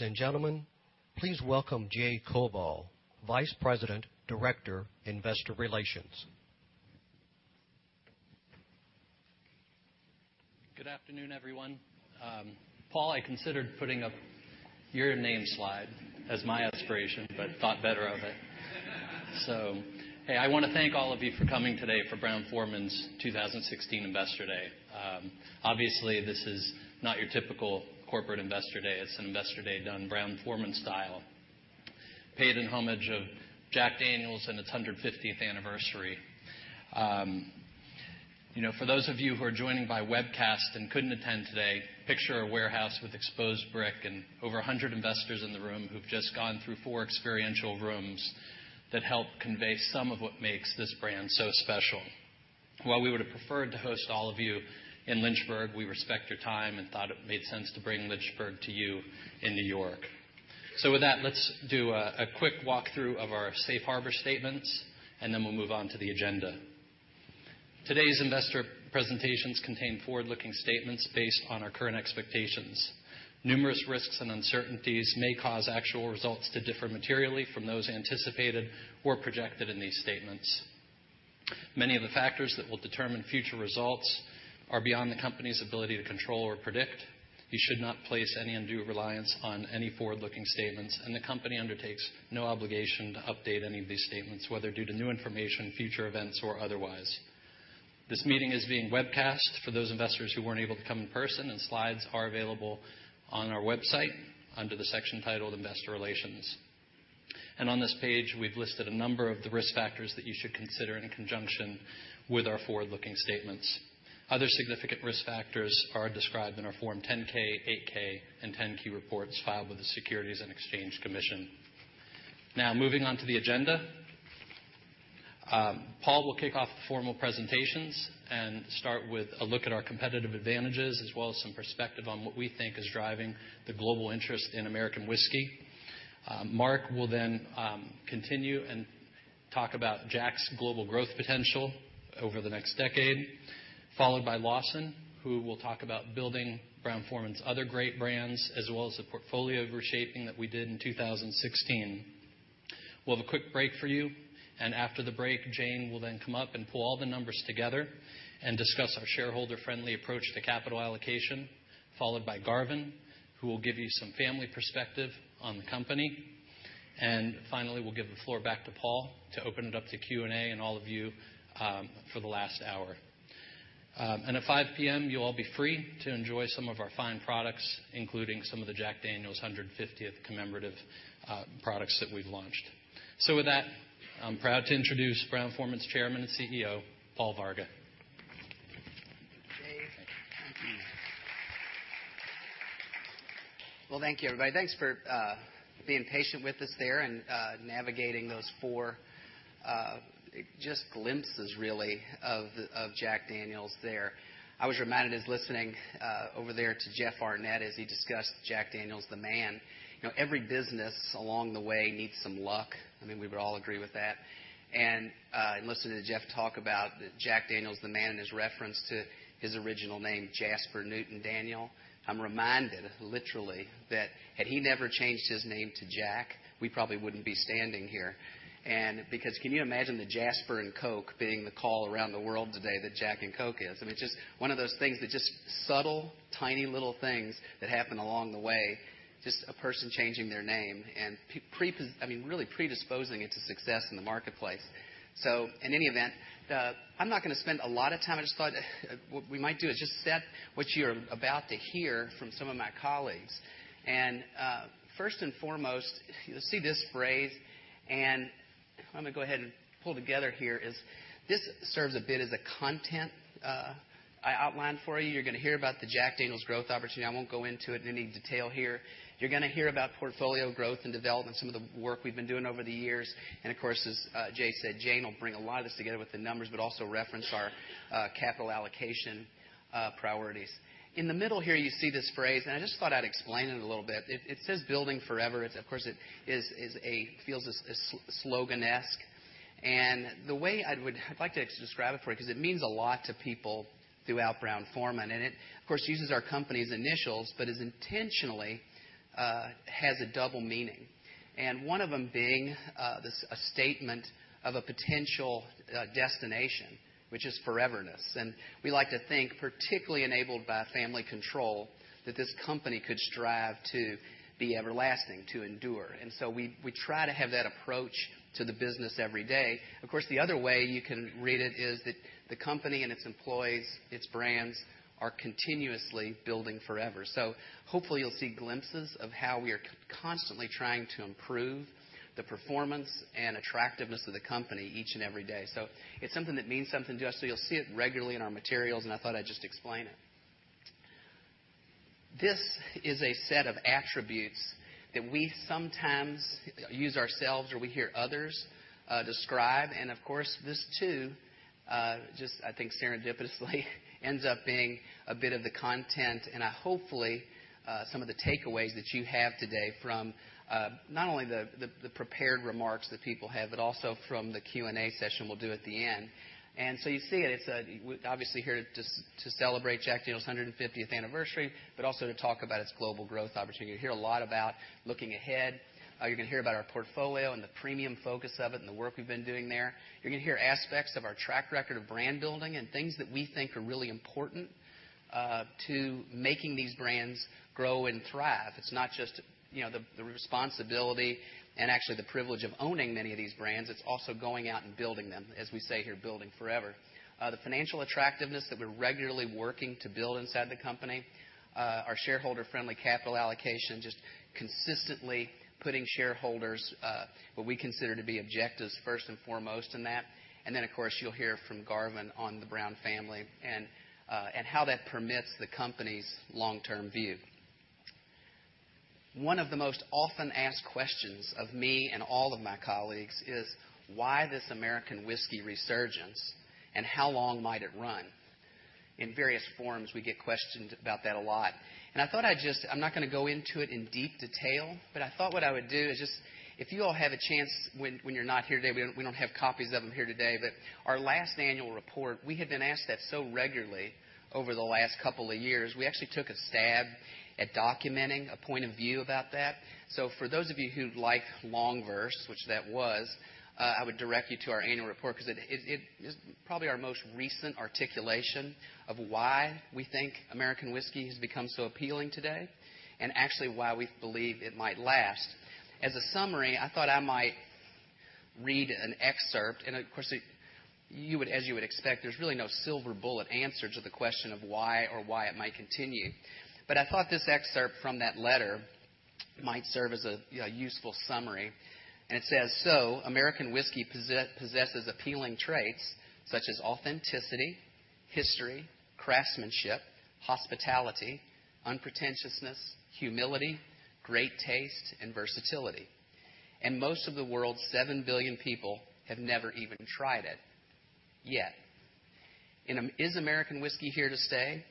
Ladies and gentlemen, please welcome Jay Koval, Vice President, Director, Investor Relations. Good afternoon, everyone. Paul, I considered putting up your name slide as my aspiration, but thought better of it. Hey, I want to thank all of you for coming today for Brown-Forman's 2016 Investor Day. Obviously, this is not your typical corporate investor day. It's an investor day done Brown-Forman style. Paid in homage of Jack Daniel's and its 150th anniversary. For those of you who are joining by webcast and couldn't attend today, picture a warehouse with exposed brick and over 100 investors in the room who've just gone through four experiential rooms that help convey some of what makes this brand so special. While we would've preferred to host all of you in Lynchburg, we respect your time and thought it made sense to bring Lynchburg to you in New York. With that, let's do a quick walk-through of our safe harbor statements, we'll move on to the agenda. Today's investor presentations contain forward-looking statements based on our current expectations. Numerous risks and uncertainties may cause actual results to differ materially from those anticipated or projected in these statements. Many of the factors that will determine future results are beyond the company's ability to control or predict. You should not place any undue reliance on any forward-looking statements, the company undertakes no obligation to update any of these statements, whether due to new information, future events, or otherwise. This meeting is being webcast for those investors who weren't able to come in person, slides are available on our website under the section titled Investor Relations. On this page, we've listed a number of the risk factors that you should consider in conjunction with our forward-looking statements. Other significant risk factors are described in our Form 10-K, 8-K, and 10-Q reports filed with the Securities and Exchange Commission. Moving on to the agenda. Paul will kick off the formal presentations and start with a look at our competitive advantages, as well as some perspective on what we think is driving the global interest in American whiskey. Mark will then continue and talk about Jack's global growth potential over the next decade, followed by Lawson, who will talk about building Brown-Forman's other great brands, as well as the portfolio reshaping that we did in 2016. We'll have a quick break for you. After the break, Jane will then come up and pull all the numbers together and discuss our shareholder-friendly approach to capital allocation, followed by Garvin, who will give you some family perspective on the company. Finally, we'll give the floor back to Paul to open it up to Q&A and all of you for the last hour. At 5:00 P.M., you'll all be free to enjoy some of our fine products, including some of the Jack Daniel's 150th commemorative products that we've launched. With that, I'm proud to introduce Brown-Forman's Chairman and CEO, Paul Varga. Thank you, Jay. Well, thank you, everybody. Thanks for being patient with us there and navigating those four just glimpses, really, of Jack Daniel's there. I was reminded, listening over there to Jeff Arnett as he discussed Jack Daniel's, the man. Every business along the way needs some luck. I mean, we would all agree with that. In listening to Jeff talk about Jack Daniel's, the man, and his reference to his original name, Jasper Newton Daniel, I'm reminded literally that had he never changed his name to Jack, we probably wouldn't be standing here. Because can you imagine the Jasper & Coke being the call around the world today that Jack and Coke is? I mean, it's just one of those things, the just subtle, tiny little things that happen along the way, just a person changing their name and really predisposing it to success in the marketplace. In any event, I'm not going to spend a lot of time. I just thought what we might do is just set what you're about to hear from some of my colleagues. First and foremost, you'll see this phrase, and I'm going to go ahead and pull together here is, this serves a bit as a content I outlined for you. You're going to hear about the Jack Daniel's growth opportunity. I won't go into it in any detail here. You're going to hear about portfolio growth and development, some of the work we've been doing over the years. Of course, as Jay said, Jane will bring a lot of this together with the numbers, but also reference our capital allocation priorities. In the middle here, you see this phrase. I just thought I'd explain it a little bit. It says, "Building forever." Of course, it feels slogan-esque. The way I'd like to describe it for you, because it means a lot to people throughout Brown-Forman, and it of course uses our company's initials, but it intentionally has a double meaning. One of them being a statement of a potential destination, which is foreverness. We like to think, particularly enabled by family control, that this company could strive to be everlasting, to endure. We try to have that approach to the business every day. Hopefully, you'll see glimpses of how we are constantly trying to improve the performance and attractiveness of the company each and every day. It's something that means something to us, you'll see it regularly in our materials, and I thought I'd just explain it. This is a set of attributes that we sometimes use ourselves, or we hear others describe. Of course, this too, just I think serendipitously, ends up being a bit of the content and hopefully, some of the takeaways that you have today from not only the prepared remarks that people have, but also from the Q&A session we'll do at the end. You see it, we're obviously here to celebrate Jack Daniel's 150th anniversary, but also to talk about its global growth opportunity. You'll hear a lot about looking ahead. You're going to hear about our portfolio and the premium focus of it and the work we've been doing there. You're going to hear aspects of our track record of brand building and things that we think are really important, to making these brands grow and thrive. It's not just the responsibility and actually the privilege of owning many of these brands, it's also going out and building them, as we say here, building forever. The financial attractiveness that we're regularly working to build inside the company, our shareholder-friendly capital allocation, just consistently putting shareholders, what we consider to be objectives first and foremost in that. Of course, you'll hear from Garvin on the Brown family and how that permits the company's long-term view. One of the most often asked questions of me and all of my colleagues is, why this American whiskey resurgence and how long might it run? In various forms, we get questioned about that a lot. I'm not going to go into it in deep detail, but I thought what I would do is just, if you all have a chance when you're not here today, we don't have copies of them here today, but our last annual report, we had been asked that so regularly over the last couple of years. We actually took a stab at documenting a point of view about that. For those of you who like long verse, which that was, I would direct you to our annual report, because it is probably our most recent articulation of why we think American whiskey has become so appealing today, and actually why we believe it might last. As a summary, I thought I might read an excerpt. Of course, as you would expect, there's really no silver bullet answer to the question of why or why it might continue. I thought this excerpt from that letter might serve as a useful summary, and it says, "American whiskey possesses appealing traits such as authenticity, history, craftsmanship, hospitality, unpretentiousness, humility, great taste, and versatility. Most of the world's 7 billion people have never even tried it, yet. Is American whiskey here to stay?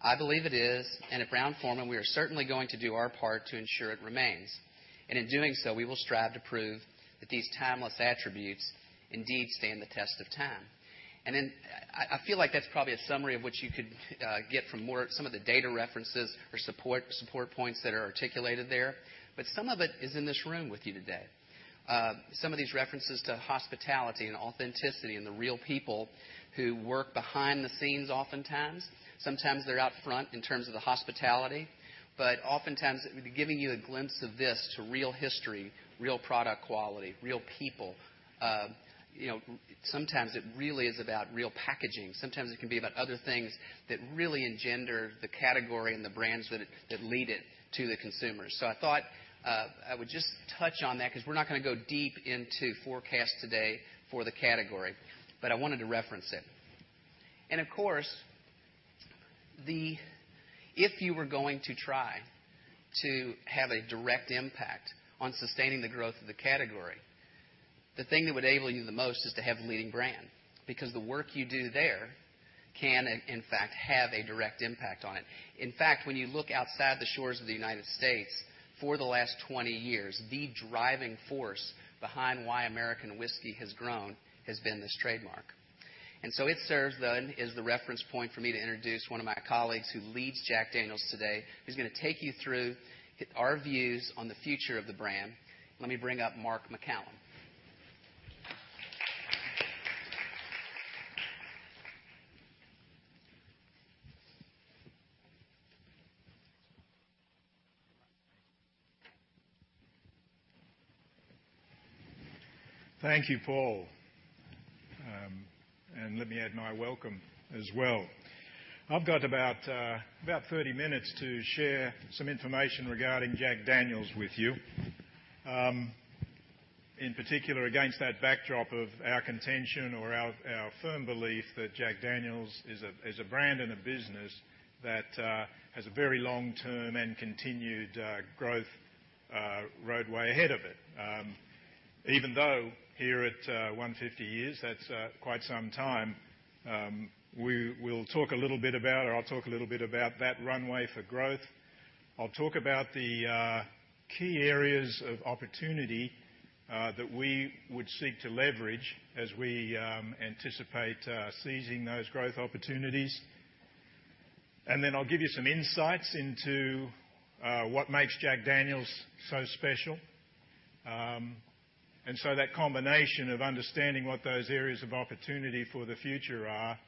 I believe it is, and at Brown-Forman, we are certainly going to do our part to ensure it remains. In doing so, we will strive to prove that these timeless attributes indeed stand the test of time." I feel like that's probably a summary of what you could get from more, some of the data references or support points that are articulated there. Some of it is in this room with you today. Some of these references to hospitality and authenticity and the real people who work behind the scenes oftentimes, sometimes they're out front in terms of the hospitality. Oftentimes, it would be giving you a glimpse of this to real history, real product quality, real people. Sometimes it really is about real packaging. Sometimes it can be about other things that really engender the category and the brands that lead it to the consumers. I thought, I would just touch on that because we're not going to go deep into forecasts today for the category, but I wanted to reference it. Of course, if you were going to try to have a direct impact on sustaining the growth of the category, the thing that would enable you the most is to have a leading brand, because the work you do there can, in fact, have a direct impact on it. In fact, when you look outside the shores of the U.S., for the last 20 years, the driving force behind why American whiskey has grown has been this trademark. It serves then as the reference point for me to introduce one of my colleagues who leads Jack Daniel's today, who's going to take you through our views on the future of the brand. Let me bring up Mark McCallum. Thank you, Paul. Let me add my welcome as well. I've got about 30 minutes to share some information regarding Jack Daniel's with you. In particular, against that backdrop of our contention or our firm belief that Jack Daniel's is a brand and a business that has a very long-term and continued growth roadway ahead of it. Even though here at, 150 years, that's quite some time. We'll talk a little bit about, or I'll talk a little bit about that runway for growth. I'll talk about the key areas of opportunity that we would seek to leverage as we anticipate seizing those growth opportunities. I'll give you some insights into what makes Jack Daniel's so special. That combination of understanding what those areas of opportunity for the future are,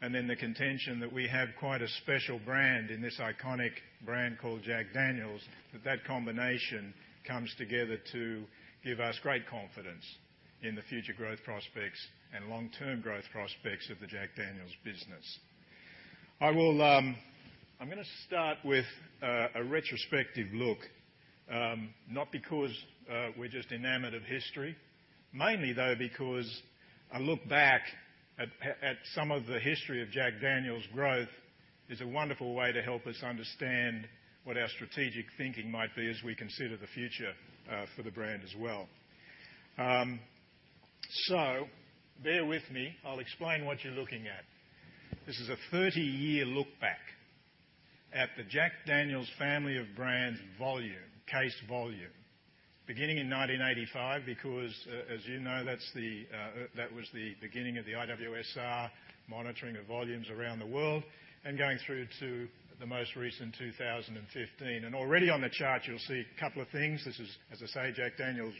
and then the contention that we have quite a special brand in this iconic brand called Jack Daniel's, that that combination comes together to give us great confidence in the future growth prospects and long-term growth prospects of the Jack Daniel's business. I am going to start with a retrospective look, not because we are just enamored of history. Mainly, though, because I look back at some of the history of Jack Daniel's growth is a wonderful way to help us understand what our strategic thinking might be as we consider the future for the brand as well. Bear with me, I will explain what you are looking at. This is a 30-year look back at the Jack Daniel's family of brands volume, case volume, beginning in 1985, because as you know, that was the beginning of the IWSR monitoring of volumes around the world, and going through to the most recent 2015. Already on the chart, you will see a couple of things. This is, as I say, Jack Daniel's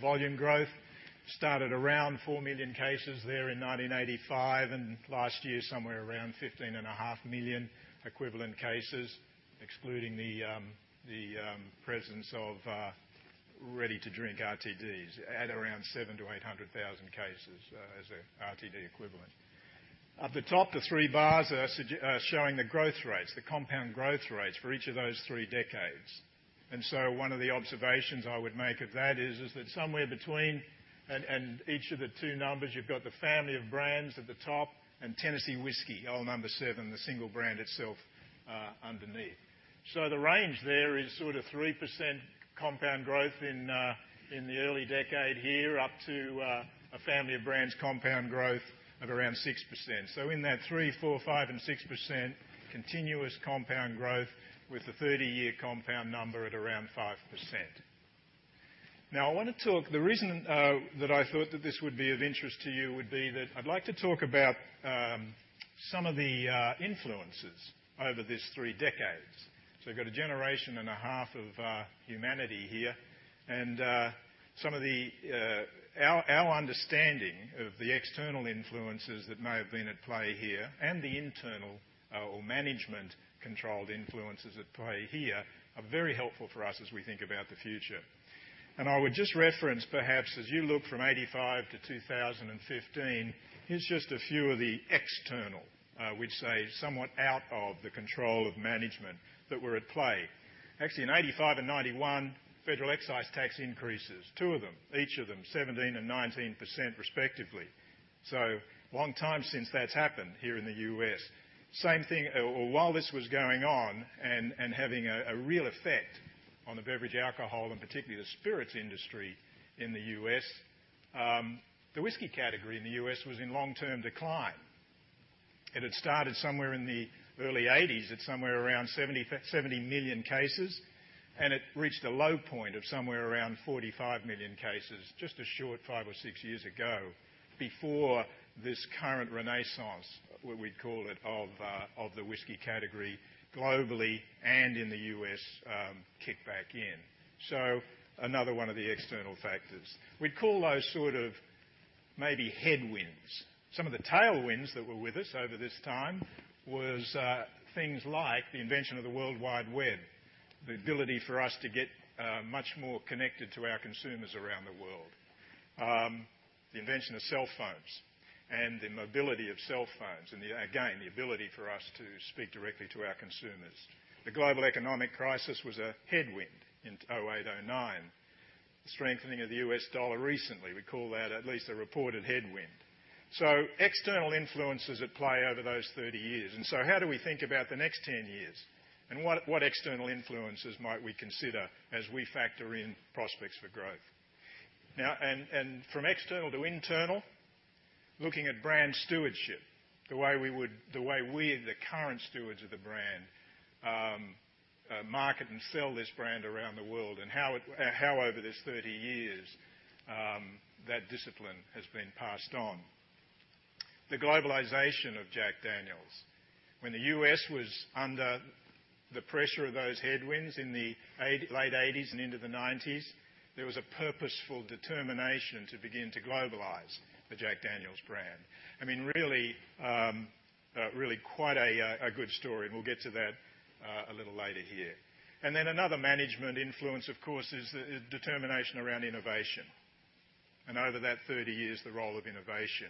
volume growth. Started around 4 million cases there in 1985, and last year, somewhere around 15.5 million equivalent cases, excluding the presence of ready-to-drink RTDs at around 700,000-800,000 cases as a RTD equivalent. The three bars are showing the growth rates, the compound growth rates for each of those three decades. One of the observations I would make of that is that somewhere between, and each of the two numbers, you have got the family of brands at the top, and Tennessee Whiskey, Old No. 7, the single brand itself, underneath. The range there is sort of 3% compound growth in the early decade here up to a family of brands compound growth of around 6%. In that 3%, 4%, 5%, and 6% continuous compound growth with the 30-year compound number at around 5%. I want to talk about some of the influences over these three decades. We have got a generation and a half of humanity here, and some of our understanding of the external influences that may have been at play here and the internal or management-controlled influences at play here are very helpful for us as we think about the future. I would just reference, perhaps, as you look from 1985 to 2015, here is just a few of the external, we would say, somewhat out of the control of management that were at play. Actually, in 1985 and 1991, federal excise tax increases, two of them, each of them 17% and 19% respectively. A long time since that has happened here in the U.S. While this was going on and having a real effect on the beverage alcohol and particularly the spirits industry in the U.S., the whiskey category in the U.S. was in long-term decline. It had started somewhere in the early 1980s at somewhere around 70 million cases, and it reached a low point of somewhere around 45 million cases just a short five or six years ago before this current renaissance, what we'd call it, of the whiskey category globally and in the U.S., kicked back in. Another one of the external factors. We'd call those maybe headwinds. Some of the tailwinds that were with us over this time was things like the invention of the World Wide Web, the ability for us to get much more connected to our consumers around the world. The invention of cell phones and the mobility of cell phones and, again, the ability for us to speak directly to our consumers. The global economic crisis was a headwind in 2008, 2009. The strengthening of the U.S. dollar recently, we call that at least a reported headwind. External influences at play over those 30 years. How do we think about the next 10 years? What external influences might we consider as we factor in prospects for growth? From external to internal, looking at brand stewardship, the way we, the current stewards of the brand, market and sell this brand around the world, and how over this 30 years, that discipline has been passed on. The globalization of Jack Daniel's. When the U.S. was under the pressure of those headwinds in the late 1980s and into the 1990s, there was a purposeful determination to begin to globalize the Jack Daniel's brand. Really quite a good story, and we'll get to that a little later here. Then another management influence, of course, is determination around innovation. Over that 30 years, the role of innovation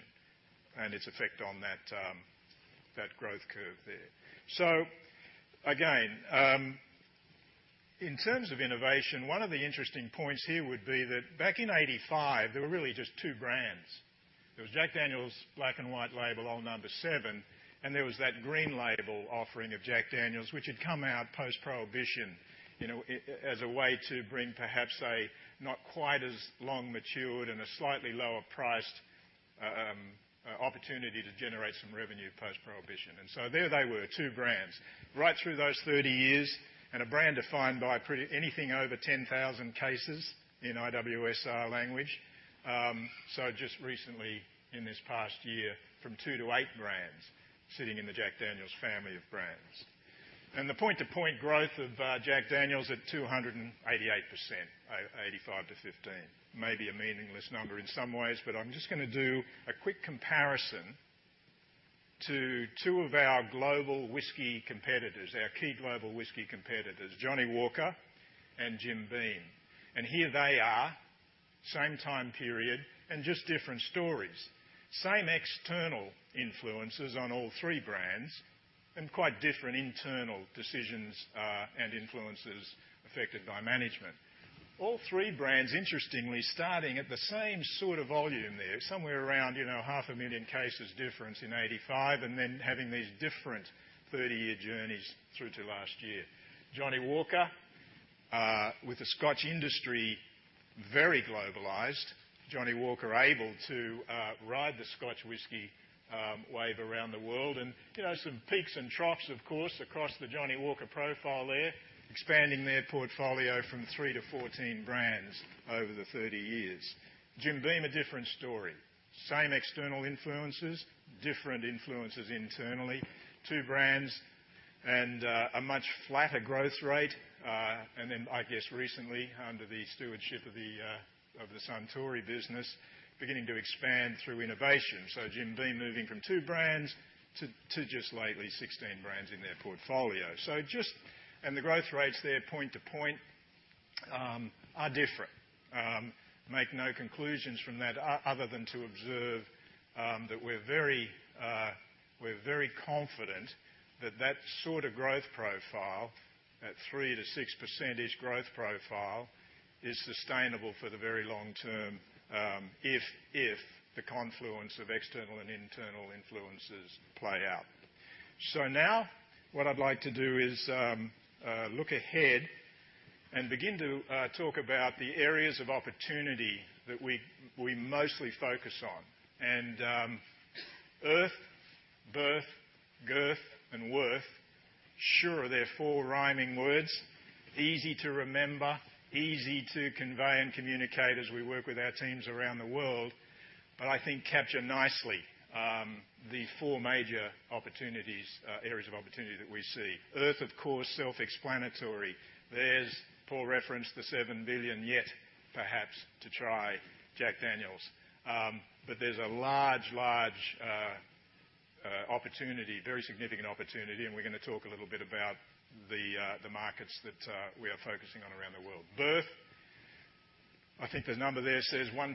and its effect on that growth curve there. Again, in terms of innovation, one of the interesting points here would be that back in 1985, there were really just two brands. There was Jack Daniel's Black Label Old No. 7, and there was that green label offering of Jack Daniel's, which had come out post-Prohibition, as a way to bring perhaps a not quite as long matured and a slightly lower priced opportunity to generate some revenue post-Prohibition. There they were, two brands. Right through those 30 years, and a brand defined by anything over 10,000 cases in IWSR language. Just recently in this past year, from two to eight brands sitting in the Jack Daniel's family of brands. The point-to-point growth of Jack Daniel's at 288%, 1985 to 2015. Maybe a meaningless number in some ways, but I'm just going to do a quick comparison to two of our global whiskey competitors, our key global whiskey competitors, Johnnie Walker and Jim Beam. Here they are, same time period and just different stories. Same external influences on all three brands. Quite different internal decisions, and influences affected by management. All three brands, interestingly, starting at the same sort of volume there, somewhere around half a million cases difference in 1985, and then having these different 30-year journeys through to last year. Johnnie Walker, with the Scotch industry very globalized, Johnnie Walker able to ride the Scotch whiskey wave around the world. Some peaks and troughs, of course, across the Johnnie Walker profile there, expanding their portfolio from three to 14 brands over the 30 years. Jim Beam, a different story. Same external influences, different influences internally. Two brands and a much flatter growth rate. I guess recently, under the stewardship of the Suntory business, beginning to expand through innovation. Jim Beam moving from two brands to just lately 16 brands in their portfolio. The growth rates there point to point are different. Make no conclusions from that other than to observe that we're very confident that sort of growth profile, that 3%-6%ish growth profile, is sustainable for the very long term, if the confluence of external and internal influences play out. Now what I'd like to do is look ahead and begin to talk about the areas of opportunity that we mostly focus on. Earth, birth, girth, and worth, sure, they're four rhyming words, easy to remember, easy to convey and communicate as we work with our teams around the world, I think capture nicely, the four major areas of opportunity that we see. Earth, of course, self-explanatory. There's poor reference, the 7 billion yet perhaps to try Jack Daniel's. There's a large opportunity, very significant opportunity, we're going to talk a little bit about the markets that we are focusing on around the world. Birth, I think the number there says 1.6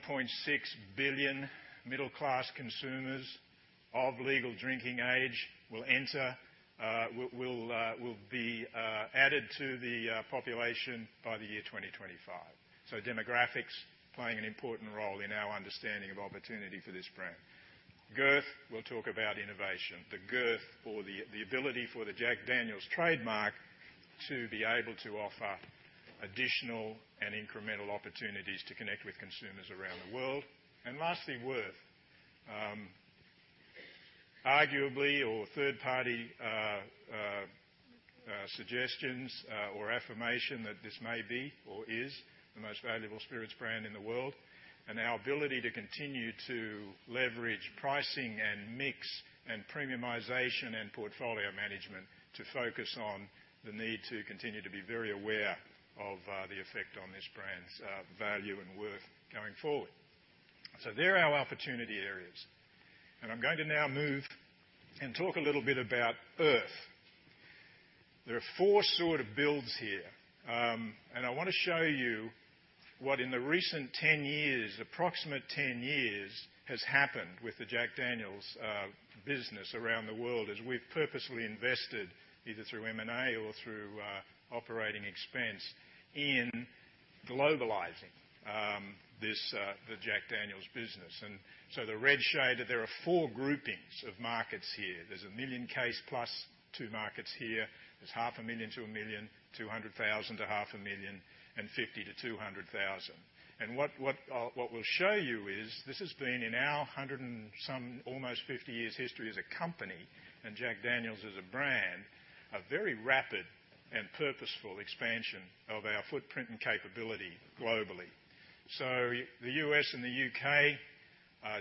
billion middle-class consumers of legal drinking age will be added to the population by the year 2025. Demographics playing an important role in our understanding of opportunity for this brand. Girth, we'll talk about innovation. The girth or the ability for the Jack Daniel's trademark to be able to offer additional and incremental opportunities to connect with consumers around the world. Lastly, worth. Arguably or third-party suggestions or affirmation that this may be or is the most valuable spirits brand in the world, our ability to continue to leverage pricing and mix and premiumization and portfolio management to focus on the need to continue to be very aware of the effect on this brand's value and worth going forward. They're our opportunity areas. I'm going to now move and talk a little bit about earth. There are four sort of builds here. I want to show you what in the recent 10 years, approximate 10 years, has happened with the Jack Daniel's business around the world as we've purposefully invested, either through M&A or through operating expense, in globalizing the Jack Daniel's business. The red shade, there are four groupings of markets here. There's a million case plus 2 markets here. There's half a million to 1 million, 200,000 to half a million, and 50 to 200,000. What we'll show you is this has been in our 100 and some almost 50 years history as a company, Jack Daniel's as a brand, a very rapid and purposeful expansion of our footprint and capability globally. The U.S. and the U.K.,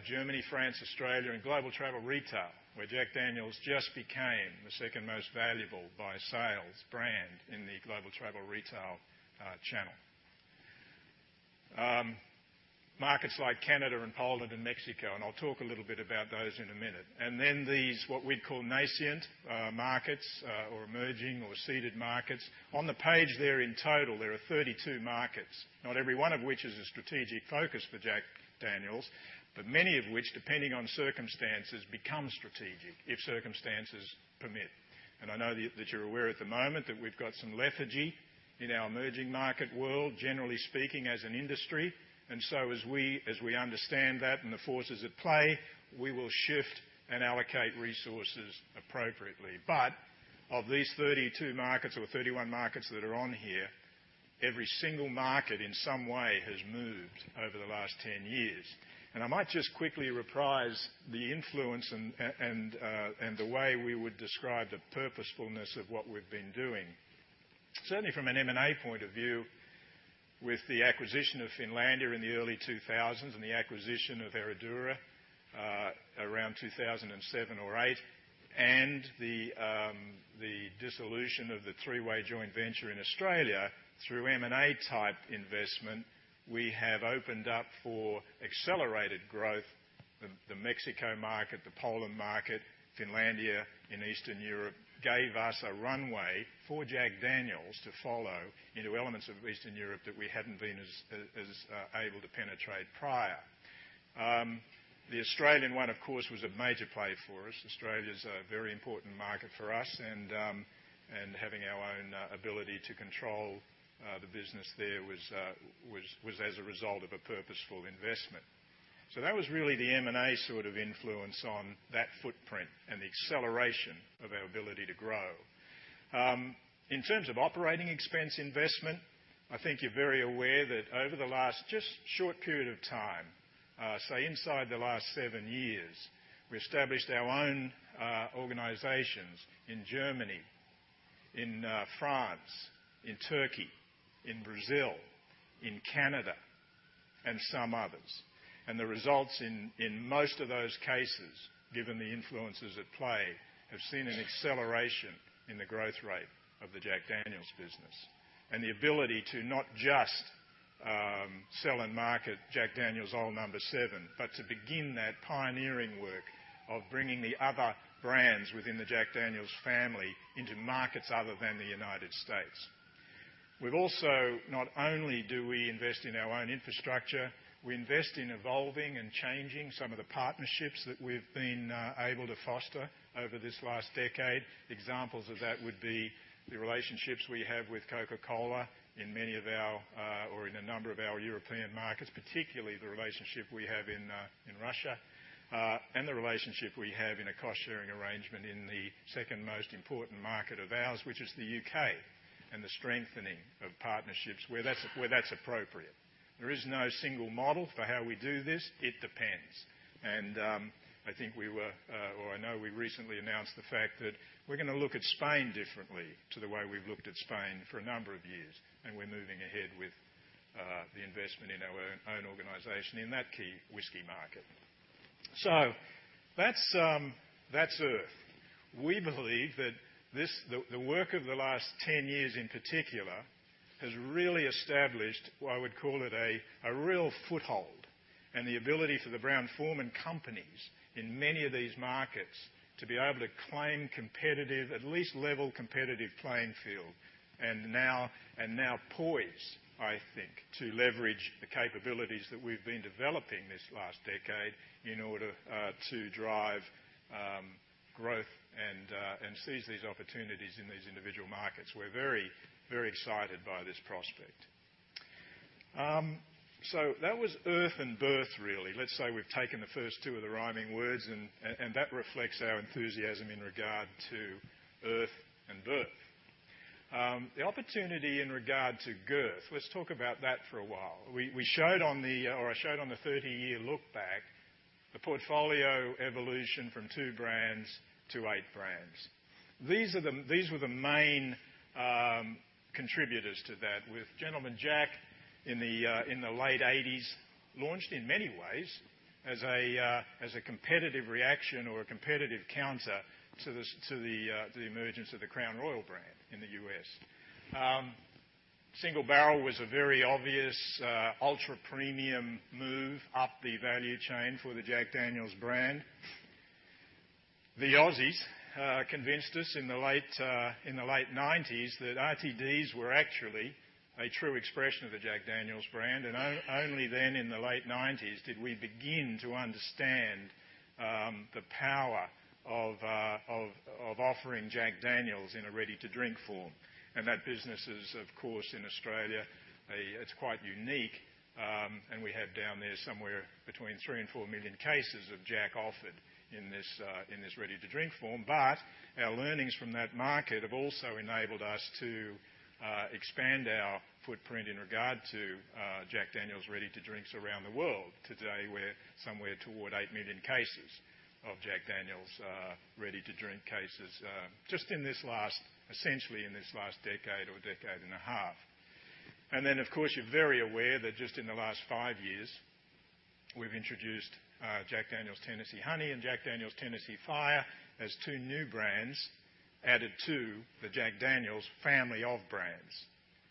Germany, France, Australia, and global travel retail, where Jack Daniel's just became the second most valuable by sales brand in the global travel retail channel. Markets like Canada and Poland and Mexico. I'll talk a little bit about those in a minute. These, what we'd call nascent markets or emerging or seeded markets. On the page there in total, there are 32 markets, not every one of which is a strategic focus for Jack Daniel's, but many of which, depending on circumstances, become strategic if circumstances permit. I know that you're aware at the moment that we've got some lethargy in our emerging market world, generally speaking, as an industry. As we understand that and the forces at play, we will shift and allocate resources appropriately. Of these 32 markets or 31 markets that are on here, every single market in some way has moved over the last 10 years. I might just quickly reprise the influence and the way we would describe the purposefulness of what we've been doing. Certainly, from an M&A point of view, with the acquisition of Finlandia in the early 2000s and the acquisition of Herradura around 2007 or 2008, and the dissolution of the three-way joint venture in Australia, through M&A type investment, we have opened up for accelerated growth. The Mexico market, the Poland market, Finlandia in Eastern Europe, gave us a runway for Jack Daniel's to follow into elements of Eastern Europe that we hadn't been as able to penetrate prior. The Australian one, of course, was a major play for us. Australia's a very important market for us, and having our own ability to control the business there was as a result of a purposeful investment. That was really the M&A sort of influence on that footprint and the acceleration of our ability to grow. In terms of operating expense investment, I think you're very aware that over the last, just short period of time, say inside the last seven years, we established our own organizations in Germany, in France, in Turkey, in Brazil, in Canada, and some others. The results in most of those cases, given the influences at play, have seen an acceleration in the growth rate of the Jack Daniel's business, and the ability to not just sell and market Jack Daniel's Old No. 7, but to begin that pioneering work of bringing the other brands within the Jack Daniel's family into markets other than the United States. Not only do we invest in our own infrastructure, we invest in evolving and changing some of the partnerships that we've been able to foster over this last decade. Examples of that would be the relationships we have with Coca-Cola in a number of our European markets, particularly the relationship we have in Russia, the relationship we have in a cost-sharing arrangement in the second most important market of ours, which is the U.K., and the strengthening of partnerships where that's appropriate. There is no single model for how we do this. It depends. I know we recently announced the fact that we're going to look at Spain differently to the way we've looked at Spain for a number of years, and we're moving ahead with the investment in our own organization in that key whiskey market. That's earth. We believe that the work of the last 10 years in particular has really established what I would call it a real foothold, the ability for the Brown-Forman companies in many of these markets to be able to claim at least level competitive playing field. Now poised, I think, to leverage the capabilities that we've been developing this last decade in order to drive growth and seize these opportunities in these individual markets. We're very excited by this prospect. That was earth and birth really. Let's say we've taken the first two of the rhyming words, that reflects our enthusiasm in regard to earth and birth. The opportunity in regard to girth, let's talk about that for a while. I showed on the 30-year look back, the portfolio evolution from two brands to eight brands. These were the main contributors to that, with Gentleman Jack in the late '80s, launched in many ways as a competitive reaction or a competitive counter to the emergence of the Crown Royal brand in the U.S. Single Barrel was a very obvious, ultra-premium move up the value chain for the Jack Daniel's brand. The Aussies convinced us in the late '90s that RTDs were actually a true expression of the Jack Daniel's brand. Only then in the late '90s did we begin to understand the power of offering Jack Daniel's in a ready-to-drink form. That business is, of course, in Australia. It's quite unique. We have down there somewhere between three and four million cases of Jack offered in this ready-to-drink form. Our learnings from that market have also enabled us to expand our footprint in regard to Jack Daniel's ready-to-drinks around the world. Today, we're somewhere toward 8 million cases of Jack Daniel's ready-to-drink cases, just essentially in this last decade or decade and a half. Then, of course, you're very aware that just in the last five years, we've introduced Jack Daniel's Tennessee Honey and Jack Daniel's Tennessee Fire as two new brands added to the Jack Daniel's family of brands.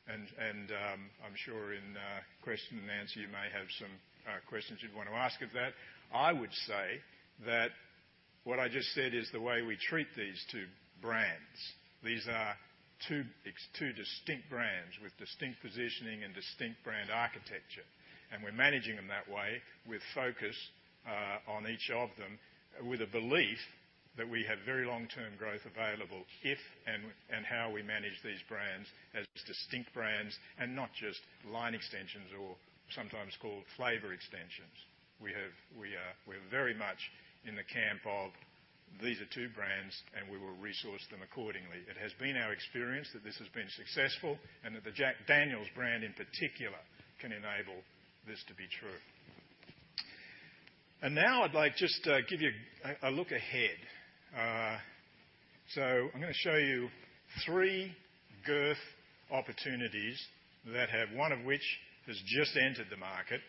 I'm sure in question and answer, you may have some questions you'd want to ask of that. I would say that what I just said is the way we treat these two brands. These are two distinct brands with distinct positioning and distinct brand architecture. We're managing them that way with focus on each of them, with a belief that we have very long-term growth available if and how we manage these brands as distinct brands and not just line extensions or sometimes called flavor extensions. We're very much in the camp of these are two brands, we will resource them accordingly. It has been our experience that this has been successful, that the Jack Daniel's brand in particular can enable this to be true. Now I'd like just to give you a look ahead. I'm going to show you three girth opportunities, one of which has just entered the market,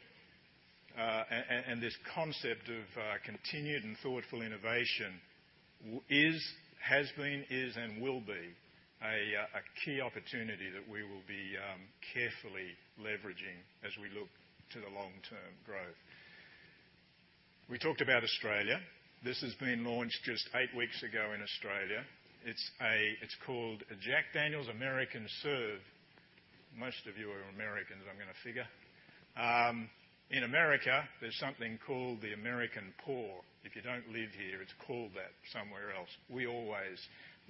this concept of continued and thoughtful innovation is, has been, is, and will be a key opportunity that we will be carefully leveraging as we look to the long-term growth. We talked about Australia. This has been launched just eight weeks ago in Australia. It's called a Jack Daniel's American Serve. Most of you are Americans, I'm going to figure. In America, there's something called the American pour. If you don't live here, it's called that somewhere else. We always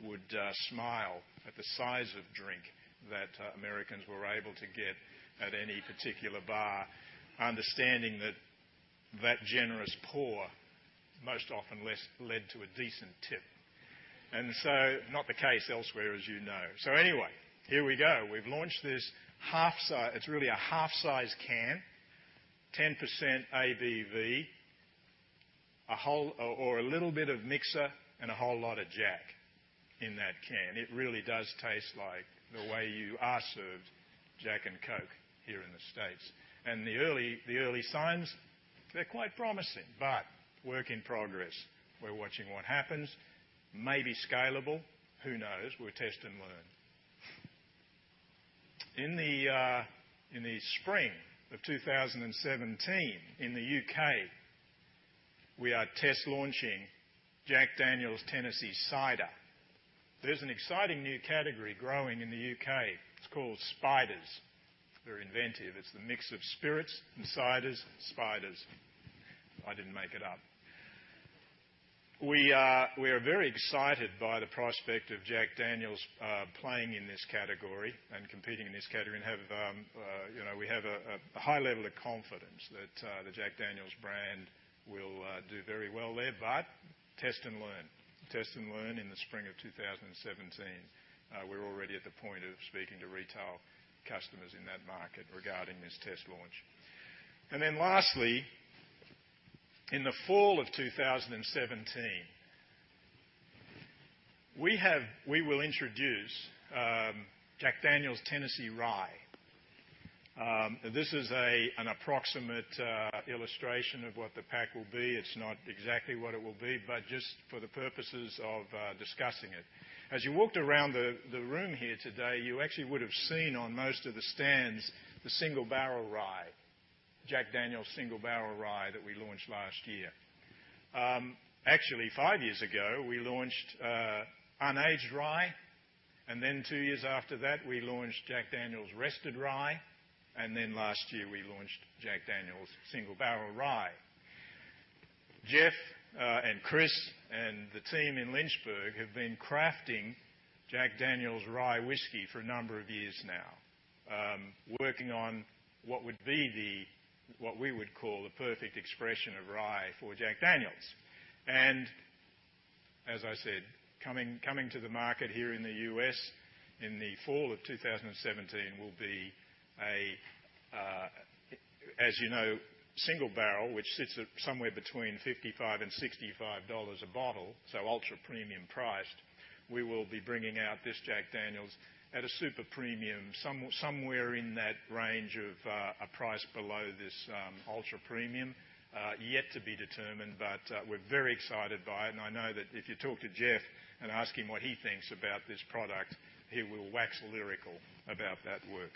would smile at the size of drink that Americans were able to get at any particular bar, understanding that that generous pour most often led to a decent tip. Not the case elsewhere, as you know. Anyway, here we go. We've launched this, it's really a half-size can, 10% ABV, or a little bit of mixer and a whole lot of Jack in that can. It really does taste like the way you are served Jack and Coke here in the States. The early signs, they're quite promising, but work in progress. We're watching what happens. Maybe scalable, who knows? We'll test and learn. In the spring of 2017, in the U.K., we are test launching Jack Daniel's Tennessee Cider. There's an exciting new category growing in the U.K. It's called ciders. Very inventive. It's the mix of spirits and ciders. I didn't make it up. We are very excited by the prospect of Jack Daniel's playing in this category and competing in this category. We have a high level of confidence that the Jack Daniel's brand will do very well there. Test and learn. Test and learn in the spring of 2017. We're already at the point of speaking to retail customers in that market regarding this test launch. Lastly, in the fall of 2017, we will introduce Jack Daniel's Tennessee Rye. This is an approximate illustration of what the pack will be. It's not exactly what it will be, but just for the purposes of discussing it. As you walked around the room here today, you actually would have seen on most of the stands, the Single Barrel Rye, Jack Daniel's Single Barrel Rye that we launched last year. Actually, five years ago, we launched Unaged Rye. Then two years after that, we launched Jack Daniel's Rested Rye. Then last year, we launched Jack Daniel's Single Barrel Rye. Jeff and Chris and the team in Lynchburg have been crafting Jack Daniel's rye whiskey for a number of years now, working on what we would call the perfect expression of rye for Jack Daniel's. As I said, coming to the market here in the U.S. in the fall of 2017 will be a, as you know, Single Barrel, which sits at somewhere between $55-$65 a bottle, so ultra-premium priced. We will be bringing out this Jack Daniel's at a super premium, somewhere in that range of a price below this ultra-premium. Yet to be determined, but we're very excited by it. I know that if you talk to Jeff and ask him what he thinks about this product, he will wax lyrical about that work.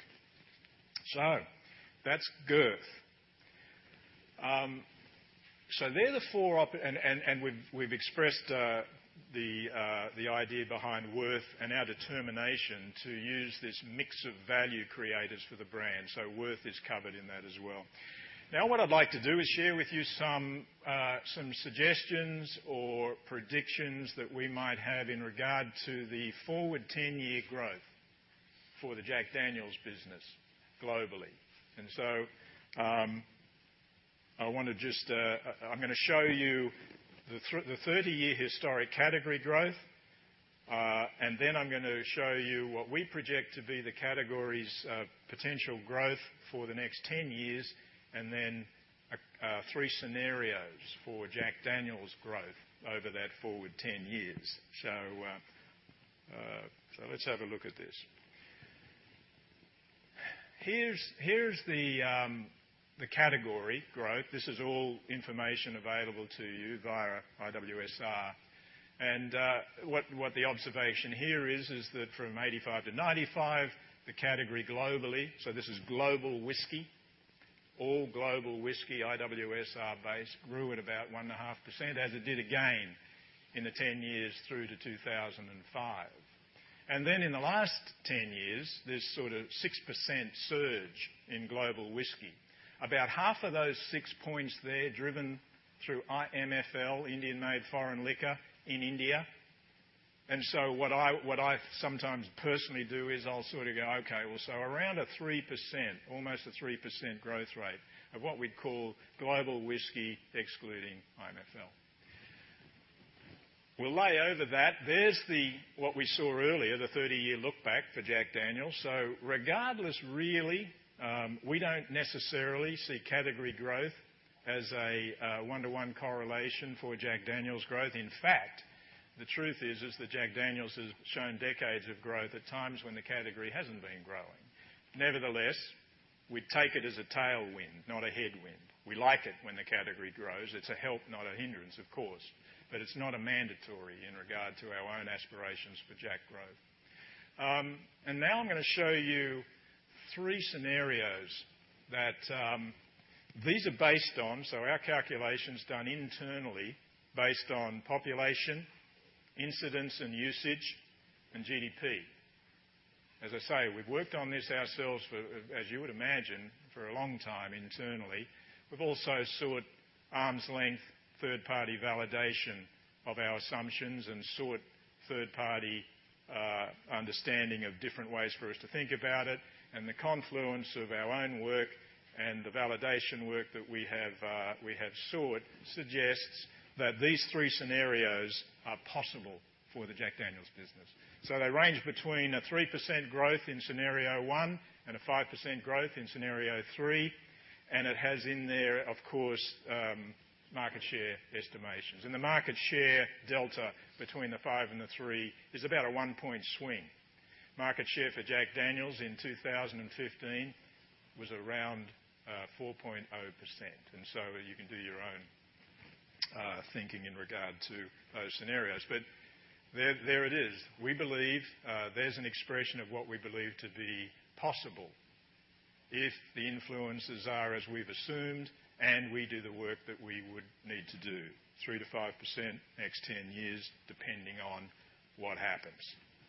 That's worth. They're the four. We've expressed the idea behind worth and our determination to use this mix of value creators for the brand. Worth is covered in that as well. Now, what I'd like to do is share with you some suggestions or predictions that we might have in regard to the forward 10-year growth for the Jack Daniel's business globally. I'm going to show you the 30-year historic category growth. Then I'm going to show you what we project to be the category's potential growth for the next 10 years. Then three scenarios for Jack Daniel's growth over that forward 10 years. Let's have a look at this. Here's the category growth. What the observation here is that from 1985 to 1995, the category globally, so this is global whiskey, all global whiskey, IWSR base, grew at about 1.5%, as it did again in the 10 years through to 2005. In the last 10 years, this sort of 6% surge in global whiskey. About half of those six points there, driven through IMFL, Indian Made Foreign Liquor in India. What I sometimes personally do is I'll sort of go, okay, well, so around a 3%, almost a 3% growth rate of what we'd call global whiskey, excluding IMFL. We'll lay over that. There's what we saw earlier, the 30-year look back for Jack Daniel's. Regardless really, we don't necessarily see category growth as a one-to-one correlation for Jack Daniel's growth. In fact, the truth is that Jack Daniel's has shown decades of growth at times when the category hasn't been growing. We take it as a tailwind, not a headwind. We like it when the category grows. It's a help, not a hindrance, of course, but it's not mandatory in regard to our own aspirations for Jack growth. I'm going to show you three scenarios. Our calculation's done internally based on population, incidence and usage, and GDP. As I say, we've worked on this ourselves, as you would imagine, for a long time internally. We've also sought arm's length, third-party validation of our assumptions and sought third-party understanding of different ways for us to think about it. The confluence of our own work and the validation work that we have sought suggests that these three scenarios are possible for the Jack Daniel's business. They range between a 3% growth in scenario 1 and a 5% growth in scenario 3, and it has in there, of course, market share estimations. The market share delta between the 5 and the 3 is about a one-point swing. Market share for Jack Daniel's in 2015 was around 4.0%, and so you can do your own thinking in regard to those scenarios. There it is. There's an expression of what we believe to be possible if the influences are as we've assumed and we do the work that we would need to do, 3%-5% next 10 years, depending on what happens.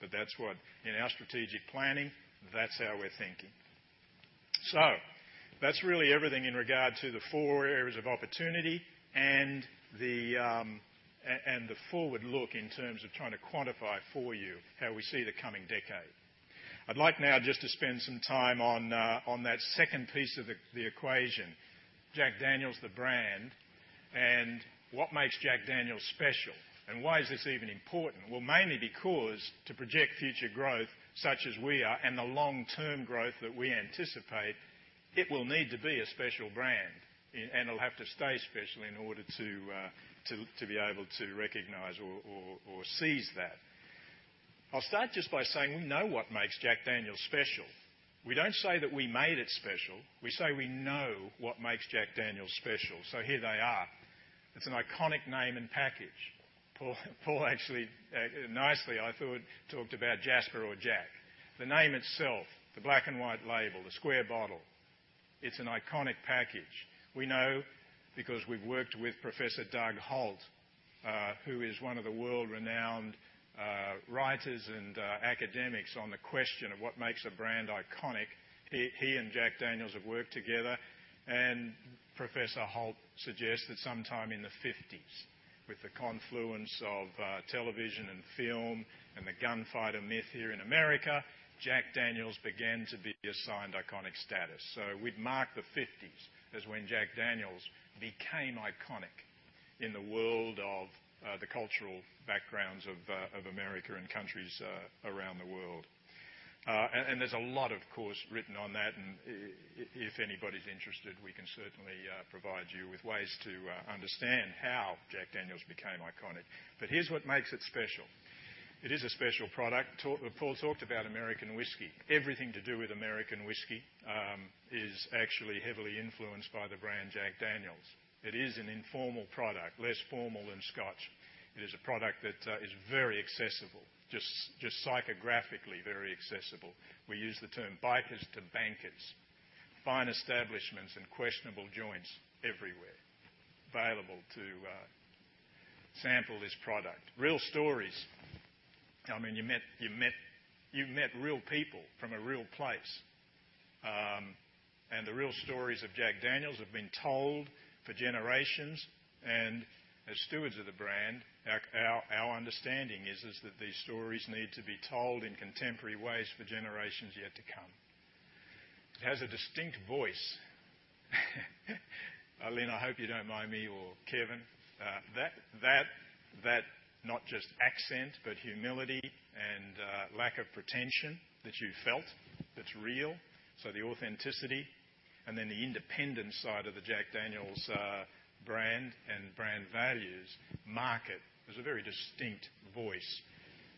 In our strategic planning, that's how we're thinking. That's really everything in regard to the four areas of opportunity and the forward look in terms of trying to quantify for you how we see the coming decade. I'd like now just to spend some time on that second piece of the equation, Jack Daniel's the brand, and what makes Jack Daniel's special, and why is this even important? Mainly because to project future growth such as we are, and the long-term growth that we anticipate, it will need to be a special brand, and it'll have to stay special in order to be able to recognize or seize that. I'll start just by saying we know what makes Jack Daniel's special. We don't say that we made it special. We say we know what makes Jack Daniel's special. Here they are. It's an iconic name and package. Paul actually, nicely I thought, talked about Jasper or Jack. The name itself, the black-and-white label, the square bottle, it's an iconic package. We know because we've worked with Professor Doug Holt, who is one of the world-renowned writers and academics on the question of what makes a brand iconic. He and Jack Daniel's have worked together, Professor Holt suggests that sometime in the '50s, with the confluence of television and film and the gunfighter myth here in America, Jack Daniel's began to be assigned iconic status. We'd mark the '50s as when Jack Daniel's became iconic in the world of the cultural backgrounds of America and countries around the world. There's a lot, of course, written on that, and if anybody's interested, we can certainly provide you with ways to understand how Jack Daniel's became iconic. Here's what makes it special. It is a special product. Paul talked about American whiskey. Everything to do with American whiskey is actually heavily influenced by the brand Jack Daniel's. It is an informal product, less formal than scotch. It is a product that is very accessible, just psychographically very accessible. We use the term bikers to bankers, fine establishments, and questionable joints everywhere available to sample this product. Real stories. You've met real people from a real place, and the real stories of Jack Daniel's have been told for generations. As stewards of the brand, our understanding is that these stories need to be told in contemporary ways for generations yet to come. It has a distinct voice. Lynn, I hope you don't mind me, or Kevin, that not just accent, but humility and lack of pretension that you felt that's real. The authenticity and then the independent side of the Jack Daniel's brand and brand values market is a very distinct voice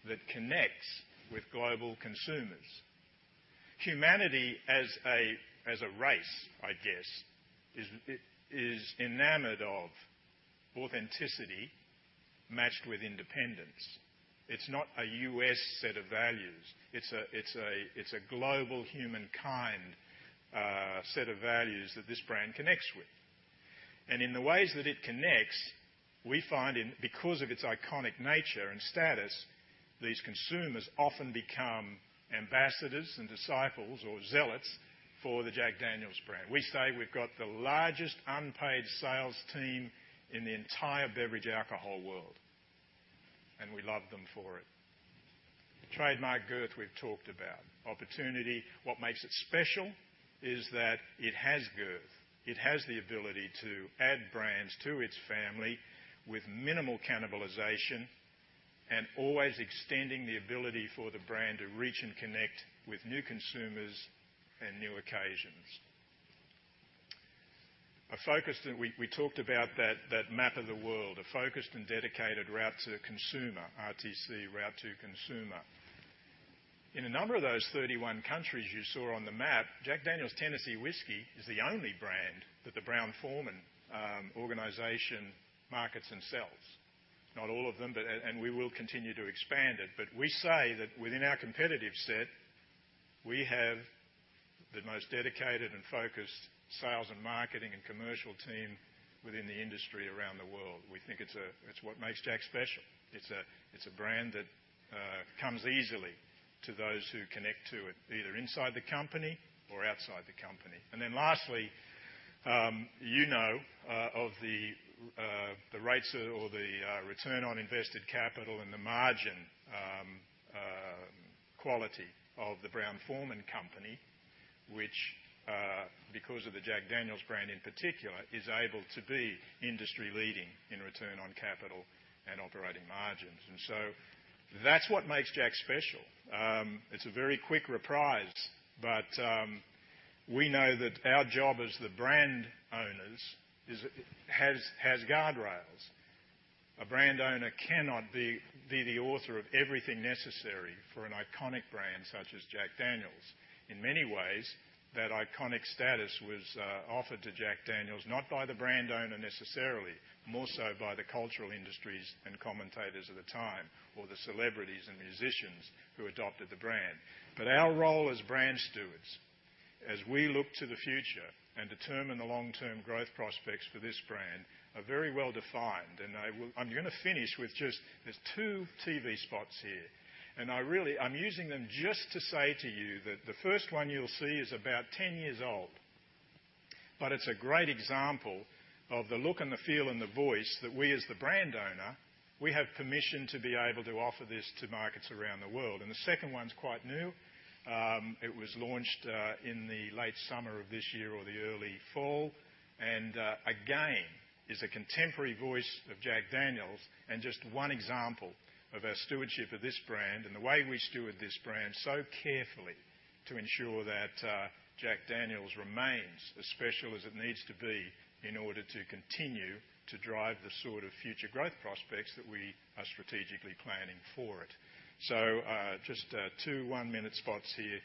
that connects with global consumers. Humanity as a race, I'd guess, is enamored of authenticity matched with independence. It's not a U.S. set of values. It's a global humankind set of values that this brand connects with. In the ways that it connects, we find because of its iconic nature and status, these consumers often become ambassadors and disciples or zealots for the Jack Daniel's brand. We say we've got the largest unpaid sales team in the entire beverage alcohol world, and we love them for it. The trademark girth we've talked about. Opportunity. What makes it special is that it has girth. It has the ability to add brands to its family with minimal cannibalization and always extending the ability for the brand to reach and connect with new consumers and new occasions. We talked about that map of the world, a focused and dedicated route to consumer, RTC, route to consumer. In a number of those 31 countries you saw on the map, Jack Daniel's Tennessee whiskey is the only brand that the Brown-Forman organization markets and sells. Not all of them, and we will continue to expand it. We say that within our competitive set, we have the most dedicated and focused sales and marketing and commercial team within the industry around the world. We think it's what makes Jack special. It's a brand that comes easily to those who connect to it, either inside the company or outside the company. Lastly, you know of the return on invested capital and the margin quality of the Brown-Forman company, which, because of the Jack Daniel's brand in particular, is able to be industry-leading in return on capital and operating margins. That's what makes Jack special. It's a very quick reprise, we know that our job as the brand owners has guardrails. A brand owner cannot be the author of everything necessary for an iconic brand such as Jack Daniel's. In many ways, that iconic status was offered to Jack Daniel's not by the brand owner necessarily, more so by the cultural industries and commentators at the time, or the celebrities and musicians who adopted the brand. Our role as brand stewards, as we look to the future and determine the long-term growth prospects for this brand, are very well-defined. I'm going to finish with just these two TV spots here. I'm using them just to say to you that the first one you'll see is about 10 years old, but it's a great example of the look and the feel and the voice that we, as the brand owner, we have permission to be able to offer this to markets around the world. The second one's quite new. It was launched in the late summer of this year or the early fall, and again, is a contemporary voice of Jack Daniel's and just one example of our stewardship of this brand and the way we steward this brand so carefully to ensure that Jack Daniel's remains as special as it needs to be in order to continue to drive the sort of future growth prospects that we are strategically planning for it. Just two one-minute spots here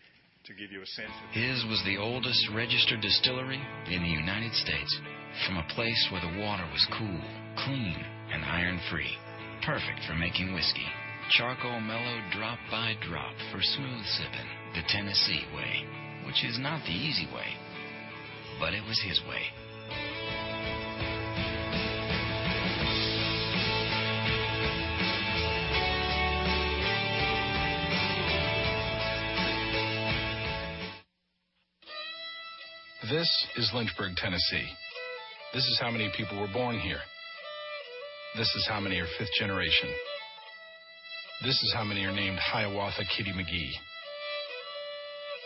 to give you a sense of. His was the oldest registered distillery in the United States, from a place where the water was cool, clean, and iron-free, perfect for making whiskey. Charcoal mellowed drop by drop for smooth sipping the Tennessee way, which is not the easy way, but it was his way. This is Lynchburg, Tennessee. This is how many people were born here. This is how many are fifth generation. This is how many are named Hiawatha Kitty McGee.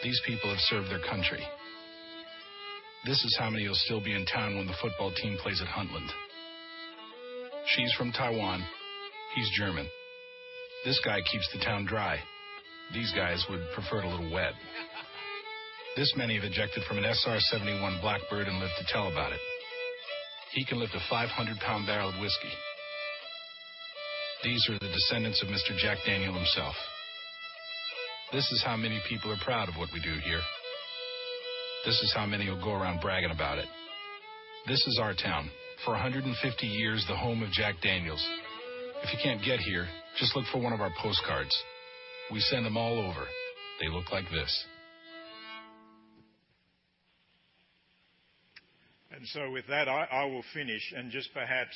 These people have served their country. This is how many will still be in town when the football team plays at Huntland. She's from Taiwan. He's German. This guy keeps the town dry. These guys would prefer it a little wet. This many have ejected from an SR-71 Blackbird and lived to tell about it. He can lift a 500-pound barrel of whiskey. These are the descendants of Mr. Jack Daniel himself. This is how many people are proud of what we do here. This is how many will go around bragging about it. This is our town. For 150 years, the home of Jack Daniel's. If you can't get here, just look for one of our postcards. We send them all over. They look like this. With that, I will finish. Just perhaps,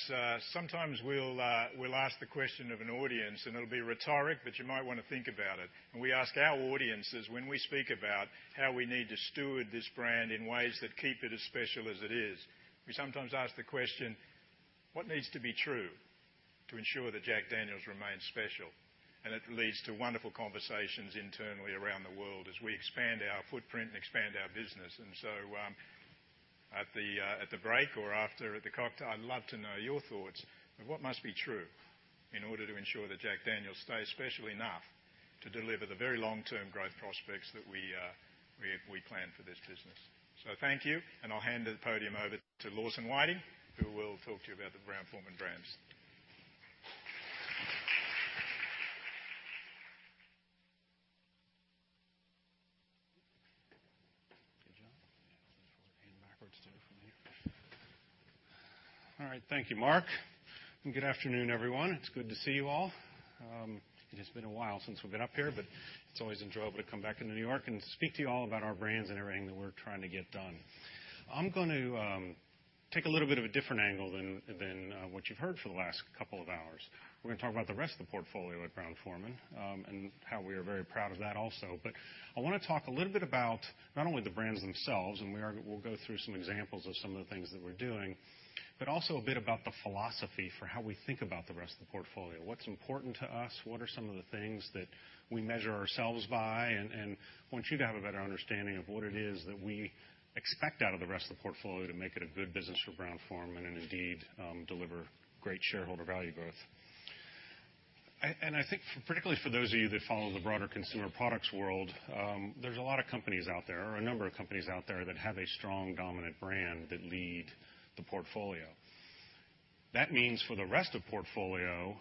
sometimes we'll ask the question of an audience, and it'll be rhetoric, but you might want to think about it. We ask our audiences when we speak about how we need to steward this brand in ways that keep it as special as it is. We sometimes ask the question, what needs to be true to ensure that Jack Daniel's remains special? It leads to wonderful conversations internally around the world as we expand our footprint and expand our business. At the break or after, at the cocktail, I'd love to know your thoughts on what must be true in order to ensure that Jack Daniel's stays special enough to deliver the very long-term growth prospects that we plan for this business. Thank you, and I'll hand the podium over to Lawson Whiting, who will talk to you about the Brown-Forman brands. Good job. This is forward and backwards today for me. All right. Thank you, Mark. Good afternoon, everyone. It's good to see you all. It has been a while since we've been up here, but it's always enjoyable to come back into New York and speak to you all about our brands and everything that we're trying to get done. I'm going to take a little bit of a different angle than what you've heard for the last couple of hours. We're going to talk about the rest of the portfolio at Brown-Forman, and how we are very proud of that also. I want to talk a little bit about not only the brands themselves, and we'll go through some examples of some of the things that we're doing, but also a bit about the philosophy for how we think about the rest of the portfolio. What's important to us, what are some of the things that we measure ourselves by, and want you to have a better understanding of what it is that we expect out of the rest of the portfolio to make it a good business for Brown-Forman and indeed, deliver great shareholder value growth. I think particularly for those of you that follow the broader consumer products world, there's a lot of companies out there, or a number of companies out there, that have a strong, dominant brand that lead the portfolio. That means for the rest of portfolio,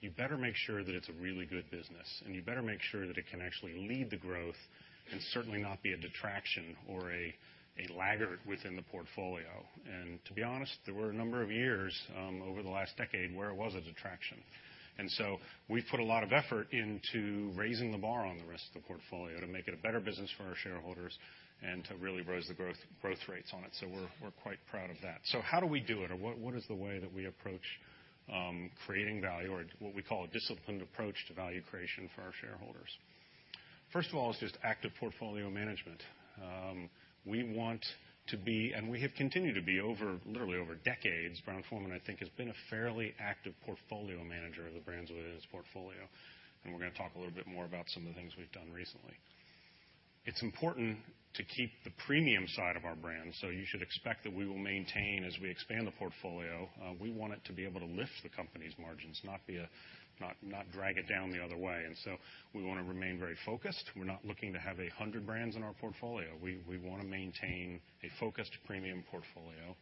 you better make sure that it's a really good business, and you better make sure that it can actually lead the growth and certainly not be a detraction or a laggard within the portfolio. To be honest, there were a number of years, over the last decade, where it was a detraction. We put a lot of effort into raising the bar on the rest of the portfolio to make it a better business for our shareholders and to really raise the growth rates on it. We're quite proud of that. How do we do it? Or what is the way that we approach creating value or what we call a disciplined approach to value creation for our shareholders? First of all is just active portfolio management. We want to be, and we have continued to be, literally over decades, Brown-Forman, I think, has been a fairly active portfolio manager of the brands within its portfolio, and we're going to talk a little bit more about some of the things we've done recently. It's important to keep the premium side of our brands, so you should expect that we will maintain as we expand the portfolio. We want it to be able to lift the company's margins, not drag it down the other way. We want to remain very focused. We're not looking to have 100 brands in our portfolio. We want to maintain a focused premium portfolio.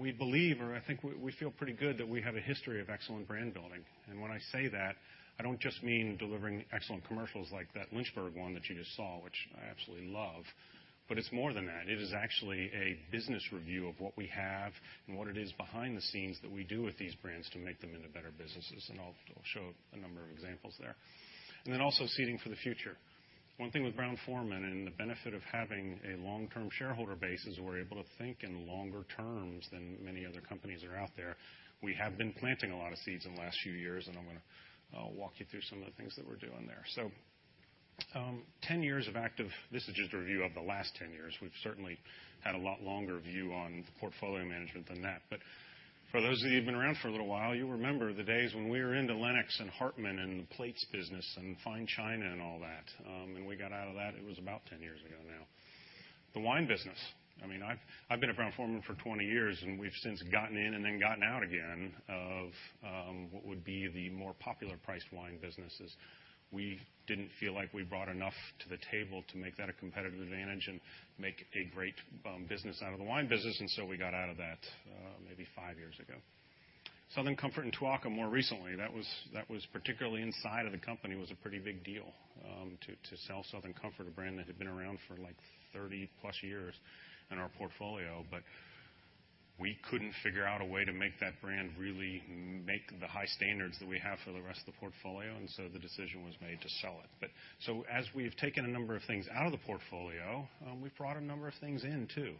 We believe, or I think we feel pretty good that we have a history of excellent brand building. When I say that, I don't just mean delivering excellent commercials like that Lynchburg one that you just saw, which I absolutely love. It's more than that. It is actually a business review of what we have and what it is behind the scenes that we do with these brands to make them into better businesses, and I'll show a number of examples there. Also seeding for the future. One thing with Brown-Forman and the benefit of having a long-term shareholder base is we're able to think in longer terms than many other companies that are out there. We have been planting a lot of seeds in the last few years, and I'm going to walk you through some of the things that we're doing there. 10 years of active, this is just a review of the last 10 years. We've certainly had a lot longer view on the portfolio management than that. For those of you who've been around for a little while, you remember the days when we were into Lenox and Hartmann and the plates business and fine china and all that. We got out of that, it was about 10 years ago now. The wine business, I've been at Brown-Forman for 20 years, and we've since gotten in and then gotten out again of what would be the more popular priced wine businesses. We didn't feel like we brought enough to the table to make that a competitive advantage and make a great business out of the wine business. We got out of that, maybe 5 years ago. Southern Comfort and Tuaca more recently. That was particularly inside of the company was a pretty big deal, to sell Southern Comfort, a brand that had been around for 30-plus years in our portfolio. We couldn't figure out a way to make that brand really make the high standards that we have for the rest of the portfolio. The decision was made to sell it. As we've taken a number of things out of the portfolio, we've brought a number of things in, too.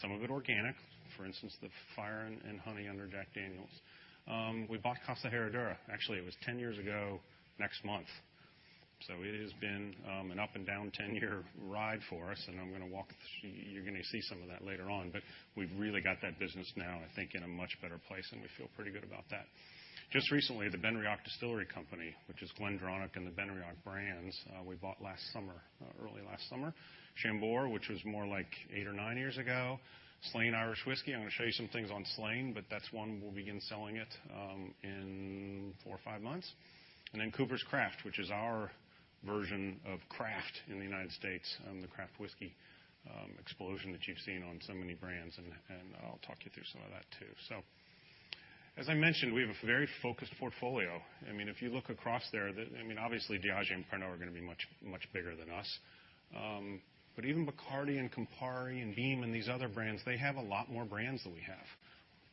Some of it organic. For instance, the Fire & Honey under Jack Daniel's. We bought Casa Herradura. Actually, it was 10 years ago next month. It has been an up and down 10-year ride for us, and you're going to see some of that later on. We've really got that business now, I think, in a much better place, and we feel pretty good about that. Just recently, The BenRiach Distillery Company, which is The GlenDronach and the BenRiach brands, we bought early last summer. Chambord, which was more like eight or nine years ago. Slane Irish Whiskey. I'm going to show you some things on Slane, that's one we'll begin selling it in four or five months. Coopers' Craft, which is our version of craft in the U.S., the craft whiskey explosion that you've seen on so many brands, I'll talk you through some of that, too. As I mentioned, we have a very focused portfolio. If you look across there, obviously, Diageo and Pernod are going to be much bigger than us. Even Bacardi and Campari and Beam and these other brands, they have a lot more brands than we have.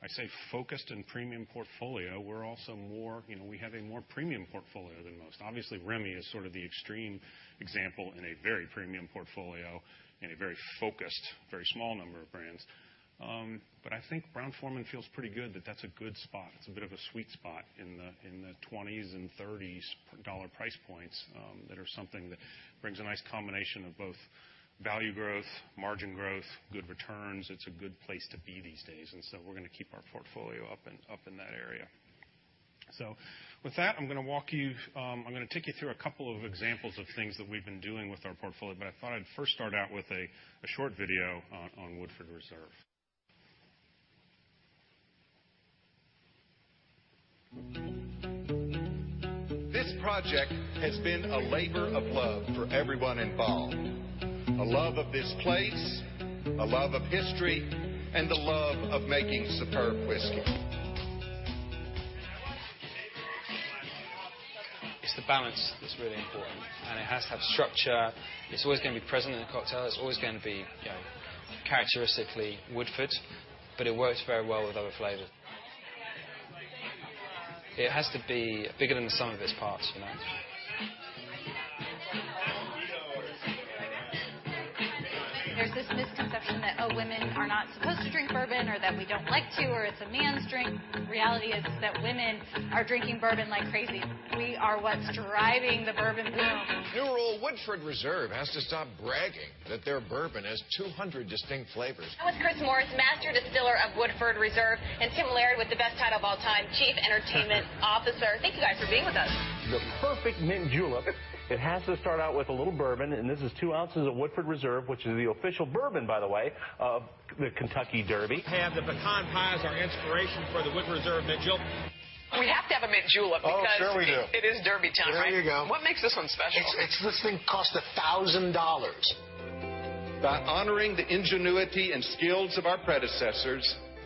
I say focused and premium portfolio. We have a more premium portfolio than most. Obviously, Remy is sort of the extreme example in a very premium portfolio and a very focused, very small number of brands. I think Brown-Forman feels pretty good that that's a good spot. It's a bit of a sweet spot in the 20s and $30 price points, that are something that brings a nice combination of both value growth, margin growth, good returns. It's a good place to be these days. We're going to keep our portfolio up in that area. With that, I'm going to take you through a couple of examples of things that we've been doing with our portfolio, but I thought I'd first start out with a short video on Woodford Reserve. This project has been a labor of love for everyone involved. A love of this place, a love of history, and the love of making superb whiskey. It's the balance that's really important. It has to have structure. It's always going to be present in a cocktail. It's always going to be characteristically Woodford, but it works very well with other flavors. It has to be bigger than the sum of its parts. There's this misconception that, oh, women are not supposed to drink bourbon or that we don't like to, or it's a man's drink. The reality is that women are drinking bourbon like crazy. We are what's driving the bourbon boom. New rule, Woodford Reserve has to stop bragging that their bourbon has 200 distinct flavors. I'm with Chris Morris, Master Distiller of Woodford Reserve, and Tim Laird with the best title of all time, Chief Entertaining Officer. Thank you guys for being with us. The perfect mint julep, it has to start out with a little bourbon. This is two ounces of Woodford Reserve, which is the official bourbon, by the way, of the Kentucky Derby. Have the pecan pies, our inspiration for the Woodford Reserve Mint Julep. We have to have a Mint Julep. Oh, sure we do. It is Derby time, right? There you go. What makes this one special? This thing cost $1,000. By honoring the ingenuity and skills of our predecessors,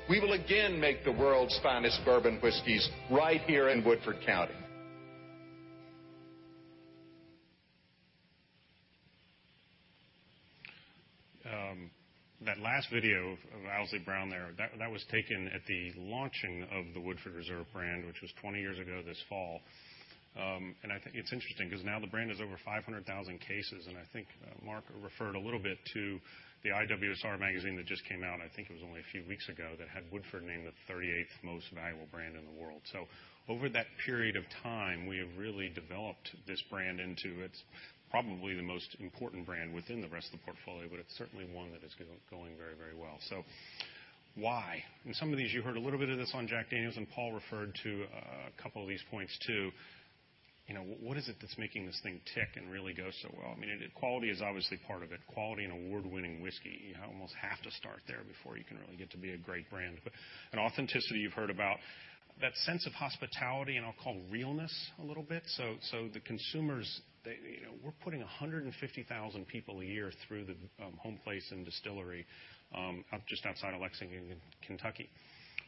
we will again make the world's finest bourbon whiskeys right here in Woodford County. That last video of Owsley Brown there, that was taken at the launching of the Woodford Reserve brand, which was 20 years ago this fall. I think it's interesting because now the brand is over 500,000 cases. I think Mark referred a little bit to the IWSR magazine that just came out, I think it was only a few weeks ago, that had Woodford named the 38th most valuable brand in the world. Over that period of time, we have really developed this brand into, it's probably the most important brand within the rest of the portfolio, but it's certainly one that is going very well. Why? Some of these, you heard a little bit of this on Jack Daniel's, and Paul referred to a couple of these points, too. What is it that's making this thing tick and really go so well? Quality is obviously part of it. Quality and award-winning whiskey. You almost have to start there before you can really get to be a great brand. An authenticity you've heard about. That sense of hospitality, and I'll call realness a little bit. The consumers, we're putting 150,000 people a year through the home place and distillery, just outside of Lexington, Kentucky.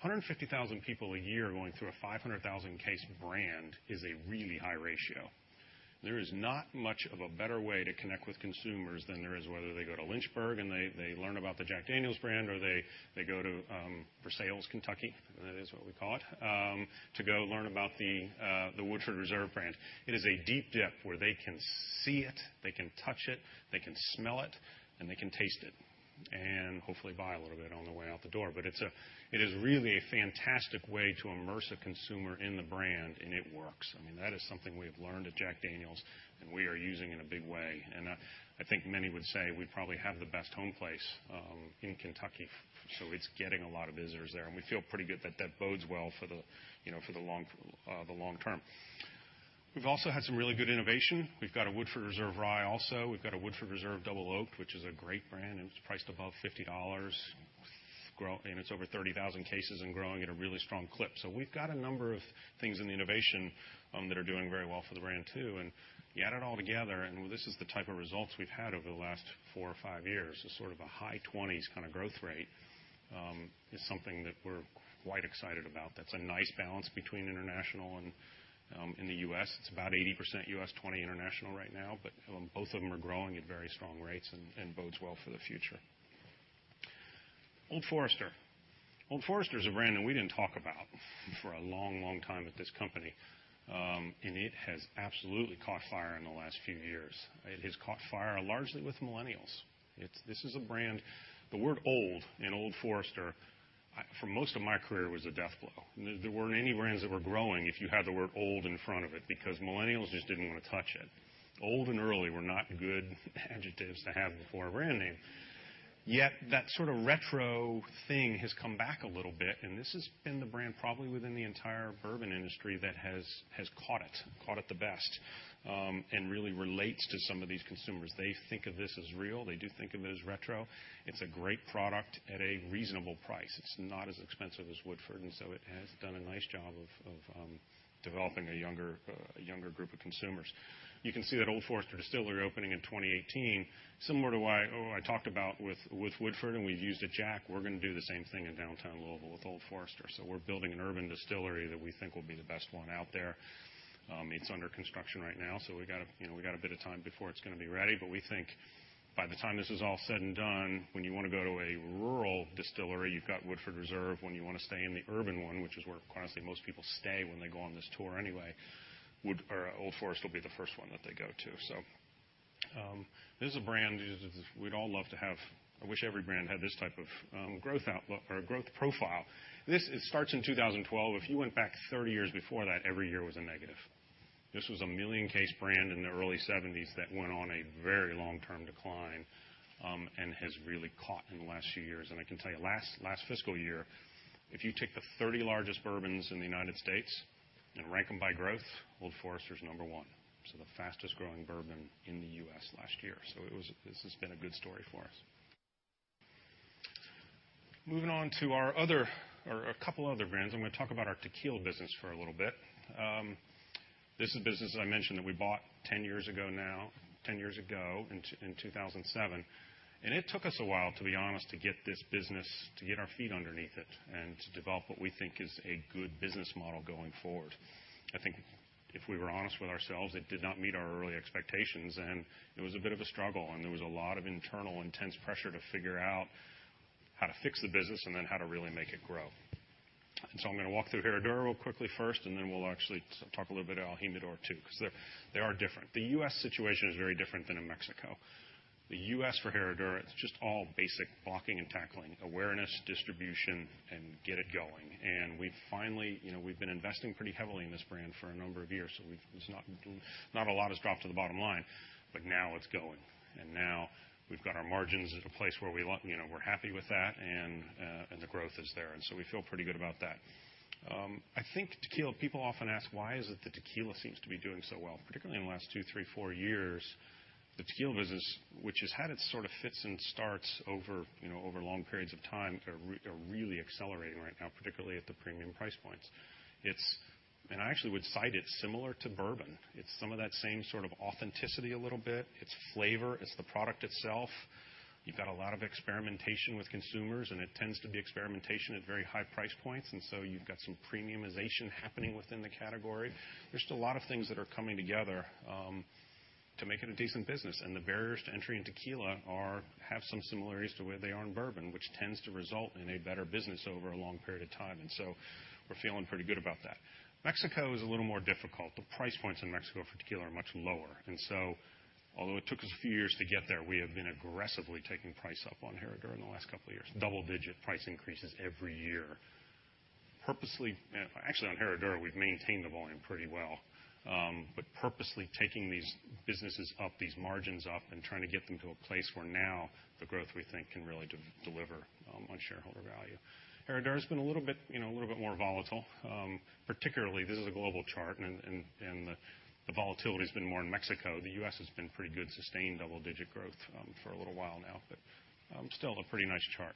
150,000 people a year going through a 500,000 case brand is a really high ratio. There is not much of a better way to connect with consumers than there is, whether they go to Lynchburg and they learn about the Jack Daniel's brand, or they go to Versailles, Kentucky, that is what we call it, to go learn about the Woodford Reserve brand. It is a deep dip where they can see it, they can touch it, they can smell it, and they can taste it, and hopefully buy a little bit on the way out the door. It is really a fantastic way to immerse a consumer in the brand, and it works. That is something we have learned at Jack Daniel's, and we are using in a big way. I think many would say we probably have the best home place in Kentucky, so it's getting a lot of visitors there, and we feel pretty good that that bodes well for the long term. We've also had some really good innovation. We've got a Woodford Reserve Rye also. We've got a Woodford Reserve Double Oaked, which is a great brand, and it's priced above $50. It's over 30,000 cases and growing at a really strong clip. We've got a number of things in the innovation that are doing very well for the brand, too. You add it all together, and this is the type of results we've had over the last four or five years, a sort of a high 20s kind of growth rate, is something that we're quite excited about. That's a nice balance between international and in the U.S. It's about 80% U.S., 20% international right now, but both of them are growing at very strong rates and bodes well for the future. Old Forester. Old Forester is a brand that we didn't talk about for a long time at this company. It has absolutely caught fire in the last few years. It has caught fire largely with millennials. The word old in Old Forester, for most of my career, was a death blow. There weren't any brands that were growing if you had the word old in front of it because millennials just didn't want to touch it. Old and early were not good adjectives to have before a brand name. Yet that sort of retro thing has come back a little bit, and this has been the brand probably within the entire bourbon industry that has caught it the best, and really relates to some of these consumers. They think of this as real. They do think of it as retro. It's a great product at a reasonable price. It's not as expensive as Woodford Reserve. It has done a nice job of developing a younger group of consumers. You can see that Old Forester Distillery opening in 2018, similar to what I talked about with Woodford Reserve. We've used at Jack Daniel's, we're going to do the same thing in downtown Louisville with Old Forester. We're building an urban distillery that we think will be the best one out there. It's under construction right now. We've got a bit of time before it's going to be ready. We think by the time this is all said and done, when you want to go to a rural distillery, you've got Woodford Reserve. When you want to stay in the urban one, which is where, honestly, most people stay when they go on this tour anyway, Old Forester will be the first one that they go to. This is a brand we'd all love to have. I wish every brand had this type of growth outlook or growth profile. It starts in 2012. If you went back 30 years before that, every year was a negative. This was a $1 million case brand in the early 1970s that went on a very long-term decline. It has really caught in the last few years. I can tell you, last fiscal year, if you take the 30 largest bourbons in the U.S. and rank them by growth, Old Forester's number 1. The fastest-growing bourbon in the U.S. last year. This has been a good story for us. Moving on to our other, or a couple other brands. I'm going to talk about our tequila business for a little bit. This is a business that I mentioned that we bought 10 years ago now. 10 years ago in 2007. It took us a while, to be honest, to get this business, to get our feet underneath it, and to develop what we think is a good business model going forward. I think if we were honest with ourselves, it did not meet our early expectations. It was a bit of a struggle. There was a lot of internal intense pressure to figure out how to fix the business, how to really make it grow. I'm going to walk through Herradura real quickly first. We'll actually talk a little bit about el Jimador, too, because they are different. The U.S. situation is very different than in Mexico. The U.S. for Herradura, it's just all basic blocking and tackling, awareness, distribution, and get it going. We've been investing pretty heavily in this brand for a number of years, so not a lot has dropped to the bottom line, but now it's going. Now we've got our margins at a place where we're happy with that, and the growth is there. We feel pretty good about that. I think tequila, people often ask, why is it that tequila seems to be doing so well? Particularly in the last two, three, four years, the tequila business, which has had its sort of fits and starts over long periods of time, are really accelerating right now, particularly at the premium price points. I actually would cite it similar to bourbon. It's some of that same sort of authenticity a little bit. It's flavor. It's the product itself. You've got a lot of experimentation with consumers, and it tends to be experimentation at very high price points. You've got some premiumization happening within the category. There's still a lot of things that are coming together to make it a decent business. The barriers to entry in tequila have some similarities to where they are in bourbon, which tends to result in a better business over a long period of time. We're feeling pretty good about that. Mexico is a little more difficult. The price points in Mexico for tequila are much lower. Although it took us a few years to get there, we have been aggressively taking price up on Herradura in the last couple of years. Double-digit price increases every year. Actually, on Herradura, we've maintained the volume pretty well. Purposely taking these businesses up, these margins up, and trying to get them to a place where now the growth we think can really deliver on shareholder value. Herradura has been a little bit more volatile. Particularly, this is a global chart, and the volatility has been more in Mexico. The U.S. has been pretty good, sustained double-digit growth for a little while now. Still a pretty nice chart.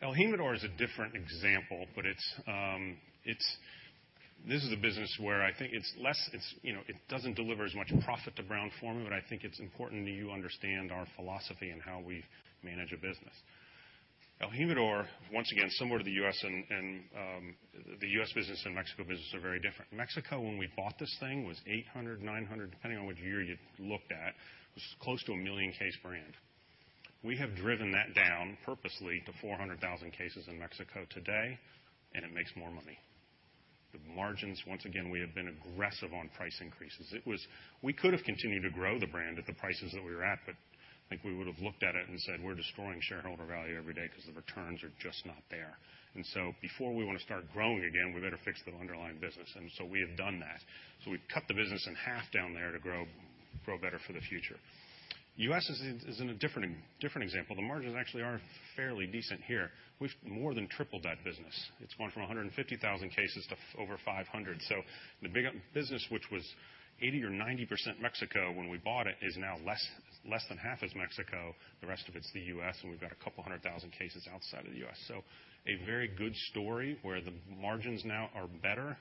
el Jimador is a different example, but this is a business where I think it doesn't deliver as much profit to Brown-Forman, but I think it's important that you understand our philosophy in how we manage a business. el Jimador, once again, similar to the U.S.; the U.S. business and Mexico business are very different. Mexico, when we bought this thing, was 800,000, 900,000, depending on which year you looked at, was close to a 1 million-case brand. We have driven that down purposely to 400,000 cases in Mexico today, and it makes more money. The margins, once again, we have been aggressive on price increases. We could have continued to grow the brand at the prices that we were at, but I think we would have looked at it and said, "We're destroying shareholder value every day because the returns are just not there." Before we want to start growing again, we better fix the underlying business. We have done that. We've cut the business in half down there to grow better for the future. U.S. is in a different example. The margins actually are fairly decent here. We've more than tripled that business. It's gone from 150,000 cases to over 500,000. The big business, which was 80% or 90% Mexico when we bought it, is now less than half is Mexico. The rest of it is the U.S., and we've got a couple hundred thousand cases outside of the U.S. A very good story where the margins now are better,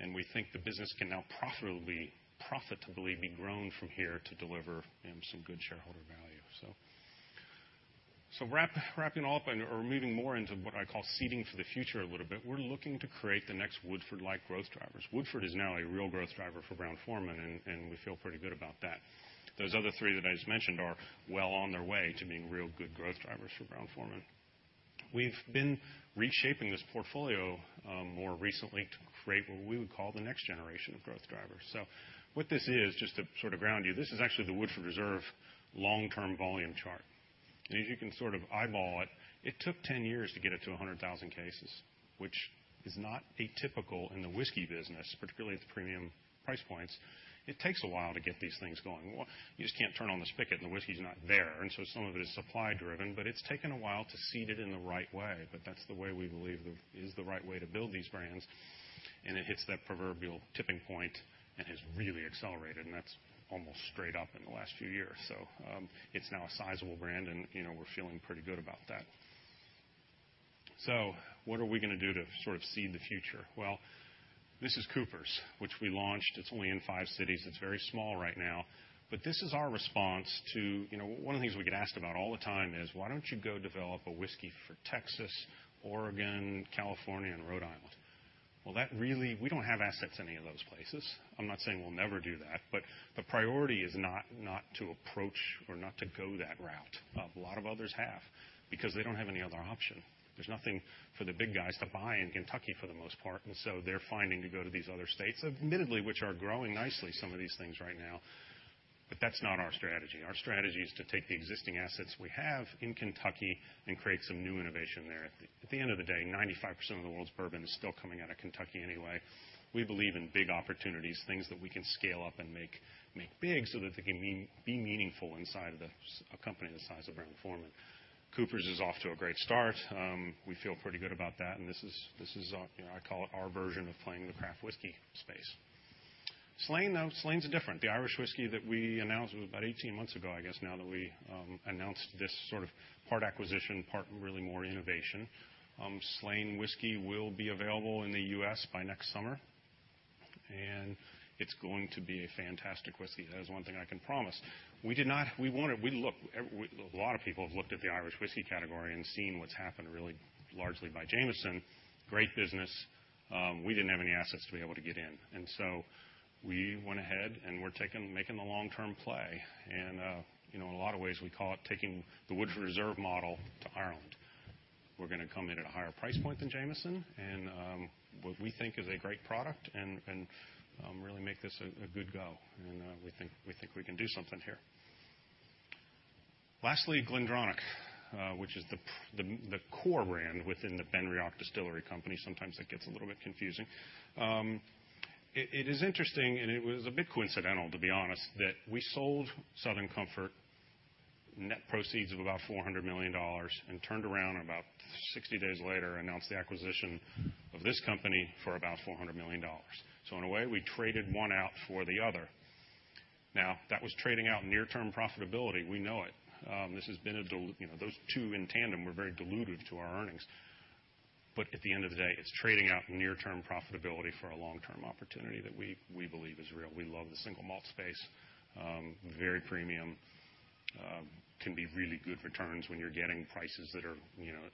and we think the business can now profitably be grown from here to deliver some good shareholder value. Wrapping up and, or moving more into what I call seeding for the future a little bit. We're looking to create the next Woodford-like growth drivers. Woodford is now a real growth driver for Brown-Forman, and we feel pretty good about that. Those other three that I just mentioned are well on their way to being real good growth drivers for Brown-Forman. We've been reshaping this portfolio more recently to create what we would call the next generation of growth drivers. What this is, just to sort of ground you, this is actually the Woodford Reserve long-term volume chart. As you can sort of eyeball it took 10 years to get it to 100,000 cases, which is not atypical in the whiskey business, particularly at the premium price points. It takes a while to get these things going. You just can't turn on the spigot, and the whiskey's not there. Some of it is supply-driven, but it's taken a while to seed it in the right way. That's the way we believe is the right way to build these brands. It hits that proverbial tipping point and has really accelerated, and that's almost straight up in the last few years. It's now a sizable brand, and we're feeling pretty good about that. What are we going to do to sort of seed the future? Well, this is Coopers', which we launched. It's only in five cities. It's very small right now. This is our response to, one of the things we get asked about all the time is, why don't you go develop a whiskey for Texas, Oregon, California, and Rhode Island? Well, we don't have assets in any of those places. I'm not saying we'll never do that, but the priority is not to approach or not to go that route. A lot of others have because they don't have any other option. There's nothing for the big guys to buy in Kentucky, for the most part. They're finding to go to these other states, admittedly, which are growing nicely, some of these things right now. That's not our strategy. Our strategy is to take the existing assets we have in Kentucky and create some new innovation there. At the end of the day, 95% of the world's bourbon is still coming out of Kentucky anyway. We believe in big opportunities, things that we can scale up and make big so that they can be meaningful inside a company the size of Brown-Forman. Coopers' is off to a great start. We feel pretty good about that, and this is, I call it our version of playing in the craft whiskey space. Slane, though, Slane's different. The Irish whiskey that we announced about 18 months ago, I guess now that we announced this sort of part acquisition, part really more innovation. Slane whiskey will be available in the U.S. by next summer. It's going to be a fantastic whiskey. That is one thing I can promise. A lot of people have looked at the Irish whiskey category and seen what's happened really largely by Jameson. Great business. We didn't have any assets to be able to get in. We went ahead, and we're making the long-term play. In a lot of ways, we call it taking the Woodford Reserve model to Ireland. We're going to come in at a higher price point than Jameson and what we think is a great product and really make this a good go. We think we can do something here. Lastly, GlenDronach, which is the core brand within the BenRiach Distillery Company. Sometimes it gets a little bit confusing. It is interesting, and it was a bit coincidental, to be honest, that we sold Southern Comfort net proceeds of about $400 million and turned around about 60 days later, announced the acquisition of this company for about $400 million. In a way, we traded one out for the other. Now, that was trading out near-term profitability. We know it. Those two in tandem were very dilutive to our earnings. At the end of the day, it's trading out near-term profitability for a long-term opportunity that we believe is real. We love the single malt space. Very premium. Can be really good returns when you're getting prices that are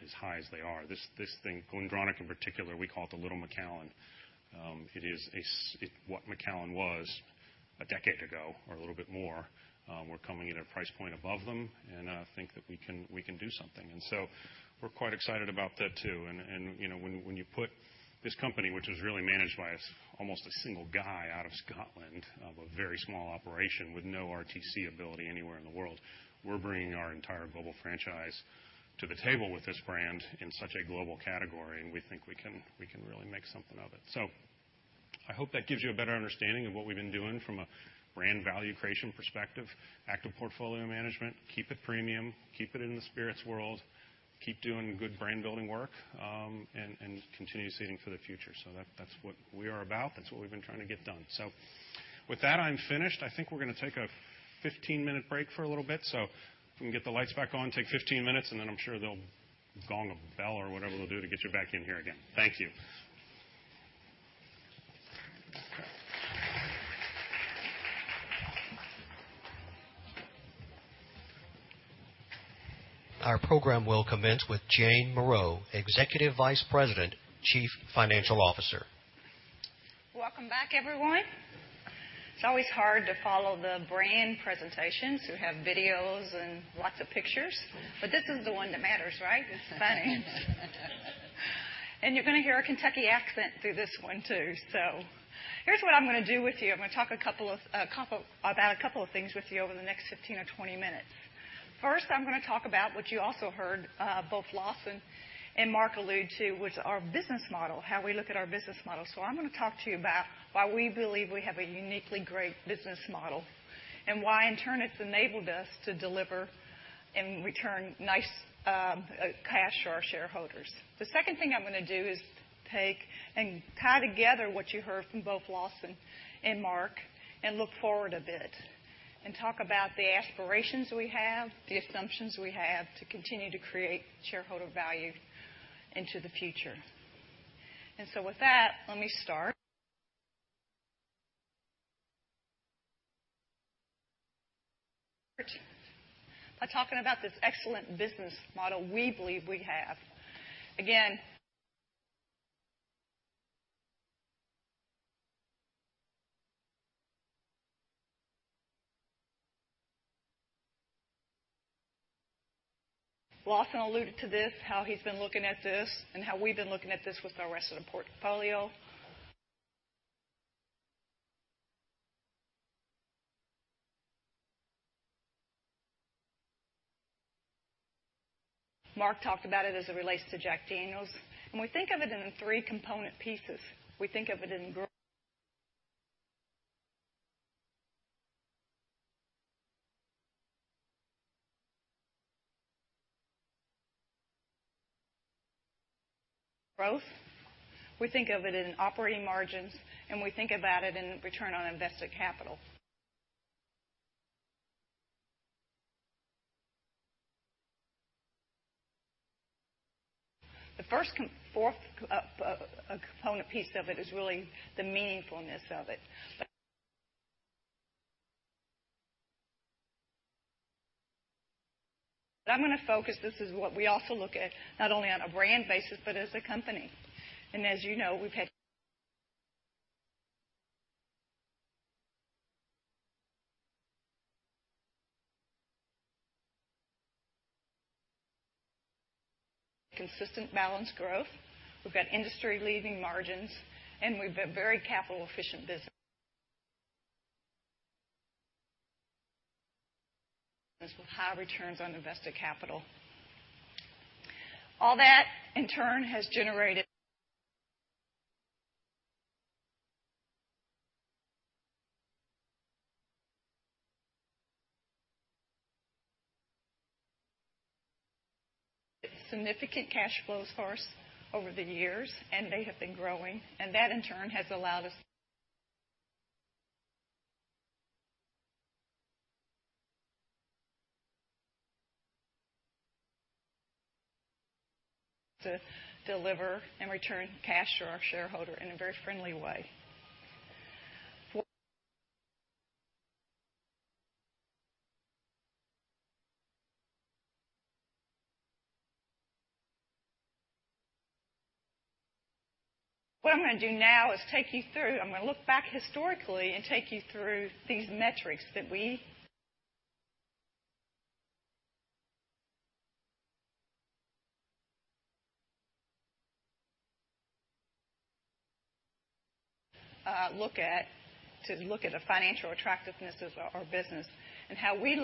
as high as they are. This thing, GlenDronach in particular, we call it the little Macallan. It is what Macallan was a decade ago or a little bit more. We're coming at a price point above them, and I think that we can do something. We're quite excited about that too. When you put this company, which was really managed by almost a single guy out of Scotland, a very small operation with no RTC ability anywhere in the world, we're bringing our entire global franchise to the table with this brand in such a global category, and we think we can really make something of it. I hope that gives you a better understanding of what we've been doing from a brand value creation perspective, active portfolio management, keep it premium, keep it in the spirits world, keep doing good brand building work, and continue seeding for the future. That's what we are about. That's what we've been trying to get done. With that, I'm finished. I think we're going to take a 15-minute break for a little bit. If we can get the lights back on, take 15 minutes, I'm sure they'll gong a bell or whatever they'll do to get you back in here again. Thank you. Our program will commence with Jane Morreau, Executive Vice President, Chief Financial Officer. Welcome back, everyone. It's always hard to follow the brand presentations who have videos and lots of pictures. This is the one that matters, right? It's finance. You're going to hear a Kentucky accent through this one, too. Here's what I'm going to do with you. I'm going to talk about a couple of things with you over the next 15 or 20 minutes. First, I'm going to talk about what you also heard, both Lawson and Mark allude to, was our business model, how we look at our business model. I'm going to talk to you about why we believe we have a uniquely great business model and why, in turn, it's enabled us to deliver and return nice cash to our shareholders. The second thing I'm going to do is take and tie together what you heard from both Lawson and Mark and look forward a bit and talk about the aspirations we have, the assumptions we have to continue to create shareholder value into the future. With that, let me start by talking about this excellent business model we believe we have. Again, Lawson alluded to this, how he's been looking at this, and how we've been looking at this with our rest of the portfolio. Mark talked about it as it relates to Jack Daniel's. We think of it in three component pieces. We think of it in growth. We think of it in operating margins, and we think about it in return on invested capital. The fourth component piece of it is really the meaningfulness of it. I'm going to focus, this is what we also look at, not only on a brand basis, but as a company. As you know, we've had consistent balanced growth, we've got industry-leading margins, and we've been very capital efficient business with high returns on invested capital. All that in turn has generated significant cash flows for us over the years, and they have been growing, and that in turn has allowed us to deliver and return cash to our shareholder in a very friendly way. What I'm going to do now is I'm going to look back historically and take you through these metrics that we look at to look at the financial attractiveness of our business and how we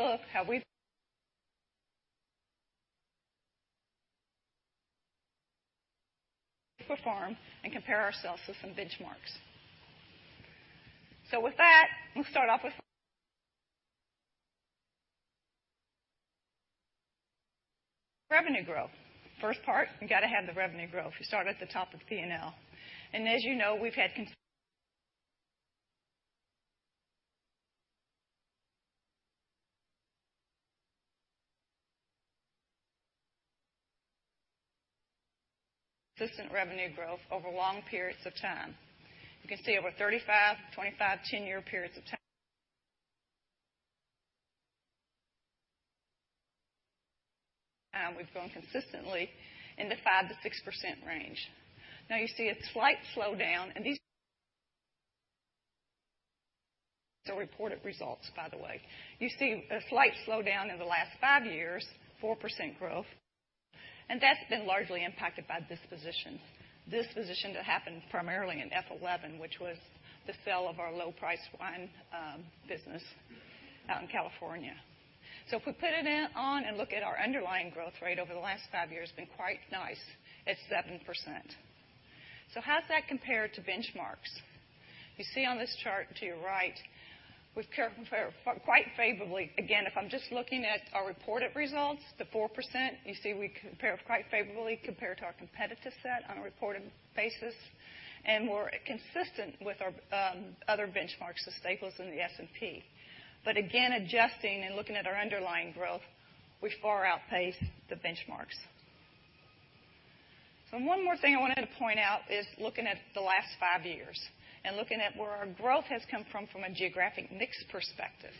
perform and compare ourselves to some benchmarks. With that, we'll start off with Revenue growth. First part, we got to have the revenue growth. We start at the top of P&L. As you know, we've had consistent revenue growth over long periods of time. You can see over 35, 25, 10-year periods of time, we've grown consistently in the 5%-6% range. You see a slight slowdown, and these are reported results, by the way. You see a slight slowdown in the last five years, 4% growth, and that's been largely impacted by dispositions. Dispositions that happened primarily in FY 2011, which was the sell of our low-price wine business out in California. If we put it on and look at our underlying growth rate over the last five years, it's been quite nice. It's 7%. How does that compare to benchmarks? You see on this chart to your right, we've compared quite favorably. Again, if I'm just looking at our reported results, the 4%, you see we compare quite favorably compared to our competitor set on a reported basis. We're consistent with our other benchmarks, the Staples and the S&P. Again, adjusting and looking at our underlying growth, we far outpaced the benchmarks. One more thing I wanted to point out is looking at the last five years and looking at where our growth has come from a geographic mix perspective.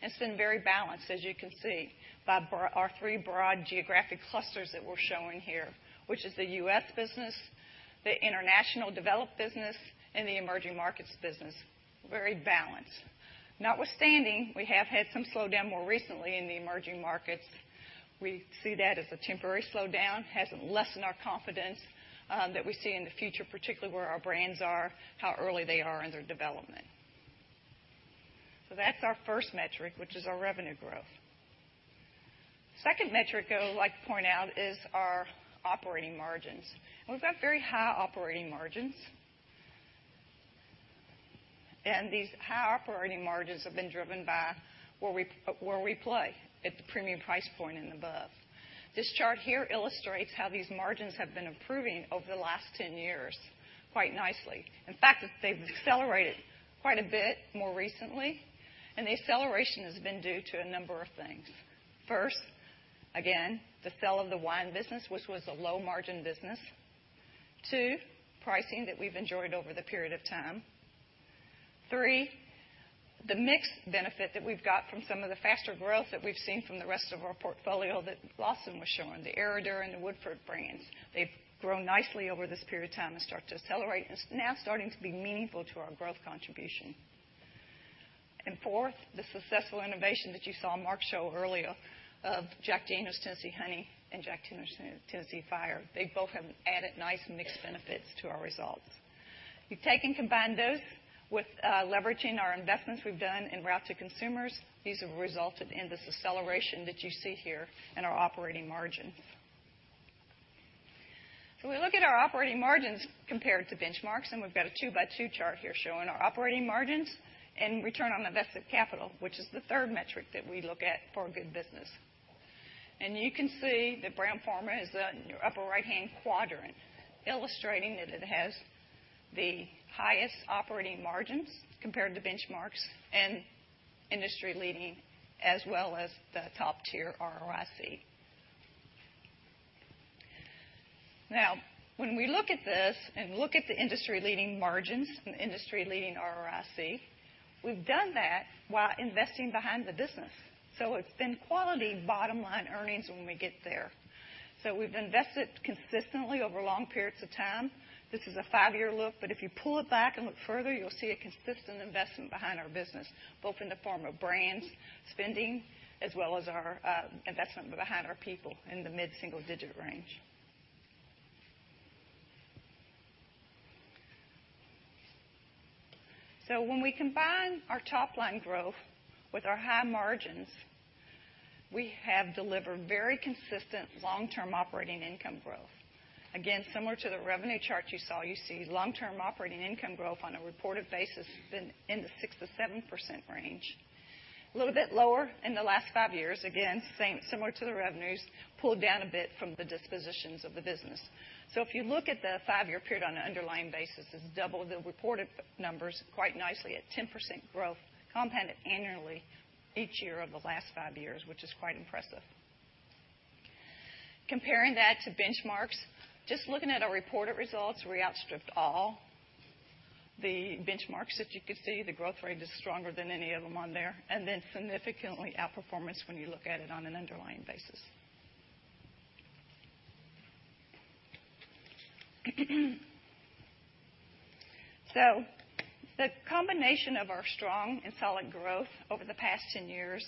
It's been very balanced, as you can see, by our three broad geographic clusters that we're showing here, which is the U.S. business, the international developed business, and the emerging markets business. Very balanced. Notwithstanding, we have had some slowdown more recently in the emerging markets. We see that as a temporary slowdown. Hasn't lessened our confidence that we see in the future, particularly where our brands are, how early they are in their development. That's our first metric, which is our revenue growth. Second metric I would like to point out is our operating margins. We've got very high operating margins. These high operating margins have been driven by where we play, at the premium price point and above. This chart here illustrates how these margins have been improving over the last 10 years quite nicely. In fact, they've accelerated quite a bit more recently, and the acceleration has been due to a number of things. First, again, the sell of the wine business, which was a low-margin business. Two, pricing that we've enjoyed over the period of time. Three, the mix benefit that we've got from some of the faster growth that we've seen from the rest of our portfolio that Lawson was showing, the Herradura and the Woodford brands. They've grown nicely over this period of time and start to accelerate, and it's now starting to be meaningful to our growth contribution. Fourth, the successful innovation that you saw Mark show earlier of Jack Daniel's Tennessee Honey and Jack Daniel's Tennessee Fire. They both have added nice mix benefits to our results. We've taken combined those with leveraging our investments we've done in route to consumers. These have resulted in this acceleration that you see here in our operating margin. We look at our operating margins compared to benchmarks, we've got a two-by-two chart here showing our operating margins and return on invested capital, which is the third metric that we look at for a good business. You can see that Brown-Forman is in your upper right-hand quadrant, illustrating that it has the highest operating margins compared to benchmarks and industry-leading, as well as the top-tier ROIC. When we look at this and look at the industry-leading margins and industry-leading ROIC, we've done that while investing behind the business. It's been quality bottom-line earnings when we get there. We've invested consistently over long periods of time. This is a five-year look, but if you pull it back and look further, you'll see a consistent investment behind our business, both in the form of brands spending as well as our investment behind our people in the mid-single-digit range. When we combine our top-line growth with our high margins, we have delivered very consistent long-term operating income growth. Again, similar to the revenue chart you saw, you see long-term operating income growth on a reported basis in the 6%-7% range. A little bit lower in the last five years. Again, similar to the revenues, pulled down a bit from the dispositions of the business. If you look at the five-year period on an underlying basis, it's double the reported numbers quite nicely at 10% growth compounded annually each year over the last five years, which is quite impressive. Comparing that to benchmarks, just looking at our reported results, we outstripped all the benchmarks. If you could see, the growth rate is stronger than any of them on there, then significantly outperformance when you look at it on an underlying basis. The combination of our strong and solid growth over the past 10 years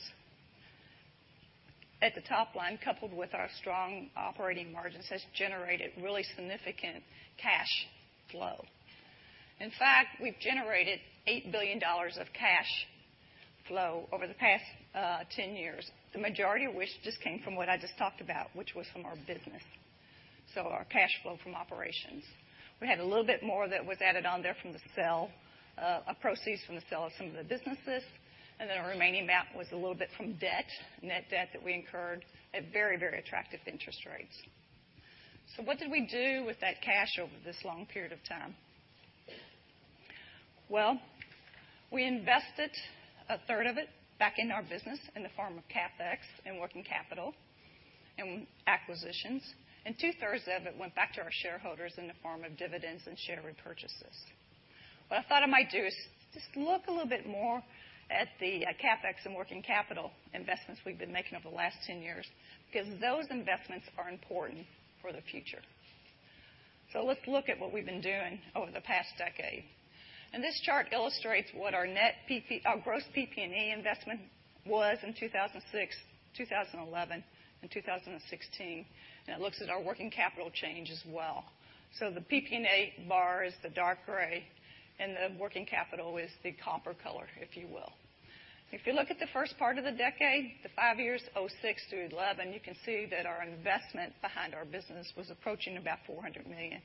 at the top line, coupled with our strong operating margins, has generated really significant cash flow. In fact, we've generated $8 billion of cash flow over the past 10 years, the majority of which just came from what I just talked about, which was from our business. Our cash flow from operations. We had a little bit more that was added on there from the proceeds from the sale of some of the businesses. Then our remaining amount was a little bit from debt, net debt that we incurred at very, very attractive interest rates. What did we do with that cash over this long period of time? We invested a third of it back in our business in the form of CapEx and working capital and acquisitions. Two-thirds of it went back to our shareholders in the form of dividends and share repurchases. What I thought I might do is just look a little bit more at the CapEx and working capital investments we've been making over the last 10 years, because those investments are important for the future. Let's look at what we've been doing over the past decade. This chart illustrates what our gross PP&E investment was in 2006, 2011, and 2016. It looks at our working capital change as well. The PP&E bar is the dark gray, and the working capital is the copper color, if you will. If you look at the first part of the decade, the five years, 2006 through 2011, you can see that our investment behind our business was approaching about $400 million.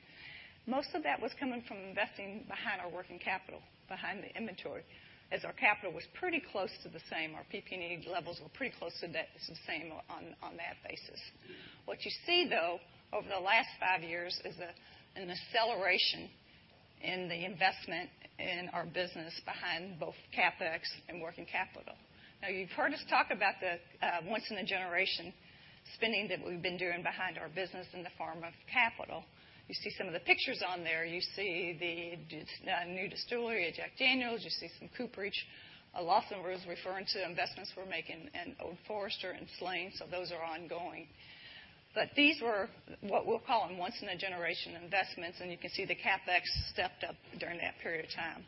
Most of that was coming from investing behind our working capital, behind the inventory, as our capital was pretty close to the same. Our PP&E levels were pretty close to the same on that basis. What you see, though, over the last five years is an acceleration in the investment in our business behind both CapEx and working capital. You've heard us talk about the once-in-a-generation spending that we've been doing behind our business in the form of capital. You see some of the pictures on there. You see the new distillery at Jack Daniel's. You see some cooperage. Lawson was referring to investments we're making in Old Forester and Slane. Those are ongoing. These were what we'll call once-in-a-generation investments, and you can see the CapEx stepped up during that period of time.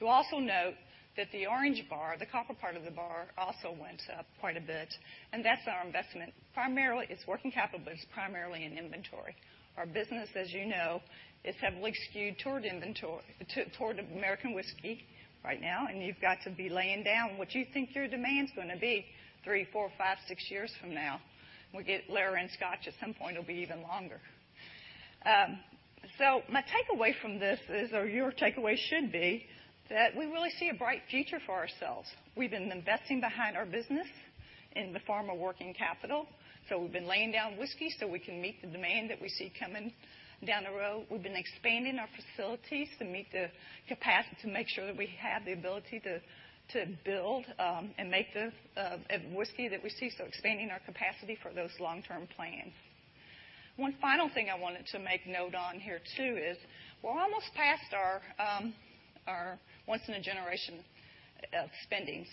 You'll also note that the orange bar, the copper part of the bar, also went up quite a bit, and that's our investment. Primarily, it's working capital, but it's primarily in inventory. Our business, as you know, is heavily skewed toward American whiskey right now, and you've got to be laying down what you think your demand's going to be three, four, five, six years from now. When we get layer in Scotch, at some point, it'll be even longer. My takeaway from this is, or your takeaway should be, that we really see a bright future for ourselves. We've been investing behind our business in the form of working capital. We've been laying down whiskey so we can meet the demand that we see coming down the road. We've been expanding our facilities to make sure that we have the ability to build and make the whiskey that we see. Expanding our capacity for those long-term plans. One final thing I wanted to make note on here, too, is we're almost past our once-in-a-generation spending.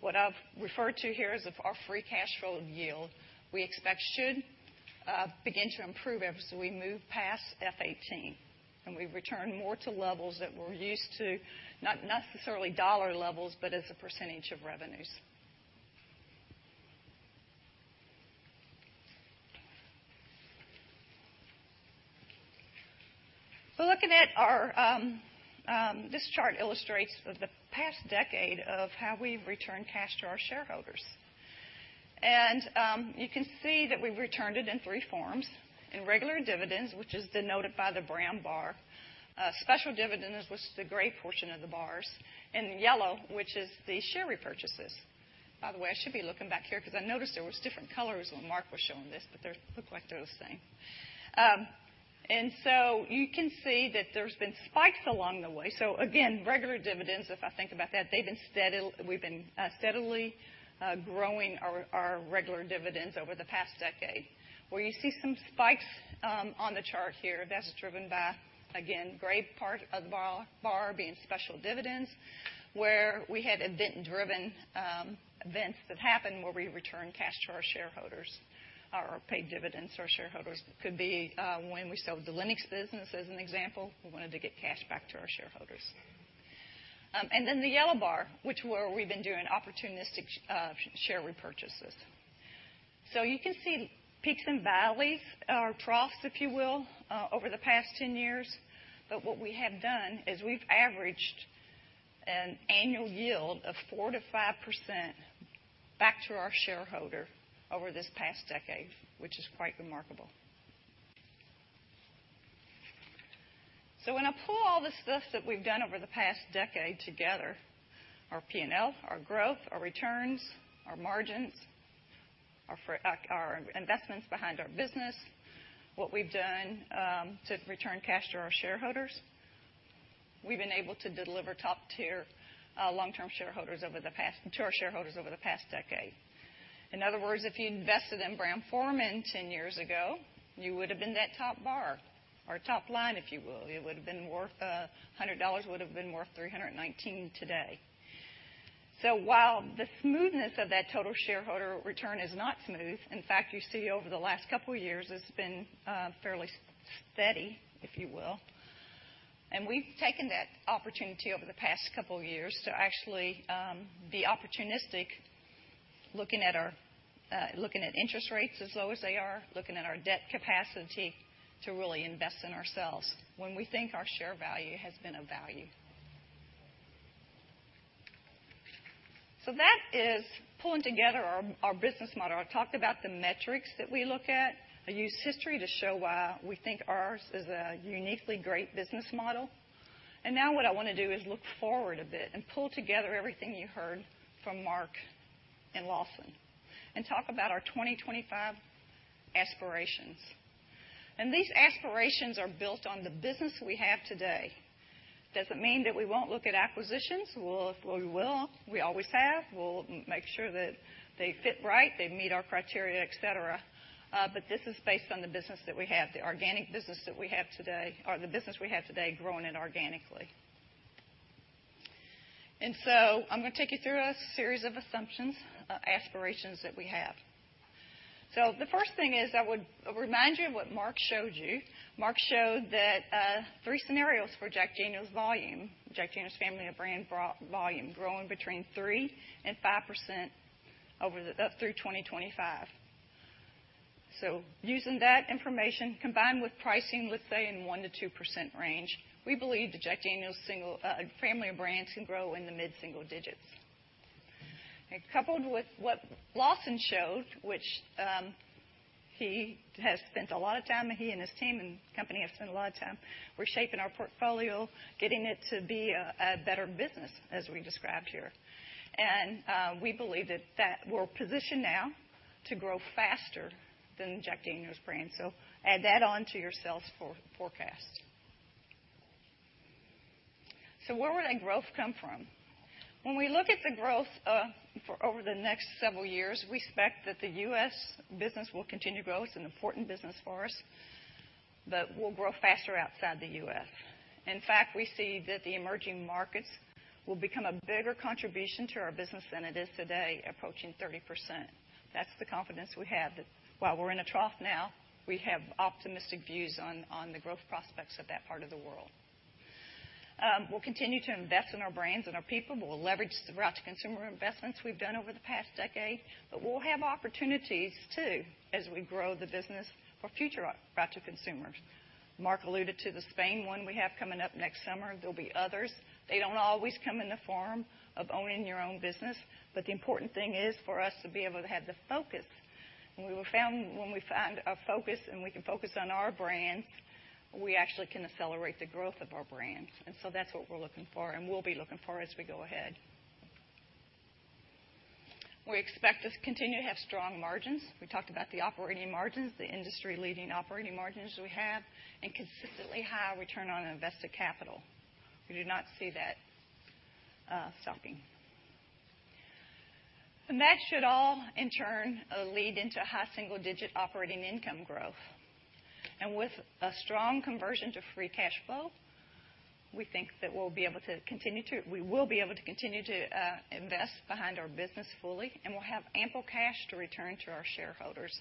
What I've referred to here is our free cash flow yield, we expect should begin to improve as we move past F18, and we return more to levels that we're used to, not necessarily dollar levels, but as a % of revenues. Looking at our, this chart illustrates the past decade of how we've returned cash to our shareholders. You can see that we've returned it in three forms: in regular dividends, which is denoted by the brown bar; special dividends, which is the gray portion of the bars; and the yellow, which is the share repurchases. By the way, I should be looking back here because I noticed there was different colors when Mark was showing this, but they look like they're the same. You can see that there's been spikes along the way. Again, regular dividends, if I think about that, we've been steadily growing our regular dividends over the past decade. Where you see some spikes on the chart here, that's driven by, again, gray part of the bar being special dividends, where we had event-driven events that happened where we returned cash to our shareholders or paid dividends to our shareholders. Could be when we sold the Lenox business, as an example. We wanted to get cash back to our shareholders. The yellow bar, which where we've been doing opportunistic share repurchases. You can see peaks and valleys or troughs, if you will, over the past 10 years. What we have done is we've averaged an annual yield of 4%-5% back to our shareholder over this past decade, which is quite remarkable. When I pull all the stuff that we've done over the past decade together, our P&L, our growth, our returns, our margins, our investments behind our business, what we've done to return cash to our shareholders, we've been able to deliver top-tier to our shareholders over the past decade. In other words, if you invested in Brown-Forman 10 years ago, you would've been that top bar or top line, if you will. It would've been worth $100, would've been worth $319 today. While the smoothness of that total shareholder return is not smooth, in fact, you see over the last couple of years, it's been fairly steady, if you will. We've taken that opportunity over the past couple of years to actually be opportunistic, looking at interest rates as low as they are, looking at our debt capacity to really invest in ourselves when we think our share value has been of value. That is pulling together our business model. I talked about the metrics that we look at. I used history to show why we think ours is a uniquely great business model. Now what I want to do is look forward a bit and pull together everything you heard from Mark and Lawson, and talk about our 2025 aspirations. These aspirations are built on the business we have today. Doesn't mean that we won't look at acquisitions. Well, we will. We always have. We'll make sure that they fit right, they meet our criteria, et cetera. This is based on the business that we have, the organic business that we have today, or the business we have today growing it organically. I'm going to take you through a series of assumptions, aspirations that we have. The first thing is I would remind you of what Mark showed you. Mark showed that three scenarios for Jack Daniel's volume, Jack Daniel's family of brand volume growing between 3%-5% through 2025. Using that information, combined with pricing, let's say in 1%-2% range, we believe the Jack Daniel's family of brands can grow in the mid-single digits. Coupled with what Lawson showed, which he and his team and company have spent a lot of time, we're shaping our portfolio, getting it to be a better business, as we described here. We believe that we're positioned now to grow faster than Jack Daniel's brand. Add that on to your sales forecast. Where would that growth come from? When we look at the growth for over the next several years, we expect that the U.S. business will continue growth, an important business for us, but we'll grow faster outside the U.S. In fact, we see that the emerging markets will become a bigger contribution to our business than it is today, approaching 30%. That's the confidence we have, that while we're in a trough now, we have optimistic views on the growth prospects of that part of the world. We'll continue to invest in our brands and our people. We'll leverage the route-to-consumer investments we've done over the past decade, but we'll have opportunities, too, as we grow the business for future route to consumers. Mark alluded to the Spain one we have coming up next summer. There'll be others. They don't always come in the form of owning your own business, but the important thing is for us to be able to have the focus. When we find a focus and we can focus on our brands, we actually can accelerate the growth of our brands. That's what we're looking for and will be looking for as we go ahead. We expect to continue to have strong margins. We talked about the operating margins, the industry-leading operating margins we have, and consistently high return on invested capital. We do not see that stopping. That should all, in turn, lead into high single-digit operating income growth. With a strong conversion to free cash flow, we think that we will be able to continue to invest behind our business fully, and we'll have ample cash to return to our shareholders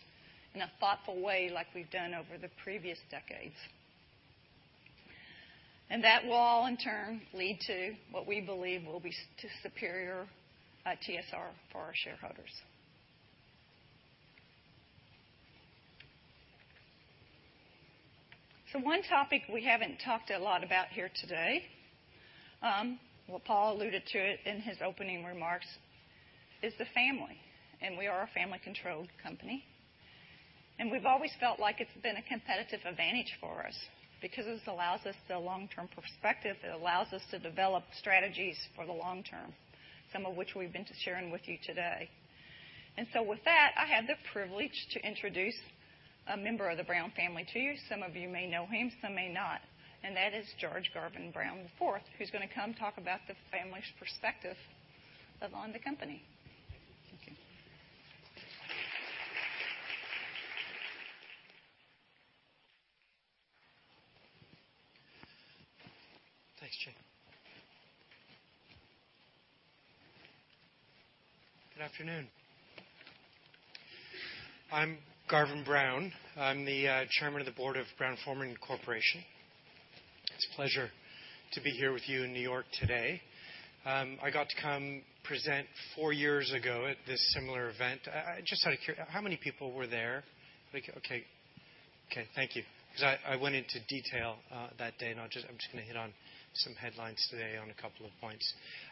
in a thoughtful way like we've done over the previous decades. That will all, in turn, lead to what we believe will be superior TSR for our shareholders. One topic we haven't talked a lot about here today, well, Paul alluded to it in his opening remarks, is the family, and we are a family-controlled company. We've always felt like it's been a competitive advantage for us because this allows us the long-term perspective. It allows us to develop strategies for the long term, some of which we've been sharing with you today. With that, I have the privilege to introduce a member of the Brown family to you. Some of you may know him, some may not, and that is George Garvin Brown IV, who's going to come talk about the family's perspective on the company. Thank you. Thanks, Gina. Good afternoon. I'm Garvin Brown. I'm the Chairman of the Board of Brown-Forman Corporation. It's a pleasure to be here with you in New York today. I got to come present four years ago at this similar event. How many people were there? Okay. Okay, thank you. I went into detail that day, and I'm just going to hit on some headlines today on a couple of points.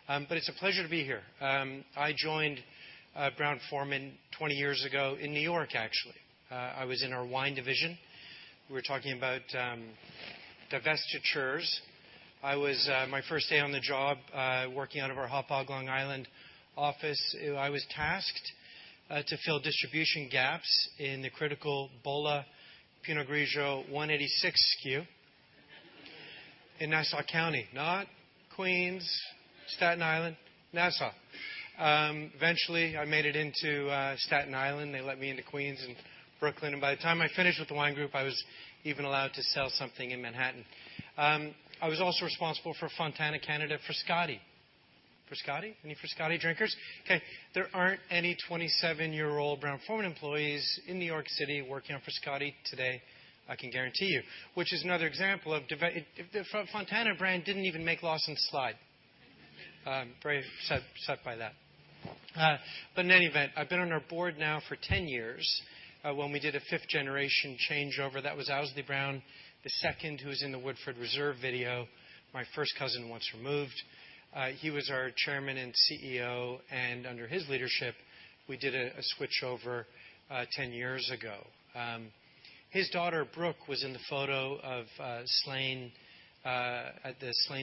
It's a pleasure to be here. I joined Brown-Forman 20 years ago in New York, actually. I was in our wine division. We were talking about divestitures. My first day on the job, working out of our Hauppauge, Long Island office, I was tasked to fill distribution gaps in the critical Bolla Pinot Grigio 186 SKU in Nassau County. Not Queens, Staten Island, Nassau. Eventually, I made it into Staten Island. They let me into Queens and Brooklyn, and by the time I finished with the wine group, I was even allowed to sell something in Manhattan. I was also responsible for Fontana Candida, Frascati. Frascati? Any Frascati drinkers? Okay. There aren't any 27-year-old Brown-Forman employees in New York City working on Frascati today, I can guarantee you, which is another example of. The Fontana brand didn't even make Lawson's slide. I'm very upset by that. In any event, I've been on our board now for 10 years. When we did a fifth-generation changeover, that was Owsley Brown II, who was in the Woodford Reserve video, my first cousin once removed. He was our chairman and CEO, and under his leadership, we did a switchover 10 years ago. His daughter, Brooke, was in the photo at the Slane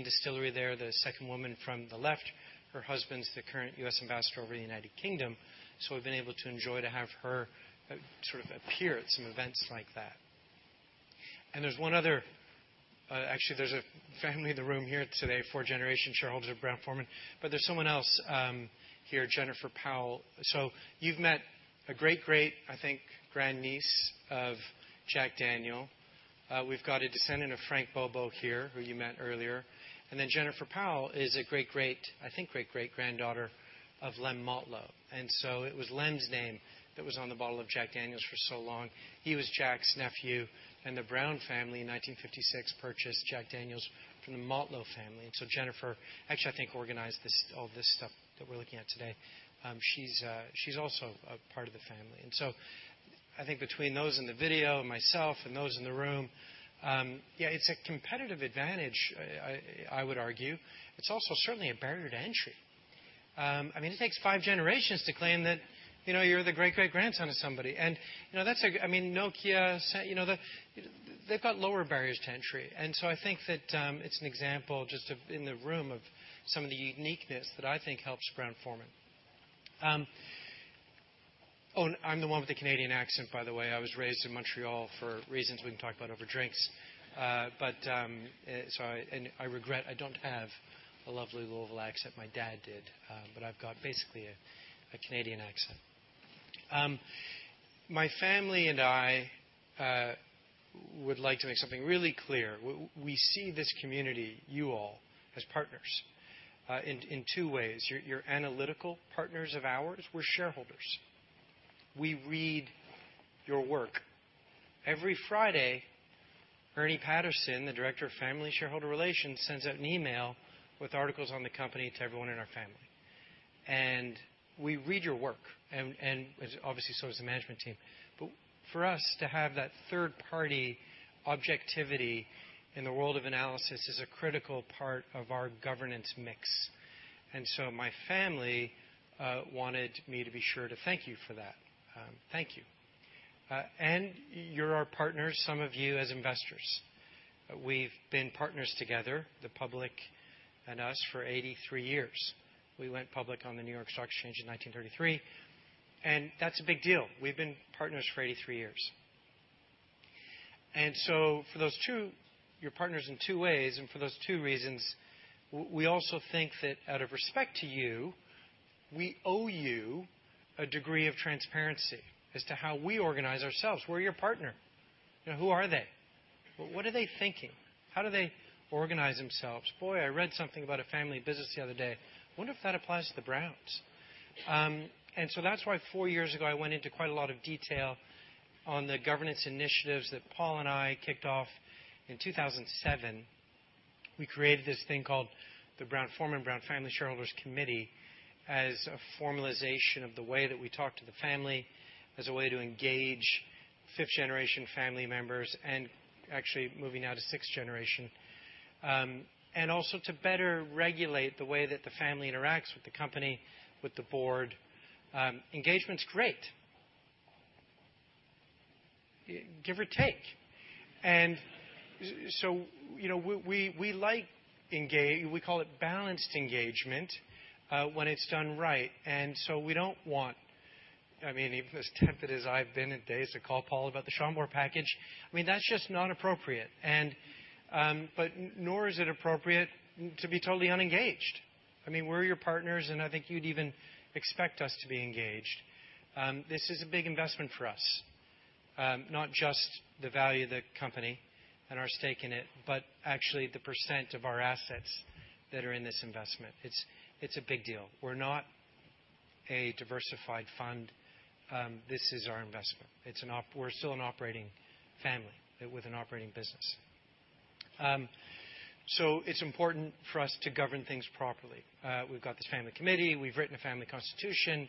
distillery there, the second woman from the left. Her husband's the current U.S. ambassador over the U.K. We've been able to enjoy to have her sort of appear at some events like that. Actually, there's a family in the room here today, fourth-generation shareholders of Brown-Forman, but there's someone else here, Jennifer Powell. You've met a great, I think, grandniece of Jack Daniel. We've got a descendant of Frank Bobo here, who you met earlier. Jennifer Powell is a great, I think, great granddaughter of Lem Motlow. It was Lem's name that was on the bottle of Jack Daniel's for so long. He was Jack's nephew, and the Brown family, in 1956, purchased Jack Daniel's from the Motlow family. Jennifer, actually, I think, organized all this stuff that we're looking at today. She's also a part of the family. I think between those in the video and myself and those in the room, yeah, it's a competitive advantage, I would argue. It's also certainly a barrier to entry. It takes five generations to claim that you're the great-great-grandson of somebody. Nokia, they've got lower barriers to entry. I think that it's an example, just in the room, of some of the uniqueness that I think helps Brown-Forman. Oh, I'm the one with the Canadian accent, by the way. I was raised in Montreal for reasons we can talk about over drinks. I regret I don't have a lovely Louisville accent. My dad did, but I've got basically a Canadian accent. My family and I would like to make something really clear. We see this community, you all, as partners in two ways. You're analytical partners of ours. We're shareholders. We read your work. Every Friday, Ernie Patterson, the Director of Family Shareholder Relations, sends out an email with articles on the company to everyone in our family. We read your work, and obviously, so does the management team. For us to have that third-party objectivity in the world of analysis is a critical part of our governance mix. My family wanted me to be sure to thank you for that. Thank you. You're our partners, some of you, as investors. We've been partners together, the public and us, for 83 years. We went public on the New York Stock Exchange in 1933, that's a big deal. We've been partners for 83 years. You are partners in two ways, and for those two reasons, we also think that out of respect to you, we owe you a degree of transparency as to how we organize ourselves. We're your partner. Who are they? What are they thinking? How do they organize themselves? Boy, I read something about a family business the other day. I wonder if that applies to the Browns. That's why 4 years ago, I went into quite a lot of detail on the governance initiatives that Paul and I kicked off in 2007. We created this thing called the Brown-Forman Brown Family Shareholders Committee as a formalization of the way that we talk to the family, as a way to engage 5th-generation family members and actually moving now to 6th generation. Also to better regulate the way that the family interacts with the company, with the board. Engagement's great. Give or take. We call it balanced engagement when it's done right. We don't want, as tempted as I've been in days to call Paul about the Schönberg package, that's just not appropriate. Nor is it appropriate to be totally unengaged. We're your partners, and I think you'd even expect us to be engaged. This is a big investment for us. Not just the value of the company and our stake in it, but actually the % of our assets that are in this investment. It's a big deal. We're not a diversified fund. This is our investment. We're still an operating family with an operating business. It's important for us to govern things properly. We've got this family committee. We've written a family constitution.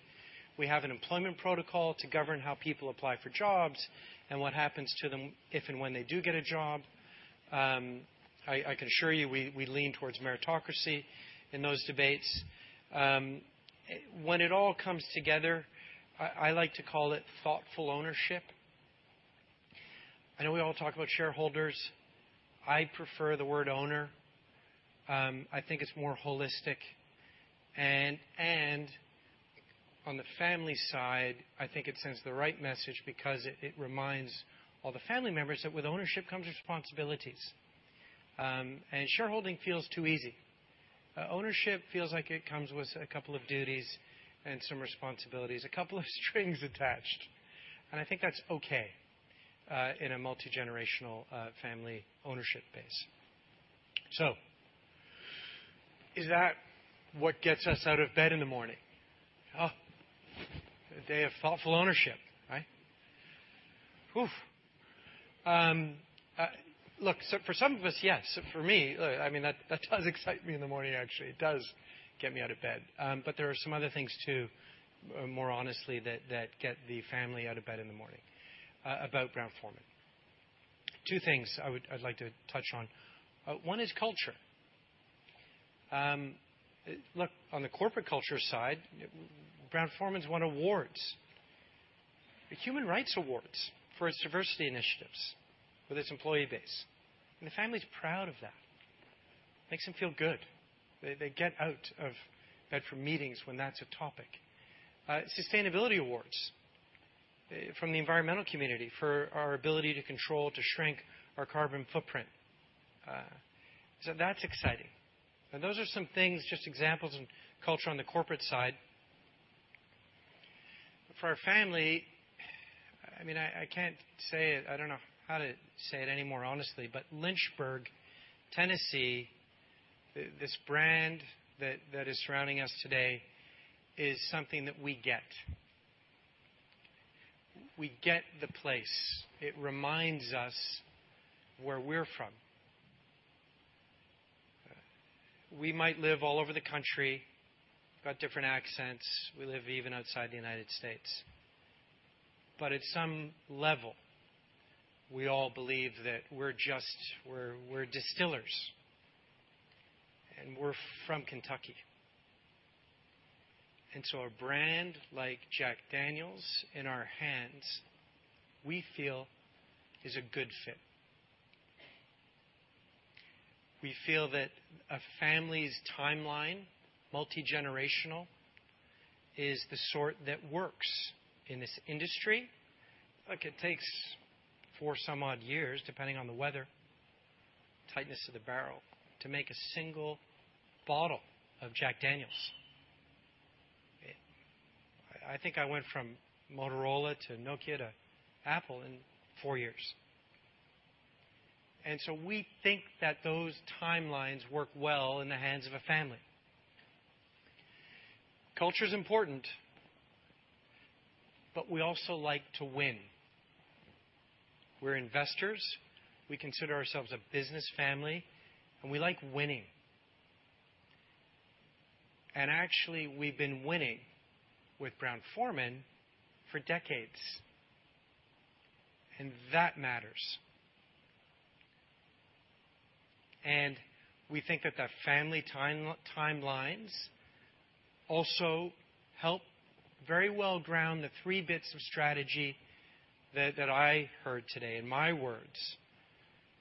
We have an employment protocol to govern how people apply for jobs and what happens to them if and when they do get a job. I can assure you, we lean towards meritocracy in those debates. When it all comes together, I like to call it thoughtful ownership. I know we all talk about shareholders. I prefer the word owner. I think it's more holistic. On the family side, I think it sends the right message because it reminds all the family members that with ownership comes responsibilities. Shareholding feels too easy. Ownership feels like it comes with a couple of duties and some responsibilities, a couple of strings attached. I think that's okay in a multigenerational family ownership base. Is that what gets us out of bed in the morning? Oh, a day of thoughtful ownership, right? For some of us, yes. For me, that does excite me in the morning, actually. It does get me out of bed. There are some other things, too, more honestly, that get the family out of bed in the morning about Brown-Forman. Two things I'd like to touch on. One is culture. On the corporate culture side, Brown-Forman's won awards, the Human Rights Awards, for its diversity initiatives with its employee base, and the family's proud of that. Makes them feel good. They get out of bed for meetings when that's a topic. Sustainability awards from the environmental community for our ability to control, to shrink our carbon footprint. That's exciting. Those are some things, just examples of culture on the corporate side. For our family, I don't know how to say it any more honestly, Lynchburg, Tennessee, this brand that is surrounding us today, is something that we get. We get the place. It reminds us where we're from. We might live all over the country, got different accents. We live even outside the U.S. At some level, we all believe that we're distillers, and we're from Kentucky. A brand like Jack Daniel's, in our hands, we feel is a good fit. We feel that a family's timeline, multigenerational, is the sort that works in this industry. Look, it takes four some odd years, depending on the weather, tightness of the barrel, to make a single bottle of Jack Daniel's. I think I went from Motorola to Nokia to Apple in four years. We think that those timelines work well in the hands of a family. Culture's important, but we also like to win. We're investors. We consider ourselves a business family, and we like winning. Actually, we've been winning with Brown-Forman for decades, and that matters. We think that the family timelines also help very well ground the three bits of strategy that I heard today. In my words,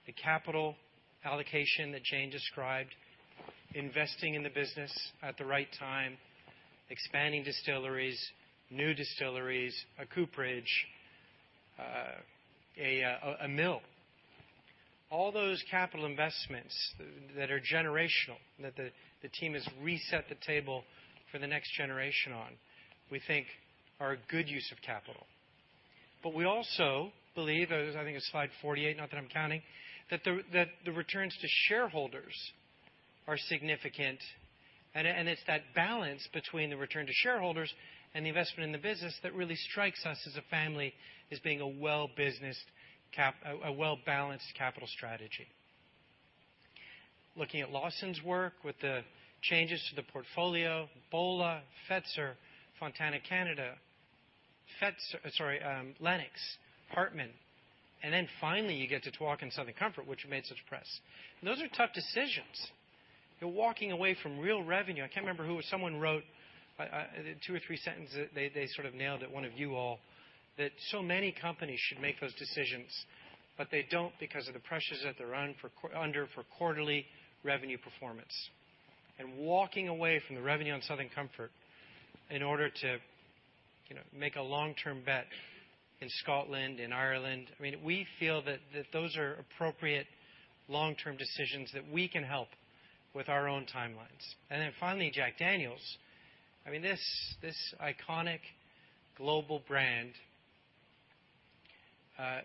the capital allocation that Jane described, investing in the business at the right time, expanding distilleries, new distilleries, a cooperage, a mill. All those capital investments that are generational, that the team has reset the table for the next generation on, we think are a good use of capital. We also believe, I think it's slide 48, not that I'm counting, that the returns to shareholders are significant. It's that balance between the return to shareholders and the investment in the business that really strikes us as a family as being a well-balanced capital strategy. Looking at Lawson's work with the changes to the portfolio, Bolla, Fetzer, Fontana Candida, Lenox, Hartmann, finally you get to Tuaca Southern Comfort, which made such press. Those are tough decisions. You're walking away from real revenue. I can't remember who, someone wrote, two or three sentences, they sort of nailed it, one of you all, that so many companies should make those decisions. They don't because of the pressures that they're under for quarterly revenue performance. Walking away from the revenue on Southern Comfort in order to make a long-term bet in Scotland, in Ireland. We feel that those are appropriate long-term decisions that we can help with our own timelines. Finally, Jack Daniel's. This iconic global brand,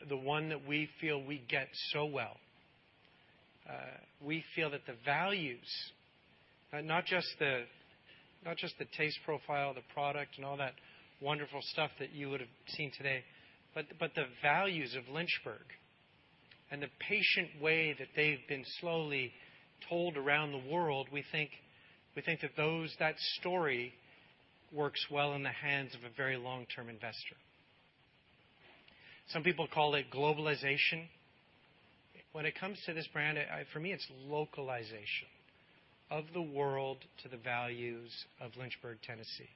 the one that we feel we get so well. We feel that the values, not just the taste profile, the product, and all that wonderful stuff that you would've seen today, but the values of Lynchburg and the patient way that they've been slowly told around the world, we think that that story works well in the hands of a very long-term investor. Some people call it globalization. When it comes to this brand, for me, it's localization of the world to the values of Lynchburg, Tennessee.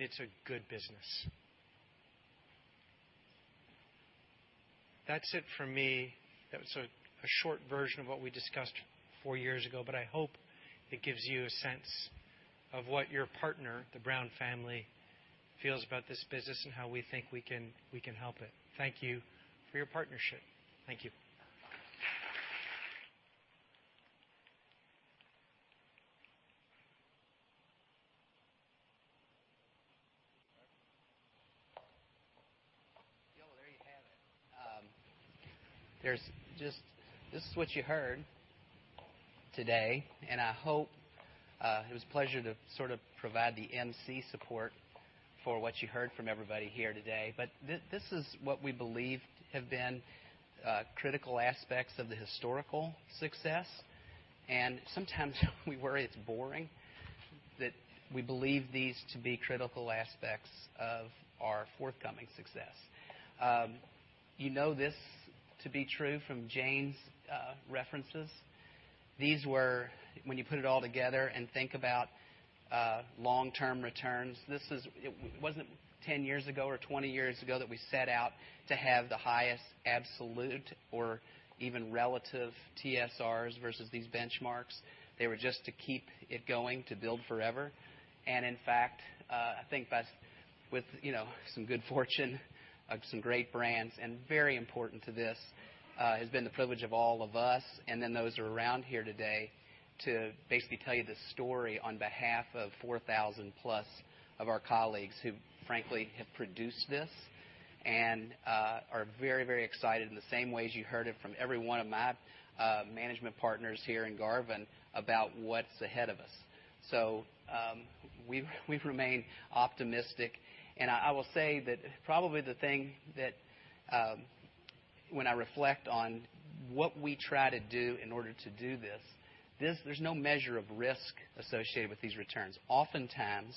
It's a good business. That's it from me. That was a short version of what we discussed four years ago, but I hope it gives you a sense of what your partner, the Brown family, feels about this business and how we think we can help it. Thank you for your partnership. Thank you. This is what you heard today, it was a pleasure to provide the emcee support for what you heard from everybody here today. This is what we believe have been critical aspects of the historical success. Sometimes we worry it's boring, that we believe these to be critical aspects of our forthcoming success. You know this to be true from Jane's references. These were, when you put it all together and think about long-term returns. It wasn't 10 years ago or 20 years ago that we set out to have the highest absolute or even relative TSRs versus these benchmarks. They were just to keep it going, to build forever. In fact, I think that's with some good fortune of some great brands. Very important to this has been the privilege of all of us, and then those who are around here today, to basically tell you this story on behalf of 4,000 plus of our colleagues who frankly, have produced this, and are very excited in the same way as you heard it from every one of my management partners here in Garvin about what's ahead of us. We've remained optimistic, I will say that probably the thing that when I reflect on what we try to do in order to do this, there's no measure of risk associated with these returns. Oftentimes,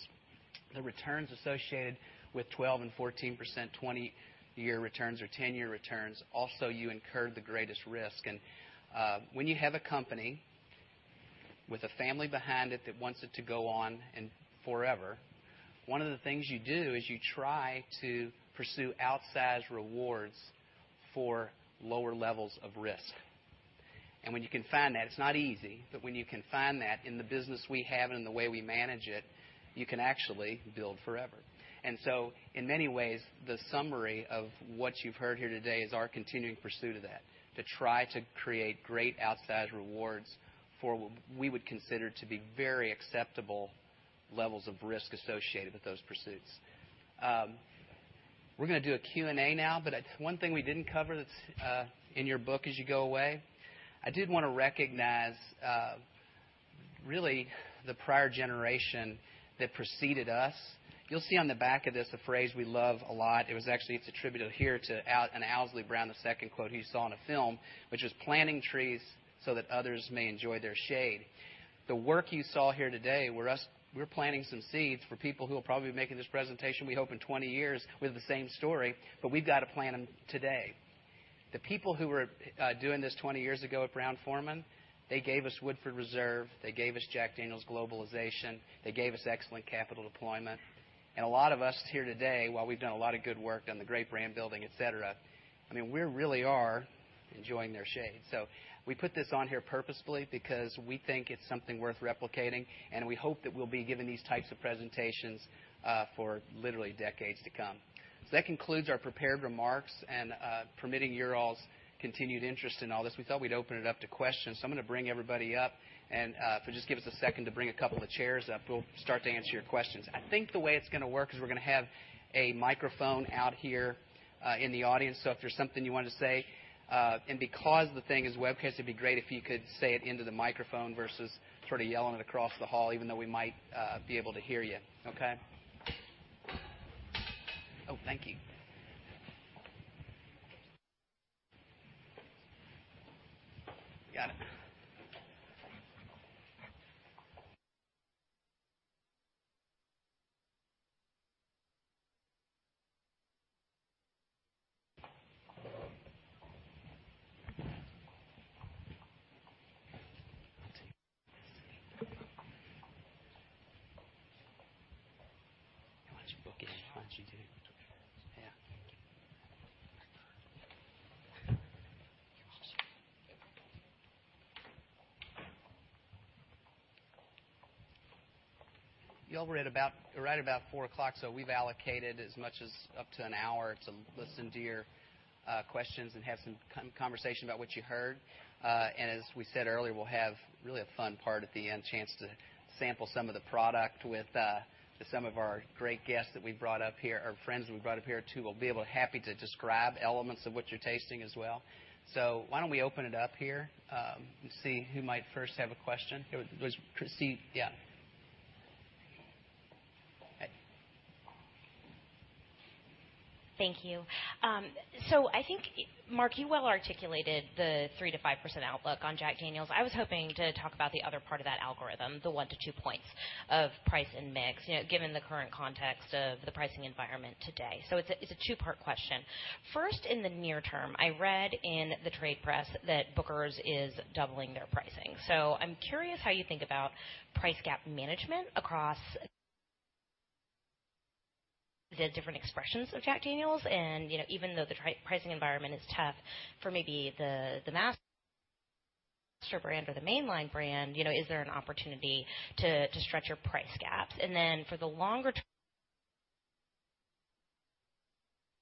the returns associated with 12% and 14%, 20-year returns or 10-year returns, also, you incur the greatest risk. When you have a company with a family behind it that wants it to go on and forever, one of the things you do is you try to pursue outsized rewards for lower levels of risk. When you can find that, it's not easy, when you can find that in the business we have and in the way we manage it, you can actually build forever. In many ways, the summary of what you've heard here today is our continuing pursuit of that, to try to create great outsized rewards for what we would consider to be very acceptable levels of risk associated with those pursuits. We're going to do a Q&A now, one thing we didn't cover that's in your book as you go away, I did want to recognize really the prior generation that preceded us. You'll see on the back of this, a phrase we love a lot. It's attributed here to an Owsley Brown II quote who you saw in a film, which is, "Planting trees so that others may enjoy their shade." The work you saw here today, we're planting some seeds for people who will probably be making this presentation, we hope, in 20 years with the same story, but we've got to plant them today. The people who were doing this 20 years ago at Brown-Forman, they gave us Woodford Reserve, they gave us Jack Daniel's globalization, they gave us excellent capital deployment. A lot of us here today, while we've done a lot of good work on the great brand building, et cetera, we really are enjoying their shade. We put this on here purposefully because we think it's something worth replicating, and we hope that we'll be giving these types of presentations for literally decades to come. That concludes our prepared remarks. Permitting your all's continued interest in all this, we thought we'd open it up to questions. I'm going to bring everybody up, and if you'll just give us a second to bring a couple of chairs up, we'll start to answer your questions. I think the way it's going to work is we're going to have a microphone out here in the audience. If there's something you wanted to say, and because the thing is webcast, it'd be great if you could say it into the microphone versus yelling it across the hall, even though we might be able to hear you. Okay. Thank you. Got it. I want your book in. Why don't you do it? Yeah. You all were at right about 4:00, we've allocated as much as up to an hour to listen to your questions and have some conversation about what you heard. As we said earlier, we'll have really a fun part at the end, chance to sample some of the product with some of our great guests that we've brought up here, our friends that we've brought up here, too, will be happy to describe elements of what you're tasting as well. Why don't we open it up here? Let's see who might first have a question. It was Christine. Yeah. Thank you. I think, Mark, you well articulated the 3%-5% outlook on Jack Daniel's. I was hoping to talk about the other part of that algorithm, the 1-2 points of price and mix, given the current context of the pricing environment today. It's a two-part question. First, in the near term, I read in the trade press that Booker's is doubling their pricing. I'm curious how you think about price gap management across the different expressions of Jack Daniel's. Even though the pricing environment is tough for maybe the Master brand or the main line brand, is there an opportunity to stretch your price gaps? Then for the longer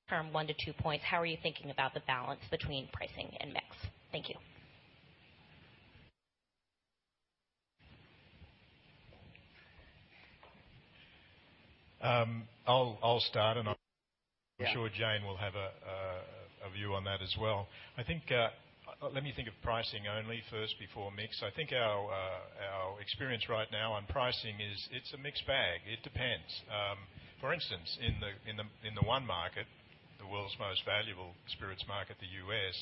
term, 1-2 points, how are you thinking about the balance between pricing and mix? Thank you. I'll start, I'm sure Jane will have a view on that as well. Let me think of pricing only first before mix. I think our experience right now on pricing is it's a mixed bag. It depends. For instance, in the one market, the world's most valuable spirits market, the U.S.,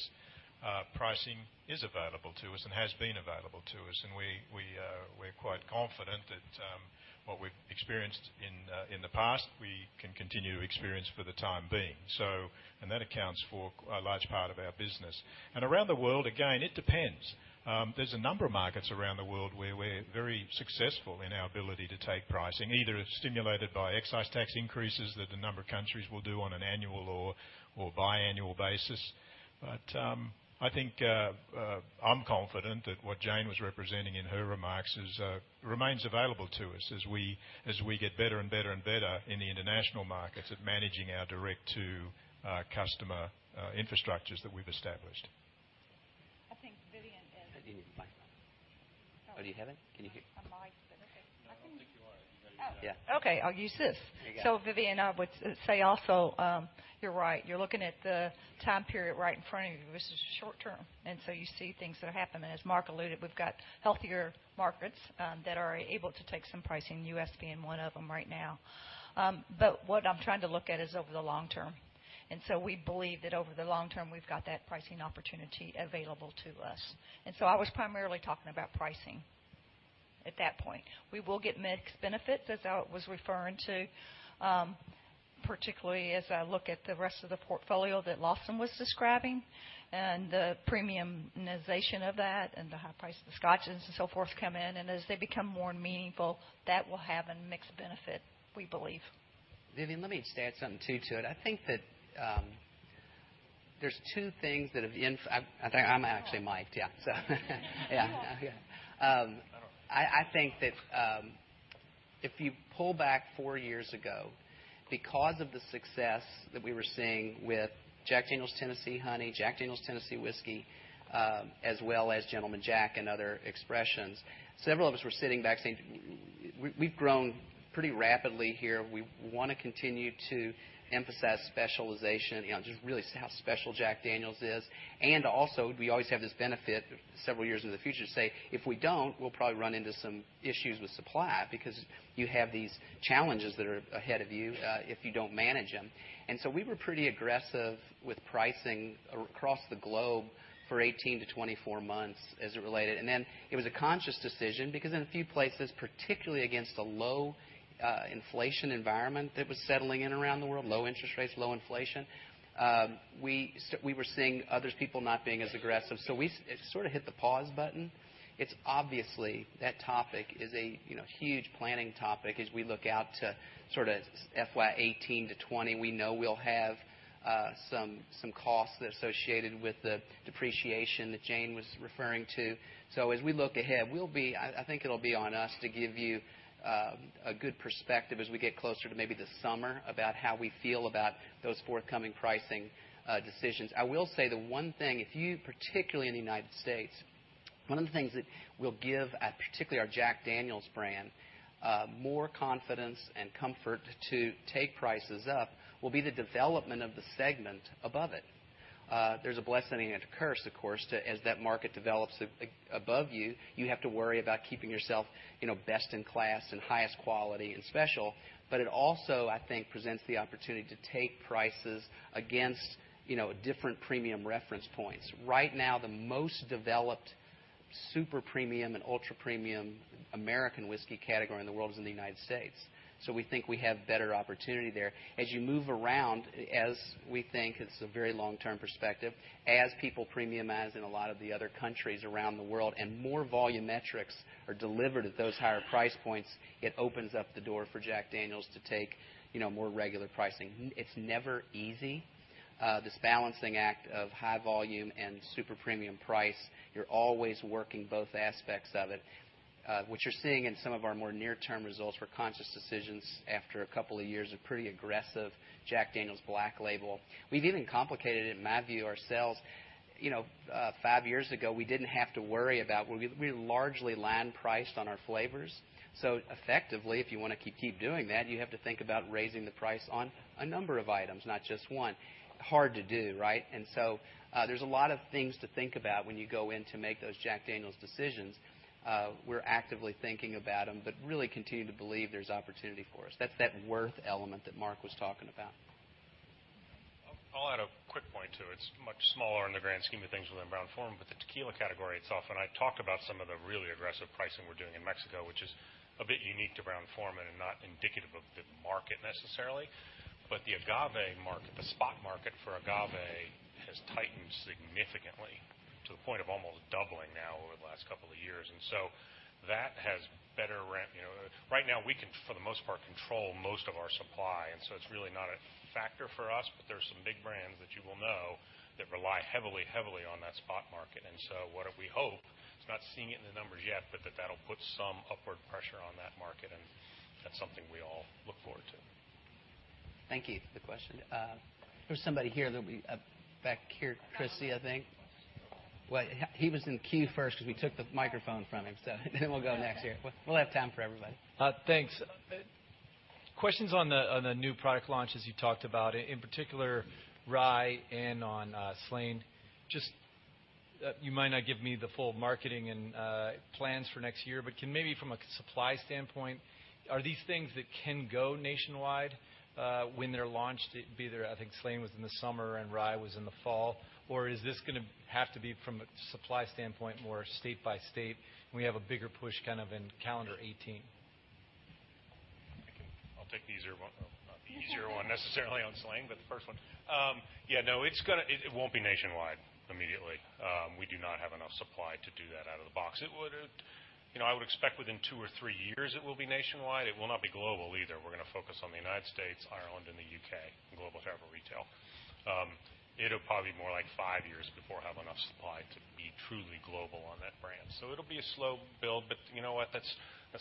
pricing is available to us and has been available to us, and we're quite confident that what we've experienced in the past, we can continue to experience for the time being. That accounts for a large part of our business. Around the world, again, it depends. There's a number of markets around the world where we're very successful in our ability to take pricing, either stimulated by excise tax increases that a number of countries will do on an annual or biannual basis. I'm confident that what Jane was representing in her remarks remains available to us as we get better and better in the international markets of managing our direct-to-customer infrastructures that we've established. I think Vivian You need a microphone. Oh, do you have it? Can you hear? A mic, okay. No, I don't think you are. You might be- Oh. Yeah. Okay, I'll use this. There you go. Vivian, I would say also, you're right. You're looking at the time period right in front of you, which is short term, and so you see things that are happening. As Mark alluded, we've got healthier markets that are able to take some pricing, U.S. being one of them right now. What I'm trying to look at is over the long term. We believe that over the long term, we've got that pricing opportunity available to us. I was primarily talking about pricing at that point. We will get mix benefits, as I was referring to, particularly as I look at the rest of the portfolio that Lawson was describing and the premiumization of that and the high price of the scotches and so forth come in, and as they become more meaningful, that will have a mix benefit, we believe. Vivian, let me just add something too to it. I think that, there's two things that have I think I'm actually mic-ed, yeah. You are. Yeah. I think that, if you pull back four years ago, because of the success that we were seeing with Jack Daniel's Tennessee Honey, Jack Daniel's Tennessee Whiskey, as well as Gentleman Jack and other expressions, several of us were sitting back saying, "We've grown pretty rapidly here. We want to continue to emphasize specialization, just really how special Jack Daniel's is." Also, we always have this benefit several years into the future to say, "If we don't, we'll probably run into some issues with supply," because you have these challenges that are ahead of you, if you don't manage them. So we were pretty aggressive with pricing across the globe for 18-24 months as it related. Then it was a conscious decision because in a few places, particularly against a low inflation environment that was settling in around the world, low interest rates, low inflation, we were seeing other people not being as aggressive. We hit the pause button. Obviously, that topic is a huge planning topic as we look out to FY 2018 to 2020. We know we'll have some costs that are associated with the depreciation that Jane was referring to. As we look ahead, I think it'll be on us to give you a good perspective as we get closer to maybe the summer about how we feel about those forthcoming pricing decisions. I will say the one thing, particularly in the U.S., one of the things that will give, particularly our Jack Daniel's brand, more confidence and comfort to take prices up will be the development of the segment above it. There's a blessing and a curse, of course. As that market develops above you have to worry about keeping yourself best in class and highest quality and special. It also, I think, presents the opportunity to take prices against different premium reference points. Right now, the most developed super premium and ultra premium American whiskey category in the world is in the U.S. We think we have better opportunity there. As you move around, as we think it's a very long-term perspective, as people premiumize in a lot of the other countries around the world and more volume metrics are delivered at those higher price points, it opens up the door for Jack Daniel's to take more regular pricing. It's never easy. This balancing act of high volume and super premium price, you're always working both aspects of it. What you're seeing in some of our more near-term results were conscious decisions after a couple of years of pretty aggressive Jack Daniel's Black Label. We've even complicated, in my view, ourselves. five years ago, we didn't have to worry about, we largely land priced on our flavors. Effectively, if you want to keep doing that, you have to think about raising the price on a number of items, not just one. Hard to do, right? There's a lot of things to think about when you go in to make those Jack Daniel's decisions. We're actively thinking about them, but really continue to believe there's opportunity for us. That's that worth element that Mark was talking about. I'll add a quick point, too. It's much smaller in the grand scheme of things within Brown-Forman. The tequila category itself, and I talk about some of the really aggressive pricing we're doing in Mexico, which is a bit unique to Brown-Forman and not indicative of the market necessarily. The agave market, the spot market for agave, has tightened significantly to the point of almost doubling now over the last couple of years. Right now, we can, for the most part, control most of our supply, and so it's really not a factor for us. There's some big brands that you will know that rely heavily on that spot market. What we hope, it's not seeing it in the numbers yet, but that that'll put some upward pressure on that market, and that's something we all look forward to. Thank you for the question. There's somebody here that back here, Chrissy, I think. He was in queue first because we took the microphone from him. We'll go next here. We'll have time for everybody. Thanks. Questions on the new product launches you talked about, in particular, Rye and on Slane. You might not give me the full marketing and plans for next year, can maybe from a supply standpoint, are these things that can go nationwide, when they're launched, be there, I think Slane was in the summer and Rye was in the fall, or is this going to have to be from a supply standpoint, more state by state, and we have a bigger push in calendar 2018? I'll take the easier one. Not the easier one necessarily on Slane, but the first one. No, it won't be nationwide immediately. We do not have enough supply to do that out of the box. I would expect within two or three years it will be nationwide. It will not be global either. We're going to focus on the U.S., Ireland, and the U.K., and global travel retail. It'll probably be more like five years before we have enough supply to be truly global on that brand. It'll be a slow build, you know what? That's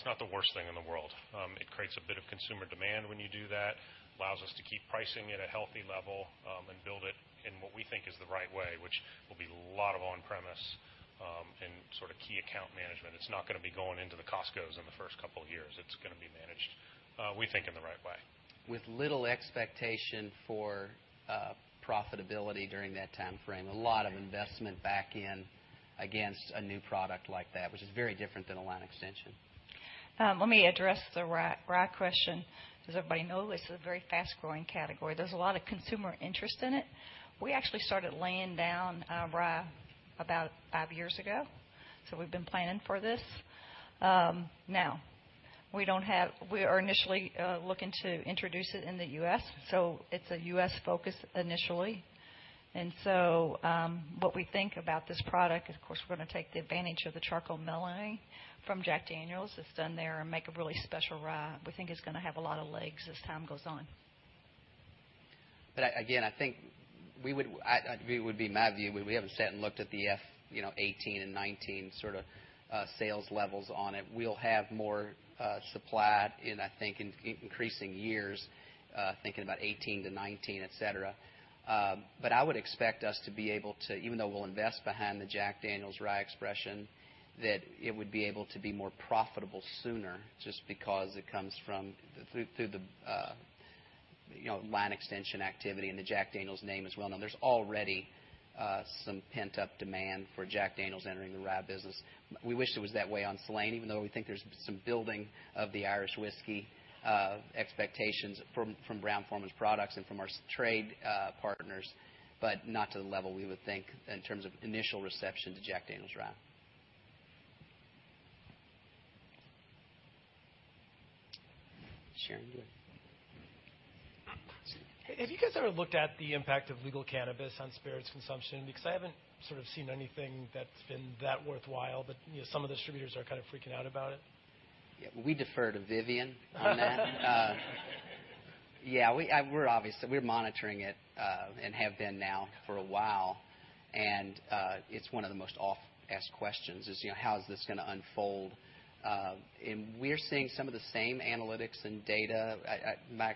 not the worst thing in the world. It creates a bit of consumer demand when you do that, allows us to keep pricing at a healthy level, and build it in what we think is the right way, which will be a lot of on-premise, and key account management. It's not going to be going into the Costcos in the first couple of years. It's going to be managed, we think in the right way. With little expectation for profitability during that timeframe. A lot of investment back in against a new product like that, which is very different than a line extension. Let me address the rye question. Does everybody know this is a very fast-growing category? There's a lot of consumer interest in it. We actually started laying down our rye about five years ago, so we've been planning for this. We are initially looking to introduce it in the U.S., so it's a U.S. focus initially. What we think about this product, of course, we're going to take the advantage of the charcoal mellowing from Jack Daniel's that's done there and make a really special rye. We think it's going to have a lot of legs as time goes on. Again, it would be my view, we haven't sat and looked at the F18 and 19 sales levels on it. We'll have more supply in, I think, increasing years, thinking about 2018 to 2019, et cetera. I would expect us to be able to, even though we'll invest behind the Jack Daniel's rye expression, that it would be able to be more profitable sooner just because it comes from through the line extension activity and the Jack Daniel's name as well. There's already some pent-up demand for Jack Daniel's entering the rye business. We wish it was that way on Slane, even though we think there's some building of the Irish whiskey expectations from Brown-Forman's products and from our trade partners, but not to the level we would think in terms of initial reception to Jack Daniel's rye. Sharon, go ahead. Have you guys ever looked at the impact of legal cannabis on spirits consumption? I haven't seen anything that's been that worthwhile, but some distributors are kind of freaking out about it. We defer to Vivian on that. We're monitoring it, and have been now for a while. It's one of the most oft-asked questions is, how is this going to unfold? We're seeing some of the same analytics and data. My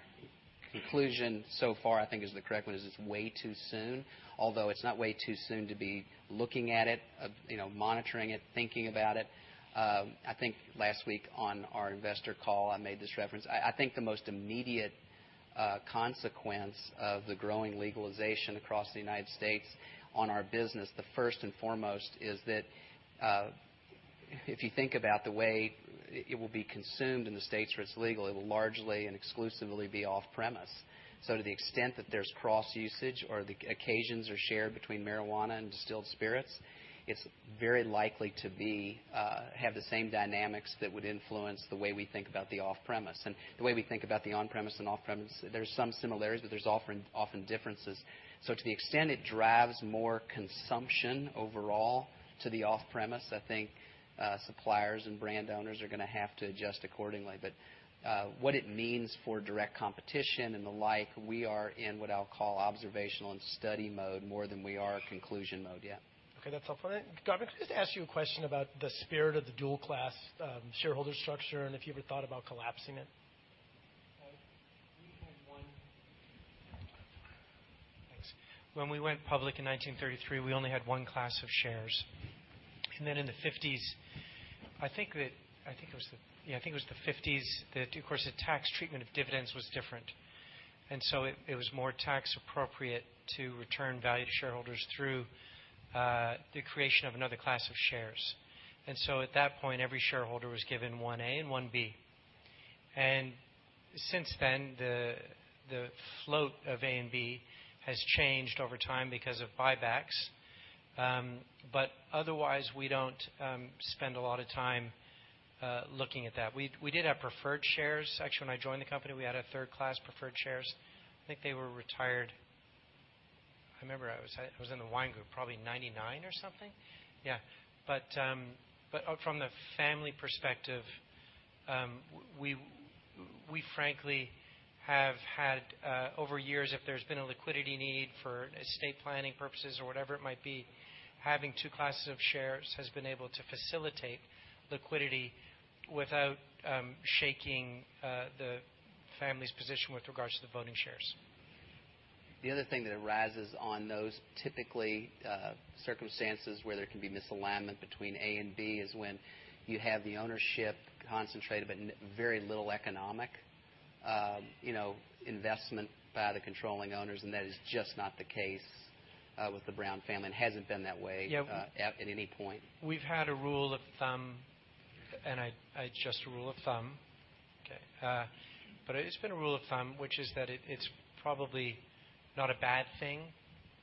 conclusion so far, I think is the correct one, is it's way too soon, although it's not way too soon to be looking at it, monitoring it, thinking about it. I think last week on our investor call, I made this reference. I think the most immediate consequence of the growing legalization across the U.S. on our business, the first and foremost is that, if you think about the way it will be consumed in the states where it's legal, it will largely and exclusively be off-premise. To the extent that there's cross-usage or the occasions are shared between marijuana and distilled spirits, it's very likely to have the same dynamics that would influence the way we think about the off-premise. The way we think about the on-premise and off-premise, there's some similarities, but there's often differences. To the extent it drives more consumption overall to the off-premise, I think suppliers and brand owners are going to have to adjust accordingly. What it means for direct competition and the like, we are in what I'll call observational and study mode more than we are conclusion mode yet. Okay, that's all for that. Garvin, can I just ask you a question about the spirit of the dual class shareholder structure, and if you ever thought about collapsing it? We had one. Thanks. When we went public in 1933, we only had one class of shares. In the 1950s, of course, the tax treatment of dividends was different. It was more tax appropriate to return value to shareholders through the creation of another class of shares. At that point, every shareholder was given 1A and 1B. Since then, the float of A and B has changed over time because of buybacks. Otherwise, we don't spend a lot of time looking at that. We did have preferred shares. Actually, when I joined the company, we had a third-class preferred shares. I think they were retired. I remember I was in the wine group, probably 1999 or something. From the family perspective, we frankly have had, over years, if there's been a liquidity need for estate planning purposes or whatever it might be, having two classes of shares has been able to facilitate liquidity without shaking the family's position with regards to the voting shares. The other thing that arises on those typically circumstances where there can be misalignment between A and B is when you have the ownership concentrated, but very little economic investment by the controlling owners, and that is just not the case with the Brown family, and hasn't been that way. Yeah At any point. We've had a rule of thumb, and it's just a rule of thumb. It's been a rule of thumb, which is that it's probably not a bad thing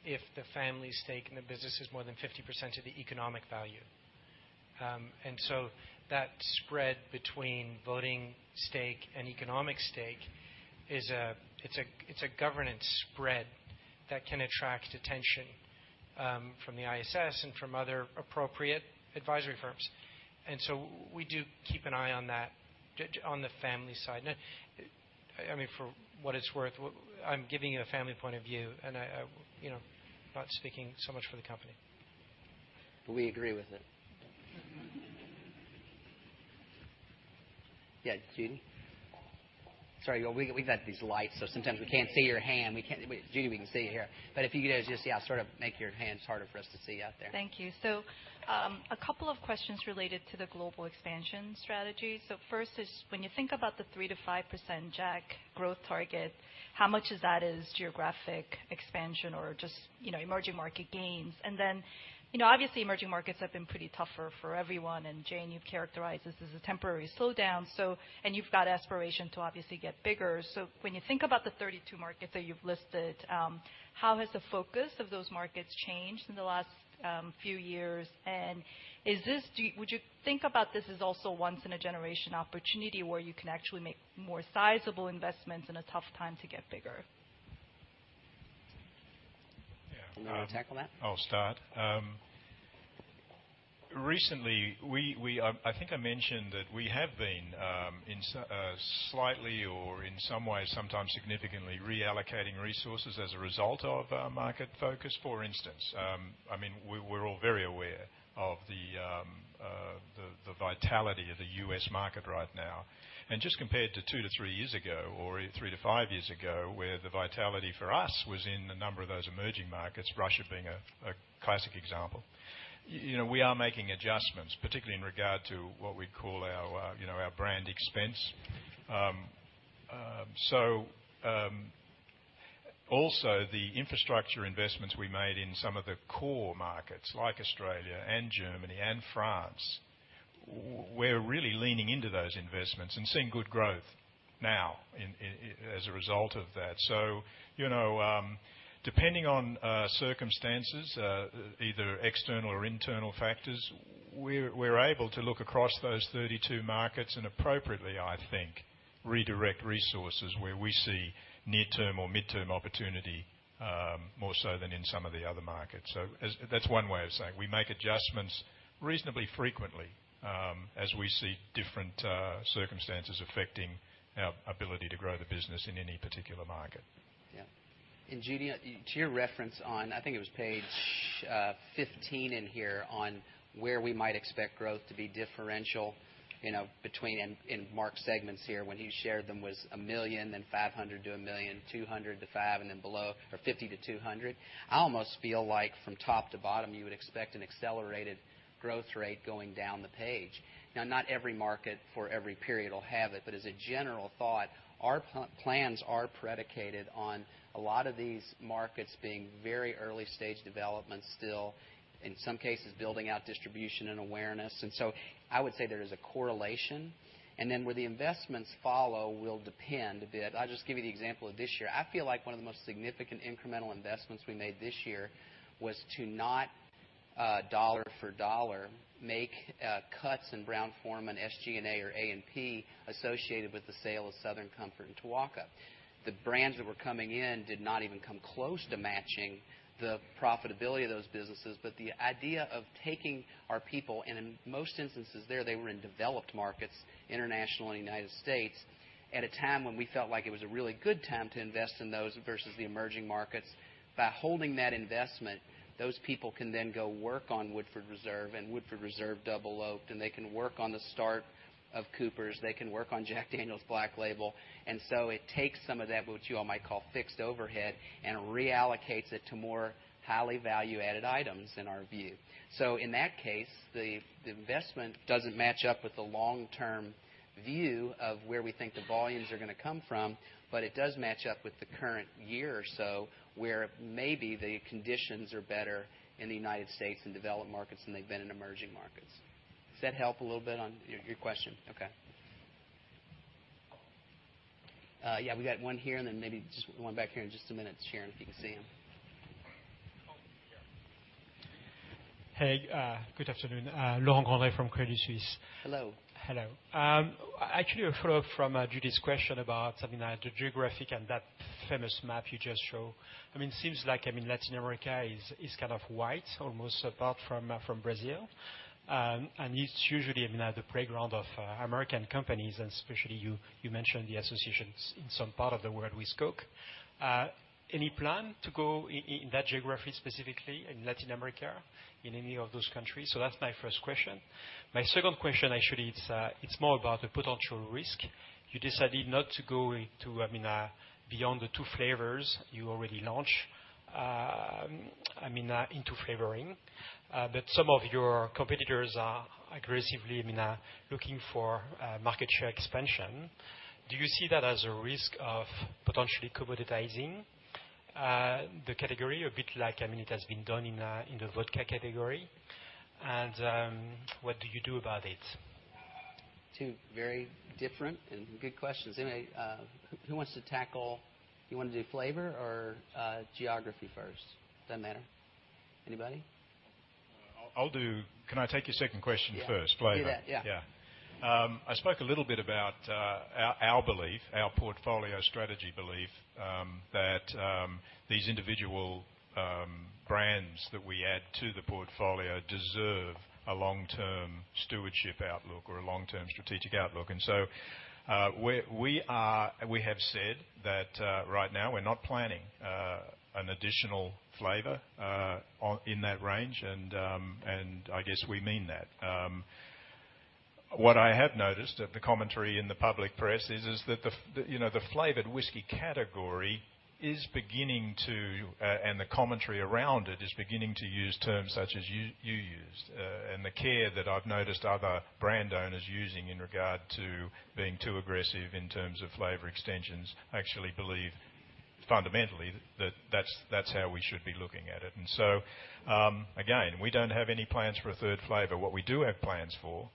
if the family stake in the business is more than 50% of the economic value. That spread between voting stake and economic stake, it's a governance spread that can attract attention from the ISS and from other appropriate advisory firms. We do keep an eye on that on the family side. For what it's worth, I'm giving you a family point of view, and not speaking so much for the company. We agree with it. Yeah, Judy? Sorry, we've got these lights, so sometimes we can't see your hand. Judy, we can see it here. If you could, as you see, I'll sort of make your hands harder for us to see out there. Thank you. A couple of questions related to the global expansion strategy. When you think about the 3% to 5% Jack growth target, how much of that is geographic expansion or just emerging market gains? Obviously emerging markets have been pretty tougher for everyone, and Jane, you characterize this as a temporary slowdown. You've got aspiration to obviously get bigger. When you think about the 32 markets that you've listed, how has the focus of those markets changed in the last few years? Would you think about this as also once in a generation opportunity where you can actually make more sizable investments in a tough time to get bigger? Yeah. You want me to tackle that? I'll start. Recently, I think I mentioned that we have been, slightly or in some ways, sometimes significantly, reallocating resources as a result of market focus. For instance, we're all very aware of the vitality of the U.S. market right now. Just compared to two to three years ago, or three to five years ago, where the vitality for us was in a number of those emerging markets, Russia being a classic example. We are making adjustments, particularly in regard to what we call our brand expense. Also the infrastructure investments we made in some of the core markets, like Australia, Germany, and France, we're really leaning into those investments and seeing good growth now as a result of that. Depending on circumstances, either external or internal factors, we're able to look across those 32 markets and appropriately, I think, redirect resources where we see near-term or mid-term opportunity, more so than in some of the other markets. That's one way of saying we make adjustments reasonably frequently, as we see different circumstances affecting our ability to grow the business in any particular market. Yeah. Judy, to your reference on, I think it was page 15 in here, on where we might expect growth to be differential between, in Mark's segments here, when he shared them, was $1 million, then $500,000-$1 million, $200,000-$500,000, and then below, or $50,000-$200,000. I almost feel like from top to bottom, you would expect an accelerated growth rate going down the page. Now, not every market for every period will have it, but as a general thought, our plans are predicated on a lot of these markets being very early-stage development still, in some cases, building out distribution and awareness. I would say there is a correlation, and then where the investments follow will depend a bit. I'll just give you the example of this year. I feel like one of the most significant incremental investments we made this year was to not dollar for dollar make cuts in Brown-Forman SG&A or A&P associated with the sale of Southern Comfort and Tequila. The brands that were coming in did not even come close to matching the profitability of those businesses, but the idea of taking our people, and in most instances there, they were in developed markets, international and U.S., at a time when we felt like it was a really good time to invest in those versus the emerging markets. By holding that investment, those people can then go work on Woodford Reserve and Woodford Reserve Double Oaked, and they can work on the start of Coopers' Craft. They can work on Jack Daniel's Black Label. It takes some of that, what you all might call fixed overhead, and reallocates it to more highly value-added items in our view. In that case, the investment doesn't match up with the long-term view of where we think the volumes are going to come from, but it does match up with the current year or so, where maybe the conditions are better in the U.S. and developed markets than they've been in emerging markets. Does that help a little bit on your question? Okay. Yeah, we got one here and then maybe just one back here in just a minute, Sharon, if you can see him. Hey, good afternoon. Laurent Grandet from Credit Suisse. Hello. Hello. Actually a follow-up from Judy's question about the geographic and that famous map you just showed. It seems like Latin America is kind of white almost, apart from Brazil. It's usually the playground of American companies, and especially you mentioned the associations in some part of the world with Coke. Any plan to go in that geography, specifically in Latin America, in any of those countries? That's my first question. My second question, actually, it's more about the potential risk. You decided not to go into beyond the two flavors you already launched, into flavoring. Some of your competitors are aggressively looking for market share expansion. Do you see that as a risk of potentially commoditizing the category a bit like it has been done in the vodka category? What do you do about it? Two very different and good questions. Anyway, who wants to tackle? You want to do flavor or geography first? Does that matter? Anybody? Can I take your second question first? Yeah. Flavor. Do that. Yeah. Yeah. I spoke a little bit about our belief, our portfolio strategy belief, that these individual brands that we add to the portfolio deserve a long-term stewardship outlook or a long-term strategic outlook. We have said that right now we're not planning an additional flavor in that range, and I guess we mean that. What I have noticed at the commentary in the public press is that the flavored whiskey category and the commentary around it is beginning to use terms such as you used. The care that I've noticed other brand owners using in regard to being too aggressive in terms of flavor extensions, I actually believe fundamentally that's how we should be looking at it. Again, we don't have any plans for a third flavor. What we do have plans for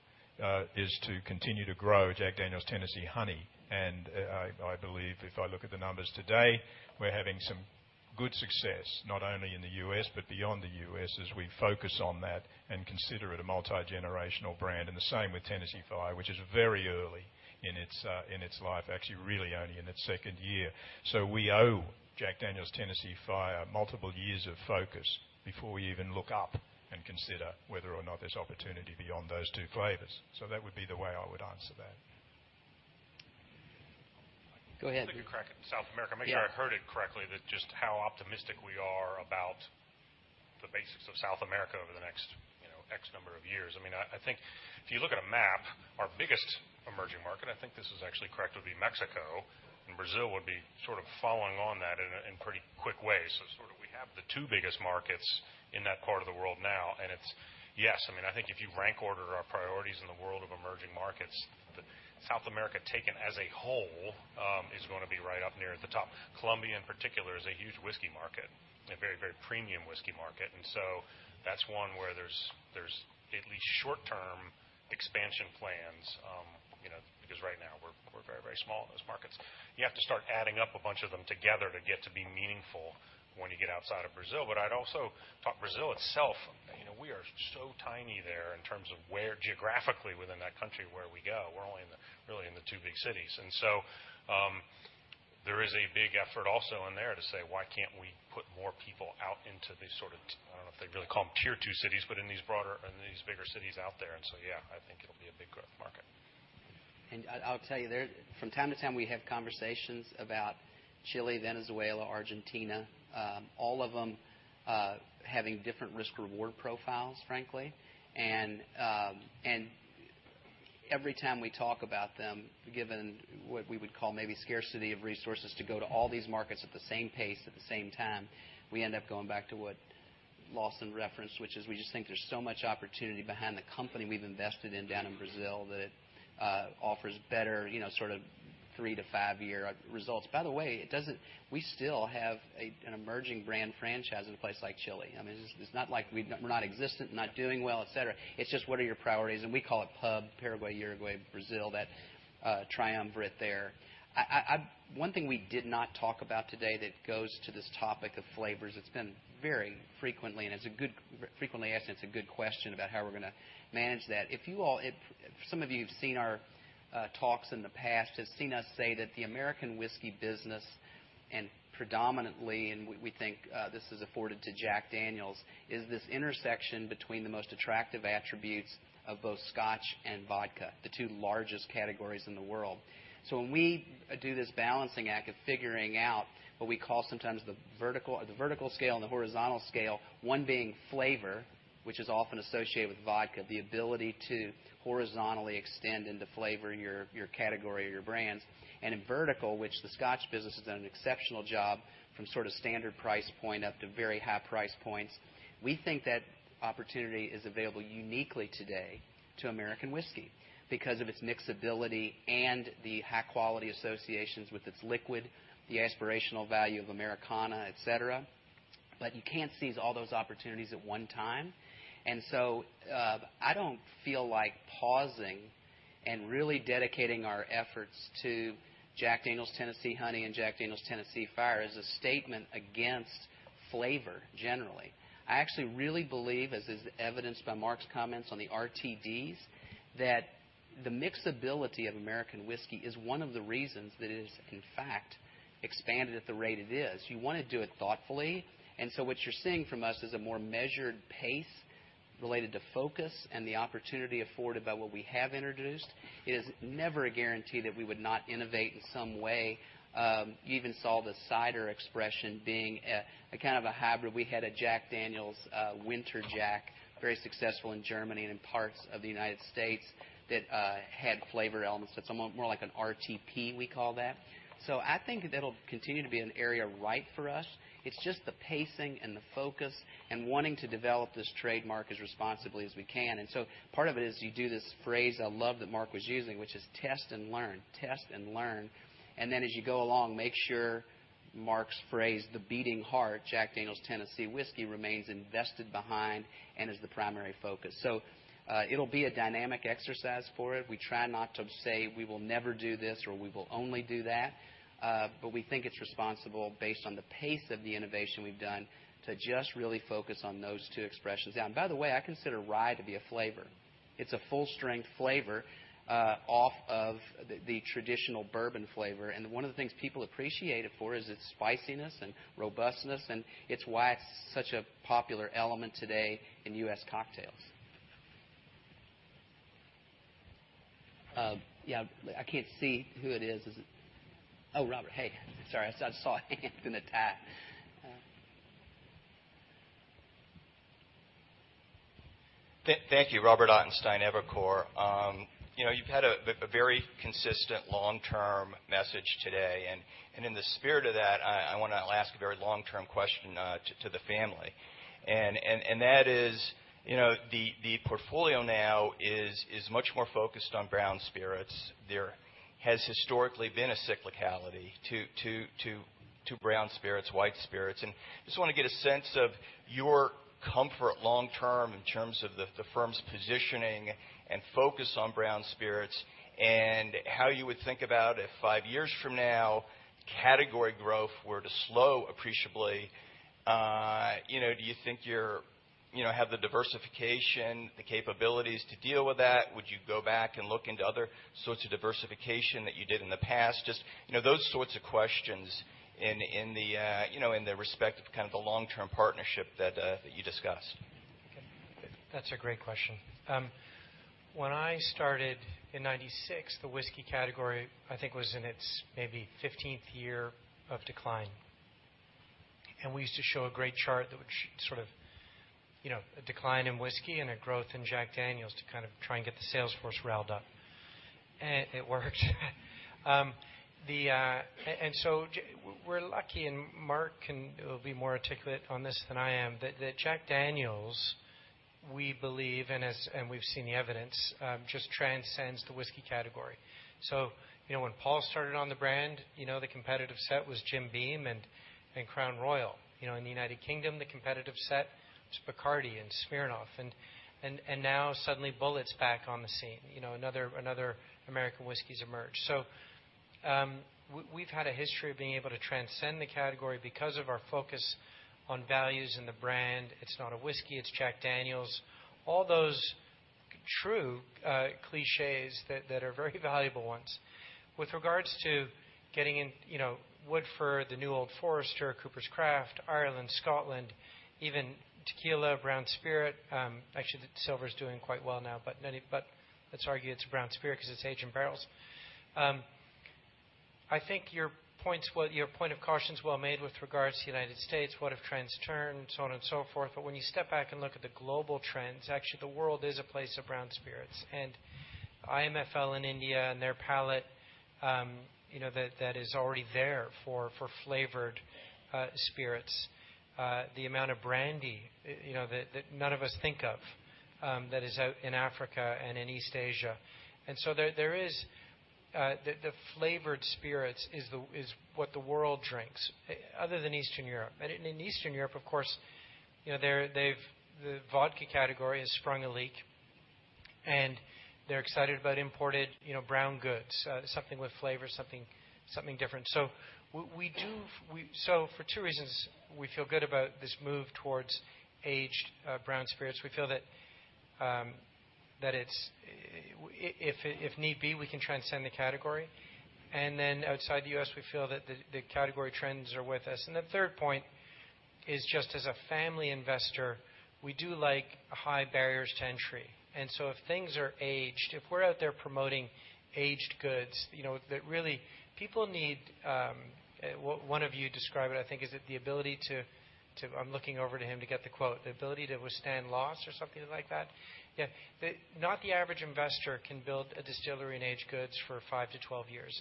is to continue to grow Jack Daniel's Tennessee Honey. I believe if I look at the numbers today, we're having some good success, not only in the U.S. but beyond the U.S., as we focus on that and consider it a multigenerational brand. The same with Tennessee Fire, which is very early in its life, actually, really only in its second year. We owe Jack Daniel's Tennessee Fire multiple years of focus before we even look up and consider whether or not there's opportunity beyond those two flavors. That would be the way I would answer that. Go ahead. I think you're correct in South America. Yeah. Make sure I heard it correctly, that just how optimistic we are about the basics of South America over the next X number of years. I think if you look at a map, our biggest emerging market, I think this is actually correct, would be Mexico, and Brazil would be sort of following on that in a pretty quick way. Sort of we have the two biggest markets in that part of the world now, and it's, yes, I think if you rank order our priorities in the world of emerging markets, South America taken as a whole is going to be right up near the top. Colombia, in particular, is a huge whiskey market, a very, very premium whiskey market. So that's one where there's at least short-term expansion plans. Because right now we're very, very small in those markets. You have to start adding up a bunch of them together to get to be meaningful when you get outside of Brazil. I'd also thought Brazil itself, we are so tiny there in terms of where geographically within that country where we go. We're only really in the two big cities. There is a big effort also in there to say, why can't we put more people out into these sort of, I don't know if they'd really call them tier 2 cities, but in these broader, in these bigger cities out there. Yeah, I think it'll be a big growth market. I'll tell you, from time to time we have conversations about Chile, Venezuela, Argentina, all of them, having different risk-reward profiles, frankly. Every time we talk about them, given what we would call maybe scarcity of resources to go to all these markets at the same pace at the same time, we end up going back to what Lawson referenced, which is we just think there's so much opportunity behind the company we've invested in down in Brazil that it offers better, sort of three to five-year results. By the way, we still have an emerging brand franchise in a place like Chile. It's not like we're not existent, not doing well, et cetera. It's just what are your priorities, and we call it PUB, Paraguay, Uruguay, Brazil, that triumvirate there. One thing we did not talk about today that goes to this topic of flavors. It's been very frequently asked, and it's a good question about how we're going to manage that. If some of you who've seen our talks in the past has seen us say that the American whiskey business and predominantly, and we think, this is afforded to Jack Daniel's, is this intersection between the most attractive attributes of both scotch and vodka, the two largest categories in the world. When we do this balancing act of figuring out what we call sometimes the vertical scale and the horizontal scale, one being flavor, which is often associated with vodka, the ability to horizontally extend into flavoring your category or your brands. In vertical, which the scotch business has done an exceptional job from sort of standard price point up to very high price points. We think that opportunity is available uniquely today to American Whiskey because of its mixability and the high-quality associations with its liquid, the aspirational value of Americana, et cetera. You can't seize all those opportunities at one time. I don't feel like pausing and really dedicating our efforts to Jack Daniel's Tennessee Honey and Jack Daniel's Tennessee Fire as a statement against flavor, generally. I actually really believe, as is evidenced by Mark's comments on the RTDs, the mixability of American Whiskey is one of the reasons that it has, in fact, expanded at the rate it is. You want to do it thoughtfully. What you're seeing from us is a more measured pace related to focus and the opportunity afforded by what we have introduced. It is never a guarantee that we would not innovate in some way. You even saw the cider expression being a kind of a hybrid. We had a Jack Daniel's Winter Jack, very successful in Germany and in parts of the U.S., that had flavor elements. That's more like an RTP, we call that. I think that'll continue to be an area right for us. It's just the pacing and the focus and wanting to develop this trademark as responsibly as we can. Part of it is you do this phrase I love that Mark was using, which is test and learn. As you go along, make sure Mark's phrase, the beating heart, Jack Daniel's Tennessee Whiskey, remains invested behind and is the primary focus. It'll be a dynamic exercise for it. We try not to say, "We will never do this," or, "We will only do that." We think it's responsible based on the pace of the innovation we've done to just really focus on those two expressions. By the way, I consider rye to be a flavor. It's a full-strength flavor off of the traditional bourbon flavor. One of the things people appreciate it for is its spiciness and robustness, and it's why it's such a popular element today in U.S. cocktails. I can't see who it is. Oh, Robert. Hey. Sorry, I just saw a hand and a tie. Thank you. Robert Ottenstein, Evercore. You've had a very consistent long-term message today. In the spirit of that, I want to ask a very long-term question to the family. That is, the portfolio now is much more focused on brown spirits. There has historically been a cyclicality to brown spirits, white spirits. I just want to get a sense of your comfort long-term in terms of the firm's positioning and focus on brown spirits, and how you would think about if 5 years from now, category growth were to slow appreciably. Do you think you have the diversification, the capabilities to deal with that? Would you go back and look into other sorts of diversification that you did in the past? Just those sorts of questions in the respect of kind of the long-term partnership that you discussed. Okay. That's a great question. When I started in 1996, the whiskey category, I think, was in its maybe 15th year of decline. We used to show a great chart that would a decline in whiskey and a growth in Jack Daniel's to kind of try and get the sales force riled up. It worked. We're lucky, and Mark will be more articulate on this than I am, that Jack Daniel's, we believe, and we've seen the evidence, just transcends the whiskey category. When Paul started on the brand, the competitive set was Jim Beam and Crown Royal. In the U.K., the competitive set was Bacardi and Smirnoff. Now suddenly Bulleit's back on the scene, another American whiskey's emerged. We've had a history of being able to transcend the category because of our focus on values in the brand. It's not a whiskey, it's Jack Daniel's. All those true cliches that are very valuable ones. With regards to getting in Woodford, The New Old Forester, Coopers' Craft, Ireland, Scotland, even tequila, brown spirit. Actually, the silver's doing quite well now, but let's argue it's a brown spirit because it's aged in barrels. I think your point of caution's well made with regards to the U.S., what if trends turn, so on and so forth. When you step back and look at the global trends, actually the world is a place of brown spirits. IMFL in India and their palate, that is already there for flavored spirits. The amount of brandy, that none of us think of, that is out in Africa and in East Asia. The flavored spirits is what the world drinks, other than Eastern Europe. In Eastern Europe, of course, the vodka category has sprung a leak, and they're excited about imported brown goods, something with flavor, something different. For two reasons, we feel good about this move towards aged brown spirits. We feel that if need be, we can transcend the category. Outside the U.S., we feel that the category trends are with us. The third point is just as a family investor, we do like high barriers to entry. If things are aged, if we're out there promoting aged goods, that really people need. One of you described it, I think is it the ability to, I'm looking over to him to get the quote, the ability to withstand loss or something like that? Yeah. Not the average investor can build a distillery and age goods for 7 to 12 years.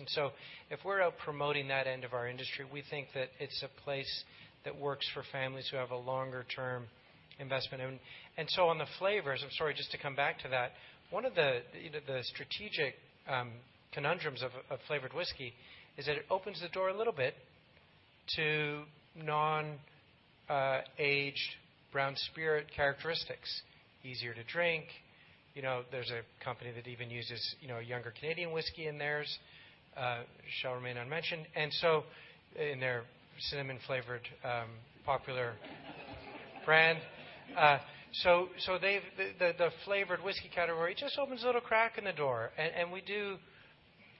If we're out promoting that end of our industry, we think that it's a place that works for families who have a longer-term investment. On the flavors, I'm sorry, just to come back to that, one of the strategic conundrums of flavored whiskey is that it opens the door a little bit to non-aged brown spirit characteristics. Easier to drink. There's a company that even uses younger Canadian whiskey in theirs. Shall remain unmentioned. In their cinnamon-flavored popular brand. The flavored whiskey category just opens a little crack in the door. We do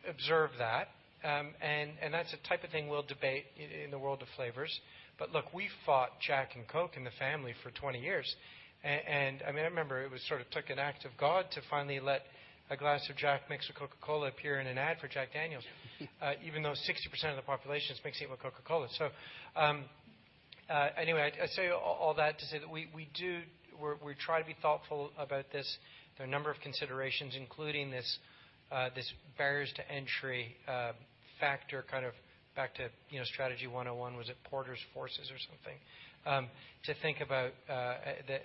observe that. That's the type of thing we'll debate in the world of flavors. Look, we fought Jack and Coke in the family for 20 years. I remember it took an act of God to finally let a glass of Jack mixed with Coca-Cola appear in an ad for Jack Daniel's, even though 60% of the population is mixing it with Coca-Cola. Anyway, I say all that to say that we try to be thoughtful about this. There are a number of considerations, including these barriers to entry factor, kind of back to Strategy 101, was it Porter's forces or something? To think about,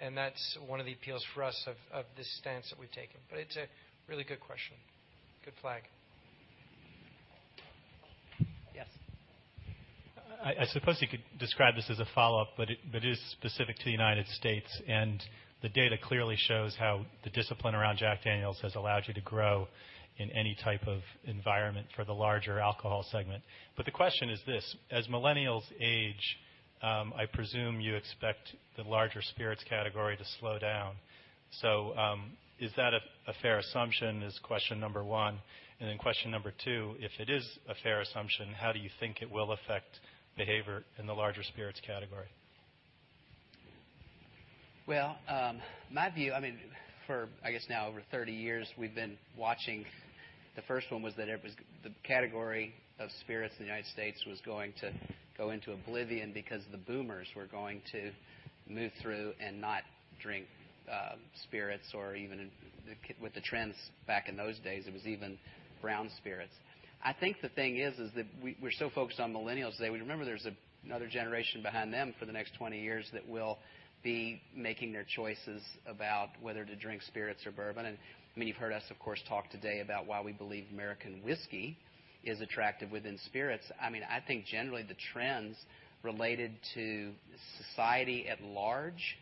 and that's one of the appeals for us of this stance that we've taken. It's a really good question. Good flag. Yes. I suppose you could describe this as a follow-up, it is specific to the United States, and the data clearly shows how the discipline around Jack Daniel's has allowed you to grow in any type of environment for the larger alcohol segment. The question is this: as millennials age, I presume you expect the larger spirits category to slow down. Is that a fair assumption, is question number one. Then question number two, if it is a fair assumption, how do you think it will affect behavior in the larger spirits category? Well, my view, for I guess now over 30 years, we've been watching. The first one was that the category of spirits in the United States was going to go into oblivion because the Boomers were going to move through and not drink spirits, or even with the trends back in those days, it was even brown spirits. I think the thing is that we're so focused on millennials today. Remember, there's another generation behind them for the next 20 years that will be making their choices about whether to drink spirits or bourbon. You've heard us, of course, talk today about why we believe American whiskey is attractive within spirits. I think generally the trends related to society at large,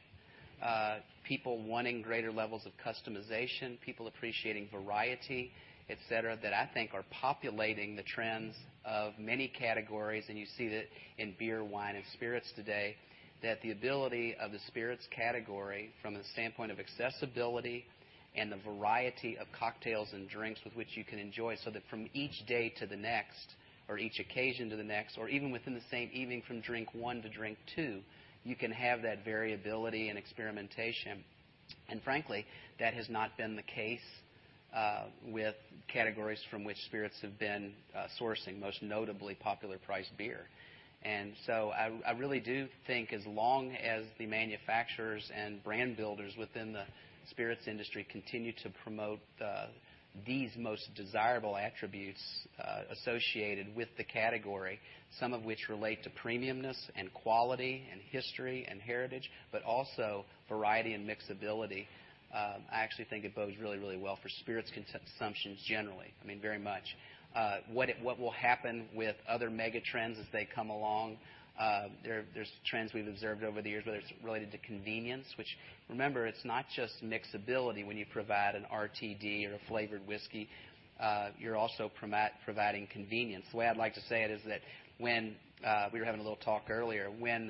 people wanting greater levels of customization, people appreciating variety, et cetera, that I think are populating the trends of many categories. You see that in beer, wine, and spirits today, that the ability of the spirits category from the standpoint of accessibility and the variety of cocktails and drinks with which you can enjoy, so that from each day to the next, or each occasion to the next, or even within the same evening from drink one to drink two, you can have that variability and experimentation. Frankly, that has not been the case with categories from which spirits have been sourcing, most notably popular priced beer. I really do think as long as the manufacturers and brand builders within the spirits industry continue to promote these most desirable attributes associated with the category, some of which relate to premiumness and quality and history and heritage, but also variety and mixability, I actually think it bodes really, really well for spirits consumption generally. Very much. What will happen with other mega trends as they come along? There's trends we've observed over the years, whether it's related to convenience. Which, remember, it's not just mixability when you provide an RTD or a flavored whiskey. You're also providing convenience. The way I'd like to say it is that when, we were having a little talk earlier, when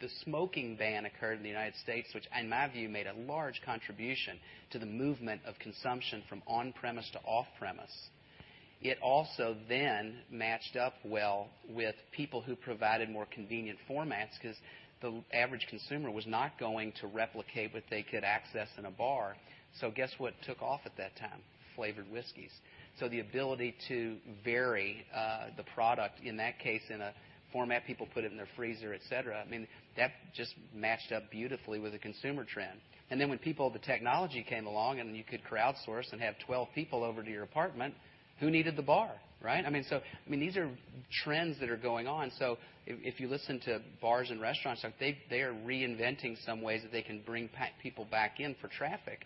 the smoking ban occurred in the U.S., which in my view made a large contribution to the movement of consumption from on-premise to off-premise. It also then matched up well with people who provided more convenient formats because the average consumer was not going to replicate what they could access in a bar. Guess what took off at that time? Flavored whiskeys. The ability to vary the product, in that case, in a format people put it in their freezer, et cetera. That just matched up beautifully with the consumer trend. When the technology came along and you could crowdsource and have 12 people over to your apartment, who needed the bar, right? These are trends that are going on. If you listen to bars and restaurants, they are reinventing some ways that they can bring people back in for traffic.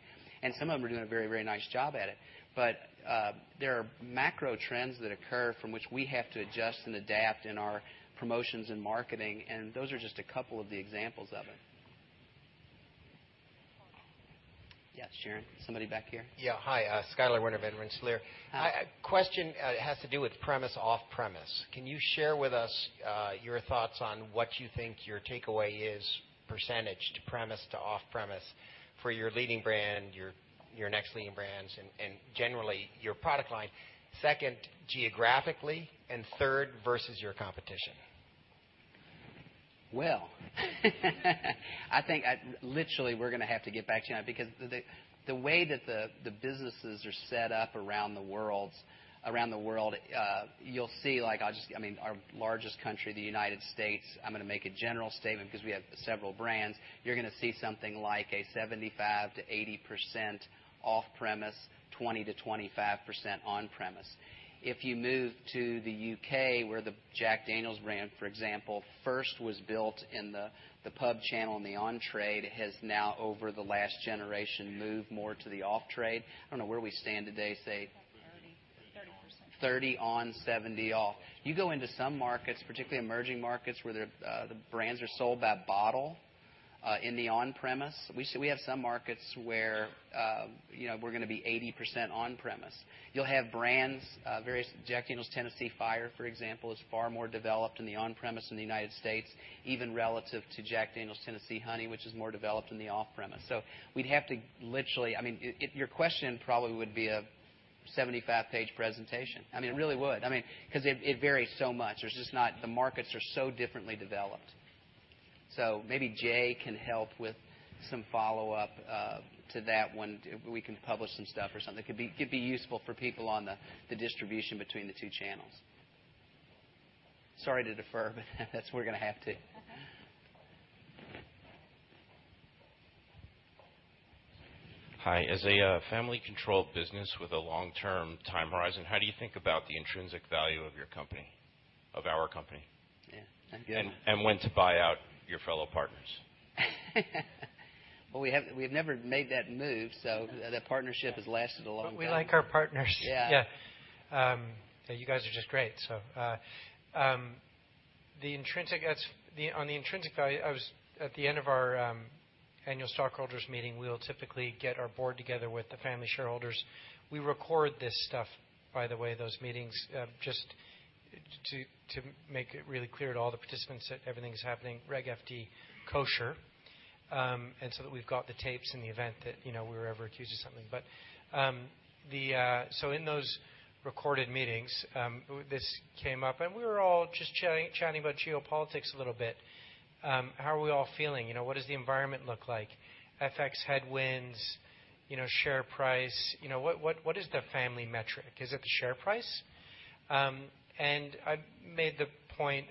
Some of them are doing a very, very nice job at it. There are macro trends that occur from which we have to adjust and adapt in our promotions and marketing, and those are just a couple of the examples of it. Yeah, Sharon, somebody back here. Yeah. Hi, Skyler Winter, Vedran Slier. Question has to do with premise, off-premise. Can you share with us your thoughts on what you think your takeaway is, percentage to premise to off-premise, for your leading brand, your next leading brands, and generally your product line? Second, geographically, and third, versus your competition. Well I think literally we're going to have to get back to you on it, because the way that the businesses are set up around the world, you'll see our largest country, the United States. I'm going to make a general statement because we have several brands. You're going to see something like a 75%-80% off-premise, 20%-25% on-premise. If you move to the U.K., where the Jack Daniel's brand, for example, first was built in the pub channel, and the on-trade has now over the last generation moved more to the off-trade. I don't know where we stand today, say- 30%. 30% on, 70% off. You go into some markets, particularly emerging markets, where the brands are sold by bottle in the on-premise. We have some markets where we're going to be 80% on-premise. You'll have brands, various Jack Daniel's Tennessee Fire, for example, is far more developed in the on-premise in the United States, even relative to Jack Daniel's Tennessee Honey, which is more developed in the off-premise. Your question probably would be a 75-page presentation. It really would, because it varies so much. The markets are so differently developed. Maybe Jay can help with some follow-up to that one. We can publish some stuff or something. Could be useful for people on the distribution between the two channels. Sorry to defer, but that's we're going to have to. Hi. As a family-controlled business with a long-term time horizon, how do you think about the intrinsic value of our company? Yeah. That's good. When to buy out your fellow partners? We've never made that move, so the partnership has lasted a long time. We like our partners. Yeah. Yeah. You guys are just great. On the intrinsic value, at the end of our annual stockholders meeting, we'll typically get our board together with the family shareholders. We record this stuff, by the way, those meetings, just to make it really clear to all the participants that everything's happening, Reg FD kosher, and so that we've got the tapes in the event that we're ever accused of something. In those recorded meetings, this came up, and we were all just chatting about geopolitics a little bit. How are we all feeling? What does the environment look like? FX headwinds, share price. What is the family metric? Is it the share price? I made the point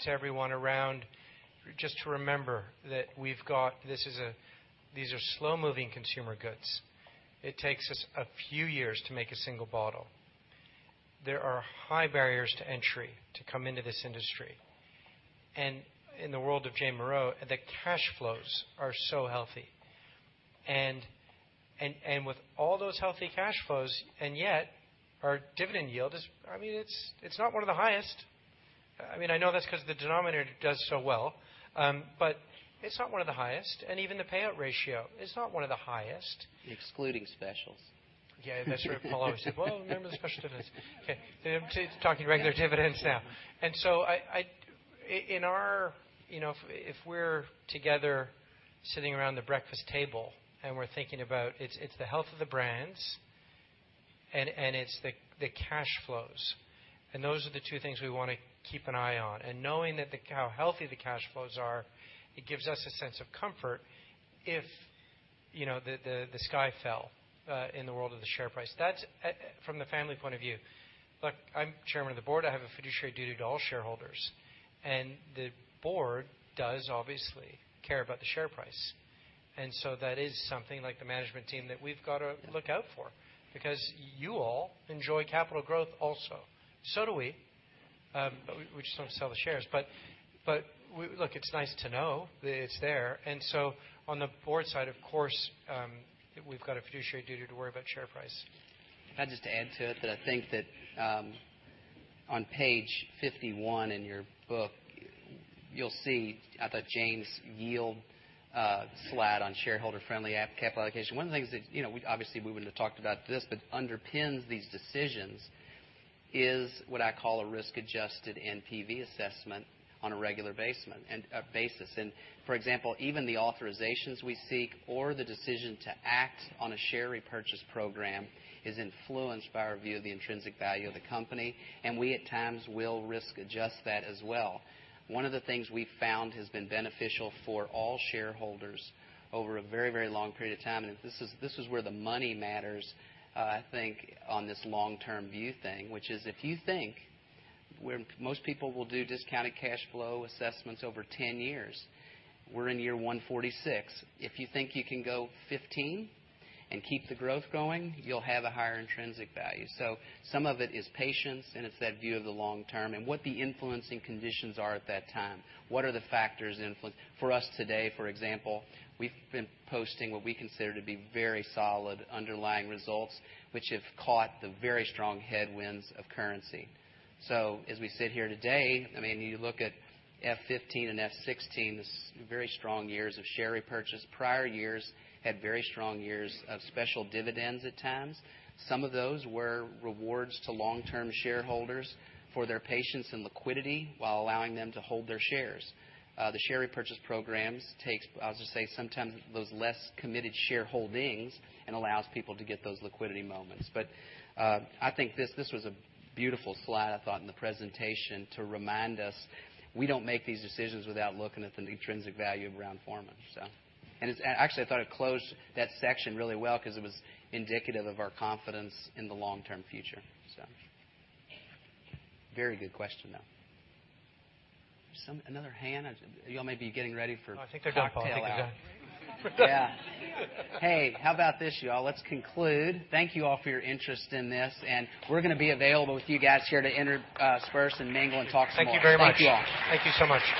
to everyone around just to remember that these are slow-moving consumer goods. It takes us a few years to make a single bottle. There are high barriers to entry to come into this industry. In the world of J. Moreau, the cash flows are so healthy. With all those healthy cash flows, and yet, our dividend yield is not one of the highest. I know that's because the denominator does so well, but it's not one of the highest, and even the payout ratio is not one of the highest. Excluding specials. Yeah, that's right. Paul always said, "Well, remember the special dividends." Okay. Talking regular dividends now. If we're together, sitting around the breakfast table, and we're thinking about, it's the health of the brands, and it's the cash flows. Those are the two things we want to keep an eye on. Knowing how healthy the cash flows are, it gives us a sense of comfort if the sky fell, in the world of the share price. That's from the family point of view. Look, I'm chairman of the board. I have a fiduciary duty to all shareholders, and the board does obviously care about the share price. So that is something, like the management team, that we've got to look out for because you all enjoy capital growth also. So do we. We just don't sell the shares. Look, it's nice to know that it's there. On the board side, of course, we've got a fiduciary duty to worry about share price. If I can just add to it, that I think that, on page 51 in your book, you'll see, I thought, Jane's yield slide on shareholder-friendly capital allocation. One of the things that, obviously, we wouldn't have talked about this, but underpins these decisions is what I call a risk-adjusted NPV assessment on a regular basis. For example, even the authorizations we seek or the decision to act on a share repurchase program is influenced by our view of the intrinsic value of the company, and we, at times, will risk adjust that as well. One of the things we've found has been beneficial for all shareholders over a very long period of time, and this is where the money matters, I think, on this long-term view thing, which is if you think where most people will do discounted cash flow assessments over 10 years. We're in year 146. If you think you can go 15 and keep the growth going, you'll have a higher intrinsic value. Some of it is patience, and it's that view of the long term and what the influencing conditions are at that time. What are the factors influencing? For us today, for example, we've been posting what we consider to be very solid underlying results, which have caught the very strong headwinds of currency. As we sit here today, you look at F15 and F16, very strong years of share repurchase. Prior years had very strong years of special dividends at times. Some of those were rewards to long-term shareholders for their patience and liquidity while allowing them to hold their shares. The share repurchase programs takes, I'll just say, sometimes those less committed shareholdings and allows people to get those liquidity moments. I think this was a beautiful slide, I thought, in the presentation to remind us, we don't make these decisions without looking at the intrinsic value of Brown-Forman. Actually, I thought it closed that section really well because it was indicative of our confidence in the long-term future. Very good question, though. Another hand? You all may be getting ready for cocktail hour. No, I think they're done, Paul. I think they're done. Yeah. Hey, how about this, you all? Let's conclude. Thank you all for your interest in this, and we're going to be available with you guys here to interact first and mingle and talk some more. Thank you very much. Thank you all. Thank you so much.